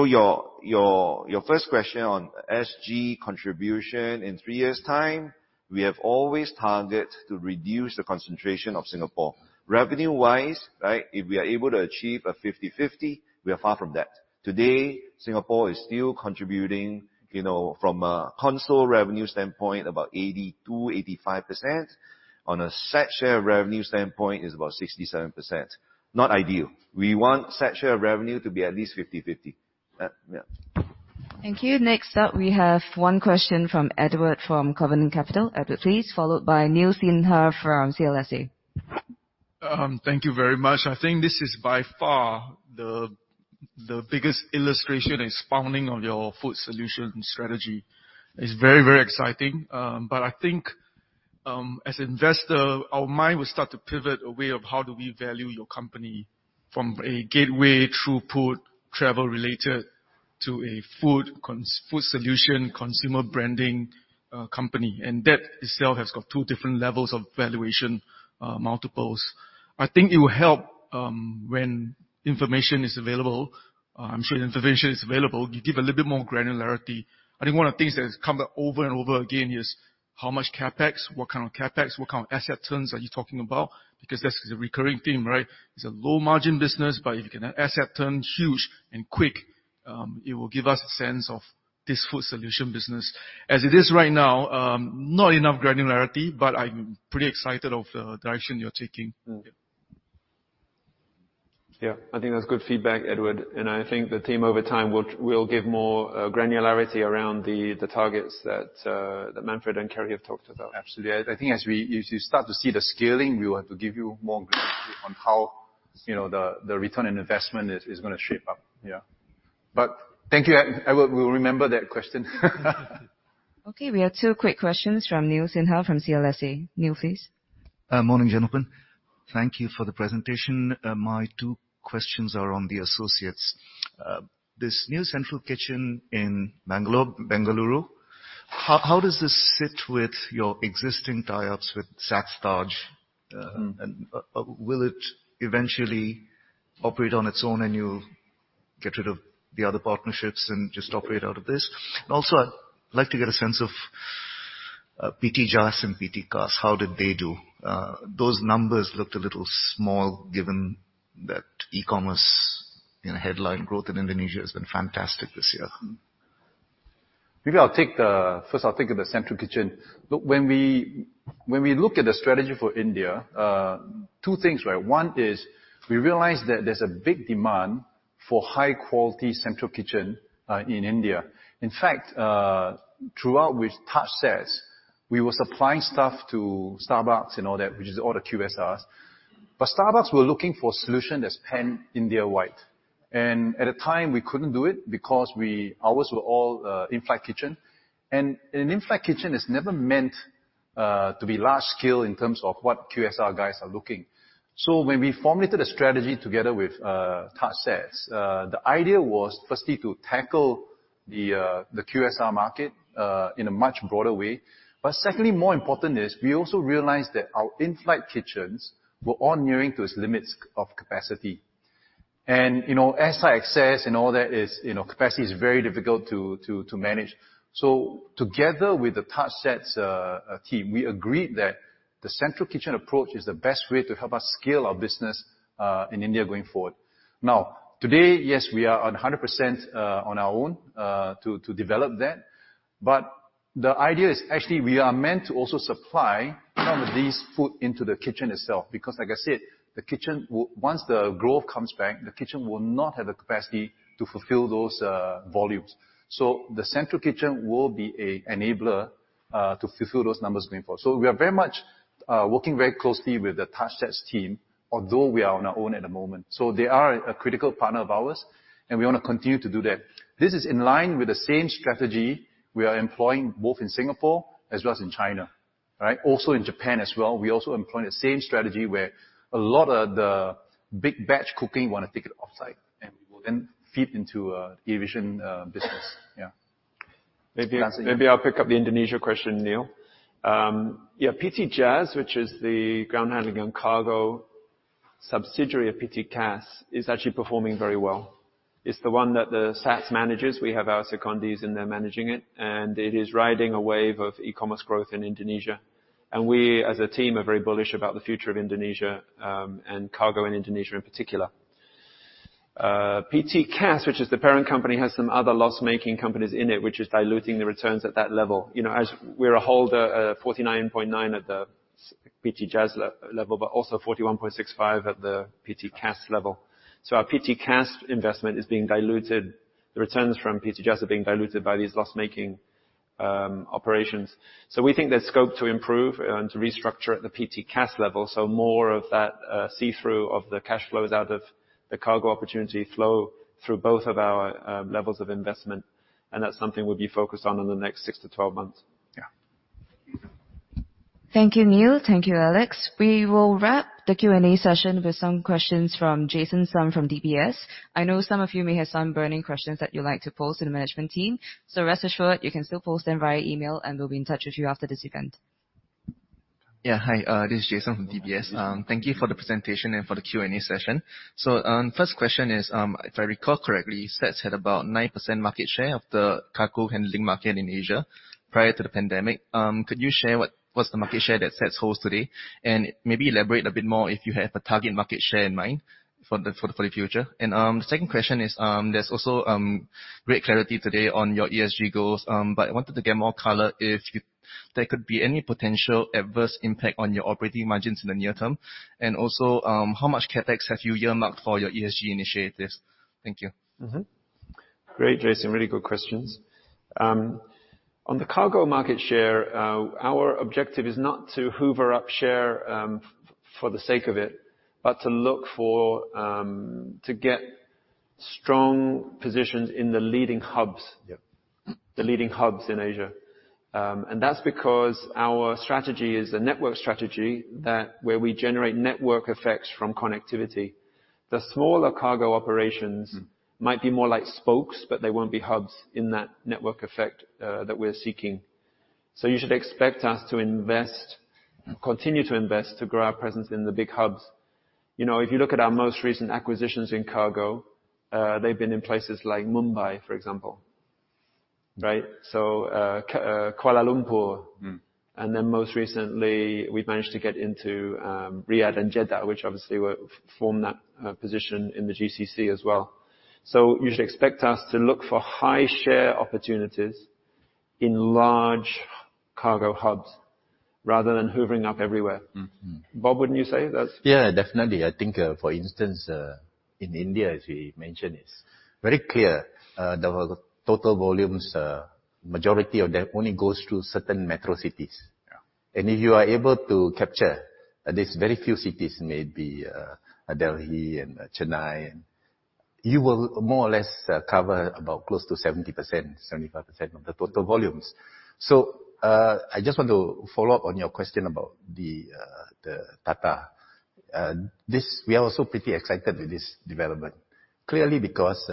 Your first question on SG contribution in three years time, we have always targeted to reduce the concentration of Singapore. Revenue-wise, right, if we are able to achieve a 50/50, we are far from that. Today, Singapore is still contributing, you know, from a consolidated revenue standpoint, about 80%-85%. On a SATS share of revenue standpoint, it's about 67%. Not ideal. We want SATS share of revenue to be at least 50/50. Thank you. Next up, we have one question from Edward from Covenant Capital. Edward, please. Followed by Neel Sinha from CLSA. Thank you very much. I think this is by far the biggest illustration expounding of your Food Solution strategy. It's very, very exciting. I think as investor, our mind will start to pivot away of how do we value your company from a gateway throughput, travel-related to a Food Solution, consumer branding company. That itself has got two different levels of valuation multiples. I think it will help when information is available. I'm sure the information is available. You give a little bit more granularity. I think one of the things that has come up over and over again is how much CapEx, what kind of CapEx, what kind of asset turns are you talking about? That's the recurring theme, right? It's a low margin business, but if you can have asset turn huge and quick, it will give us a sense of this Food Solution business. As it is right now, not enough granularity, but I'm pretty excited of the direction you're taking. Yeah. I think that's good feedback, Edward. I think the team over time will give more granularity around the targets that Manfred and Kerry have talked about. Absolutely. I think as you start to see the scaling, we will have to give you more granularity on how, you know, the return on investment is gonna shape up. Yeah. Thank you. I will remember that question. Okay. We have two quick questions from Neel Sinha from CLSA. Neel, please. Morning, gentlemen. Thank you for the presentation. My two questions are on the associates. This new central kitchen in Bangalore, Bengaluru, how does this sit with your existing tie-ups with TajSATS? And, will it eventually operate on its own, and you'll get rid of the other partnerships and just operate out of this? Also, I'd like to get a sense of PT Jas and PT CAS. How did they do? Those numbers looked a little small given that e-commerce, you know, headline growth in Indonesia has been fantastic this year. First, I'll take the central kitchen. Look, when we look at the strategy for India, two things, right? One is we realized that there's a big demand for high quality central kitchen in India. In fact, throughout with TajSATS, we were supplying stuff to Starbucks and all that, which is all the QSRs. Starbucks were looking for a solution that's pan-India-wide. At the time we couldn't do it because ours were all in-flight kitchen. An in-flight kitchen is never meant to be large scale in terms of what QSR guys are looking. When we formulated a strategy together with TajSATS, the idea was firstly to tackle the QSR market in a much broader way. Second, more important is we also realized that our in-flight kitchens were all nearing to its limits of capacity. You know, as I said and all that is, you know, capacity is very difficult to manage. Together with the TajSATS team, we agreed that the central kitchen approach is the best way to help us scale our business in India going forward. Now, today, yes, we are at 100% on our own to develop that. The idea is actually we are meant to also supply some of these food into the kitchen itself, because like I said, the kitchen will. Once the growth comes back, the kitchen will not have the capacity to fulfill those volumes. The central kitchen will be an enabler to fulfill those numbers going forward. We are very much working very closely with the TajSATS team, although we are on our own at the moment. They are a critical partner of ours, and we wanna continue to do that. This is in line with the same strategy we are employing both in Singapore as well as in China, right, also in Japan as well. We're also employing the same strategy where a lot of the big batch cooking wanna take it offsite, and we will then feed into the aviation business. Yeah. Maybe I- Alex, you want to— Maybe I'll pick up the Indonesia question, Neel. PT Jas, which is the ground handling and cargo subsidiary of PT CAS, is actually performing very well. It's the one that SATS manages. We have our secondees in there managing it, and it is riding a wave of e-commerce growth in Indonesia. We, as a team, are very bullish about the future of Indonesia, and cargo in Indonesia in particular. PT CAS, which is the parent company, has some other loss-making companies in it, which is diluting the returns at that level. We're a holder of 49.9% at the PT Jas level, but also 41.65% at the PT CAS level. Our PT CAS investment is being diluted. The returns from PT Jas are being diluted by these loss-making operations. We think there's scope to improve and to restructure at the PT CAS level. More of that, see-through of the cash flows out of the cargo opportunity flow through both of our levels of investment, and that's something we'll be focused on in the next six to 12 months. Yeah. Thank you, Neil. Thank you, Alex. We will wrap the Q&A session with some questions from Jason Sum from DBS. I know some of you may have some burning questions that you'd like to pose to the management team. Rest assured, you can still post them via email, and we'll be in touch with you after this event. Yeah. Hi, this is Jason from DBS. Thank you for the presentation and for the Q&A session. First question is, if I recall correctly, SATS had about 9% market share of the cargo handling market in Asia prior to the pandemic. Could you share what's the market share that SATS holds today? And maybe elaborate a bit more if you have a target market share in mind for the future. The second question is, there's also great clarity today on your ESG goals. But I wanted to get more color if there could be any potential adverse impact on your operating margins in the near term. And also, how much CapEx have you earmarked for your ESG initiatives? Thank you. Mm-hmm. Great, Jason. Really good questions. On the cargo market share, our objective is not to hoover up share, for the sake of it, but to look for, to get strong positions in the leading hubs. Yeah. The leading hubs in Asia. That's because our strategy is a network strategy that where we generate network effects from connectivity. The smaller cargo operations- Mm. Might be more like spokes, but they won't be hubs in that network effect that we're seeking. You should expect us to invest, continue to invest, to grow our presence in the big hubs. You know, if you look at our most recent acquisitions in cargo, they've been in places like Mumbai, for example. Right? Kuala Lumpur. Mm. Most recently, we've managed to get into Riyadh and Jeddah, which obviously will form that position in the GCC as well. You should expect us to look for high-share opportunities in large cargo hubs rather than hoovering up everywhere. Mm-hmm. Bob, wouldn't you say that's? Yeah, definitely. I think, for instance, in India, as we mentioned, it's very clear, the total volumes, majority of them only goes through certain metro cities. If you are able to capture these very few cities, maybe, Delhi and Chennai, you will more or less cover about close to 70%-75% of the total volumes. I just want to follow up on your question about the data. We are also pretty excited with this development, clearly, because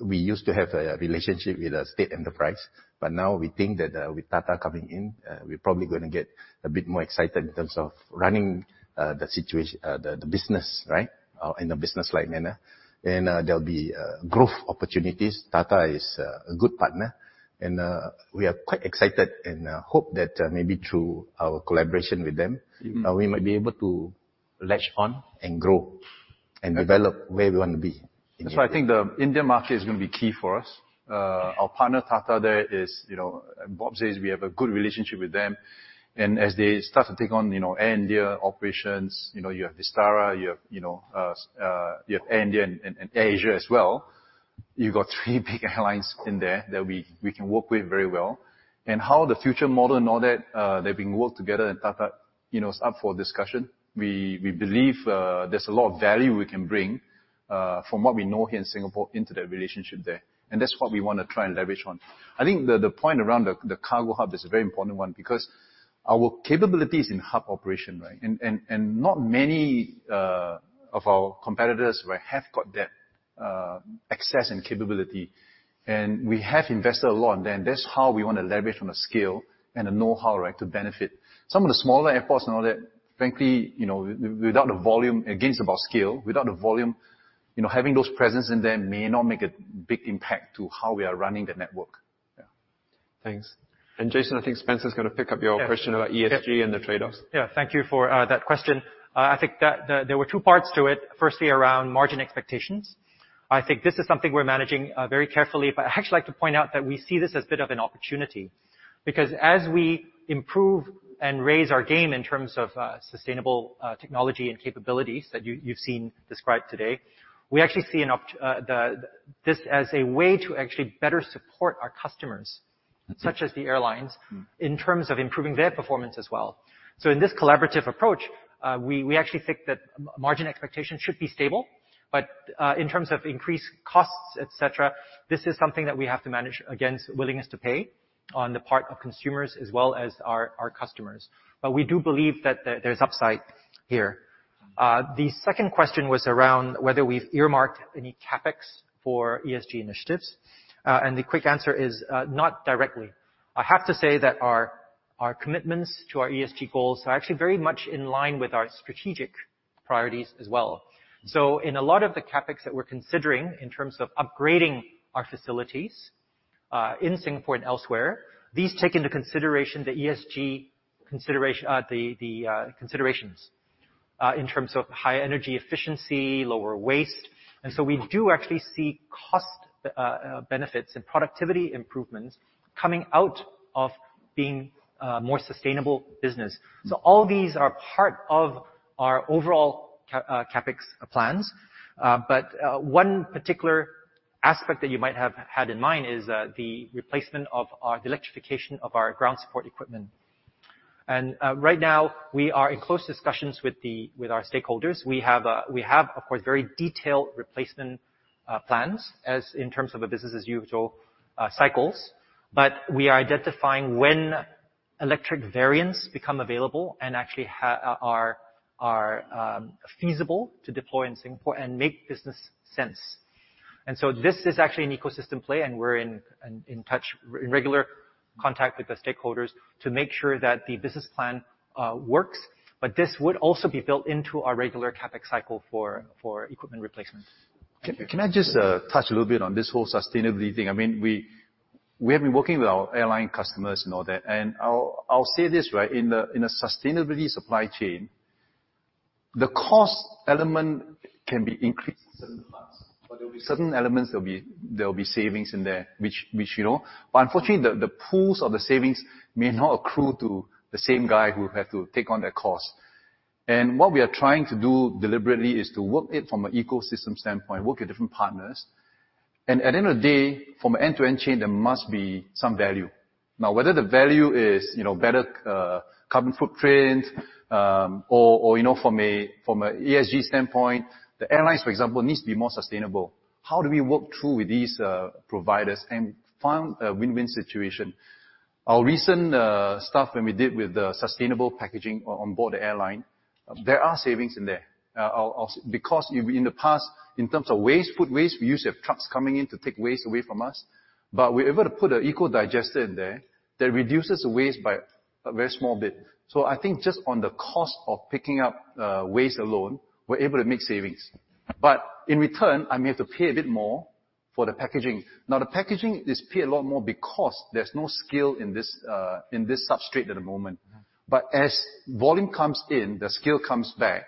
we used to have a relationship with a state enterprise, but now we think that, with data coming in, we're probably going to get a bit more excited in terms of running the business, right? In a businesslike manner. There'll be growth opportunities. Tata is a good partner, and we are quite excited and hope that maybe through our collaboration with them we might be able to latch on and grow and develop where we want to be. I think the India market is going to be key for us. Our partner, Tata there, you know, Bob says we have a good relationship with them. As they start to take on Air India operations, you know, you have Vistara, you have Air India and AirAsia as well. You've got three big airlines in there that we can work with very well. How the future model and all that, they've been working together and Tata is up for discussion. We believe there's a lot of value we can bring from what we know here in Singapore into that relationship there. That's what we wanna try and leverage on. I think the point around the cargo hub is a very important one, because our capabilities in hub operation, right? Not many of our competitors, right, have got that access and capability. We have invested a lot in them. That's how we wanna leverage on the scale and the know-how, right, to benefit. Some of the smaller airports and all that, frankly, you know, without the volume against our scale, without the volume, you know, having those presence in there may not make a big impact to how we are running the network. Yeah. Thanks. Jason, I think Spencer's gonna pick up your question about ESG and the trade-offs. Yeah. Thank you for that question. I think that there were two parts to it. Firstly, around margin expectations. I think this is something we're managing very carefully. I'd actually like to point out that we see this as a bit of an opportunity, because as we improve and raise our game in terms of sustainable technology and capabilities that you've seen described today, we actually see this as a way to actually better support our customers, such as the airlines. In terms of improving their performance as well. In this collaborative approach, we actually think that margin expectations should be stable. In terms of increased costs, et cetera, this is something that we have to manage against willingness to pay on the part of consumers as well as our customers. We do believe that there's upside here. The second question was around whether we've earmarked any CapEx for ESG initiatives. The quick answer is not directly. I have to say that our commitments to our ESG goals are actually very much in line with our strategic priorities as well. In a lot of the CapEx that we're considering in terms of upgrading our facilities in Singapore and elsewhere, these take into consideration the ESG considerations in terms of high energy efficiency, lower waste. We do actually see cost benefits and productivity improvements coming out of being a more sustainable business. All these are part of our overall CapEx plans. One particular aspect that you might have had in mind is the electrification of our ground support equipment. Right now, we are in close discussions with our stakeholders. We have, of course, very detailed replacement plans as in terms of a business as usual cycles. We are identifying when electric variants become available and actually are feasible to deploy in Singapore and make business sense. This is actually an ecosystem play, and we're in touch in regular contact with the stakeholders to make sure that the business plan works. This would also be built into our regular CapEx cycle for equipment replacements. Can I just touch a little bit on this whole sustainability thing? I mean, we have been working with our airline customers and all that, and I'll say this, right, in a sustainability supply chain, the cost element can be increased in certain parts, but there'll be certain elements, there'll be savings in there, which you know. Unfortunately, the pools of the savings may not accrue to the same guy who have to take on that cost. What we are trying to do deliberately is to work it from an ecosystem standpoint, work with different partners. At the end of the day, from an end-to-end chain, there must be some value. Now, whether the value is, you know, better carbon footprint, or you know, from an ESG standpoint, the airlines, for example, needs to be more sustainable. How do we work through with these providers and find a win-win situation? Our recent stuff when we did with the sustainable packaging on board the airline, there are savings in there. Because in the past, in terms of waste, food waste, we used to have trucks coming in to take waste away from us, but we're able to put an eco digester in there that reduces the waste by a very small bit. I think just on the cost of picking up waste alone, we're able to make savings. But in return, I may have to pay a bit more for the packaging. Now, the packaging is paid a lot more because there's no scale in this substrate at the moment. As volume comes in, the scale comes back,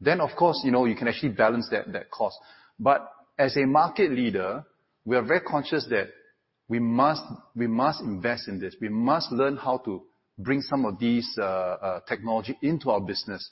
then of course, you know, you can actually balance that cost. As a market leader, we are very conscious that we must invest in this. We must learn how to bring some of these technology into our business,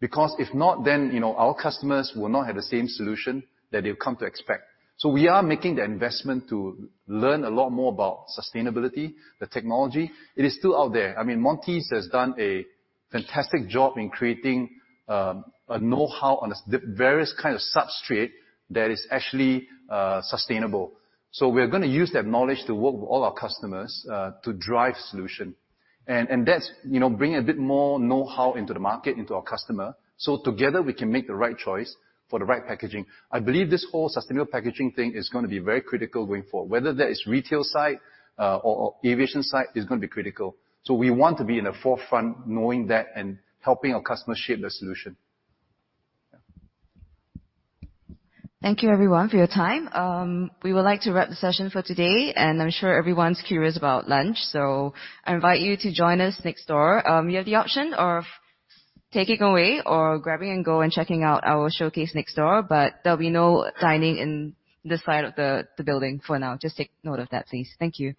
because if not, then, you know, our customers will not have the same solution that they've come to expect. We are making the investment to learn a lot more about sustainability, the technology. It is still out there. I mean, Monty's has done a fantastic job in creating a know-how on the various kind of substrate that is actually sustainable. We're gonna use that knowledge to work with all our customers, to drive solution. That's, you know, bringing a bit more know-how into the market, into our customer, so together we can make the right choice for the right packaging. I believe this whole sustainable packaging thing is gonna be very critical going forward. Whether that is retail side, or aviation side, it's gonna be critical. We want to be in the forefront knowing that and helping our customers shape the solution. Thank you everyone for your time. We would like to wrap the session for today, and I'm sure everyone's curious about lunch, so I invite you to join us next door. You have the option of taking away or grabbing and go and checking out our showcase next door, but there'll be no dining in this side of the building for now. Just take note of that, please. Thank you.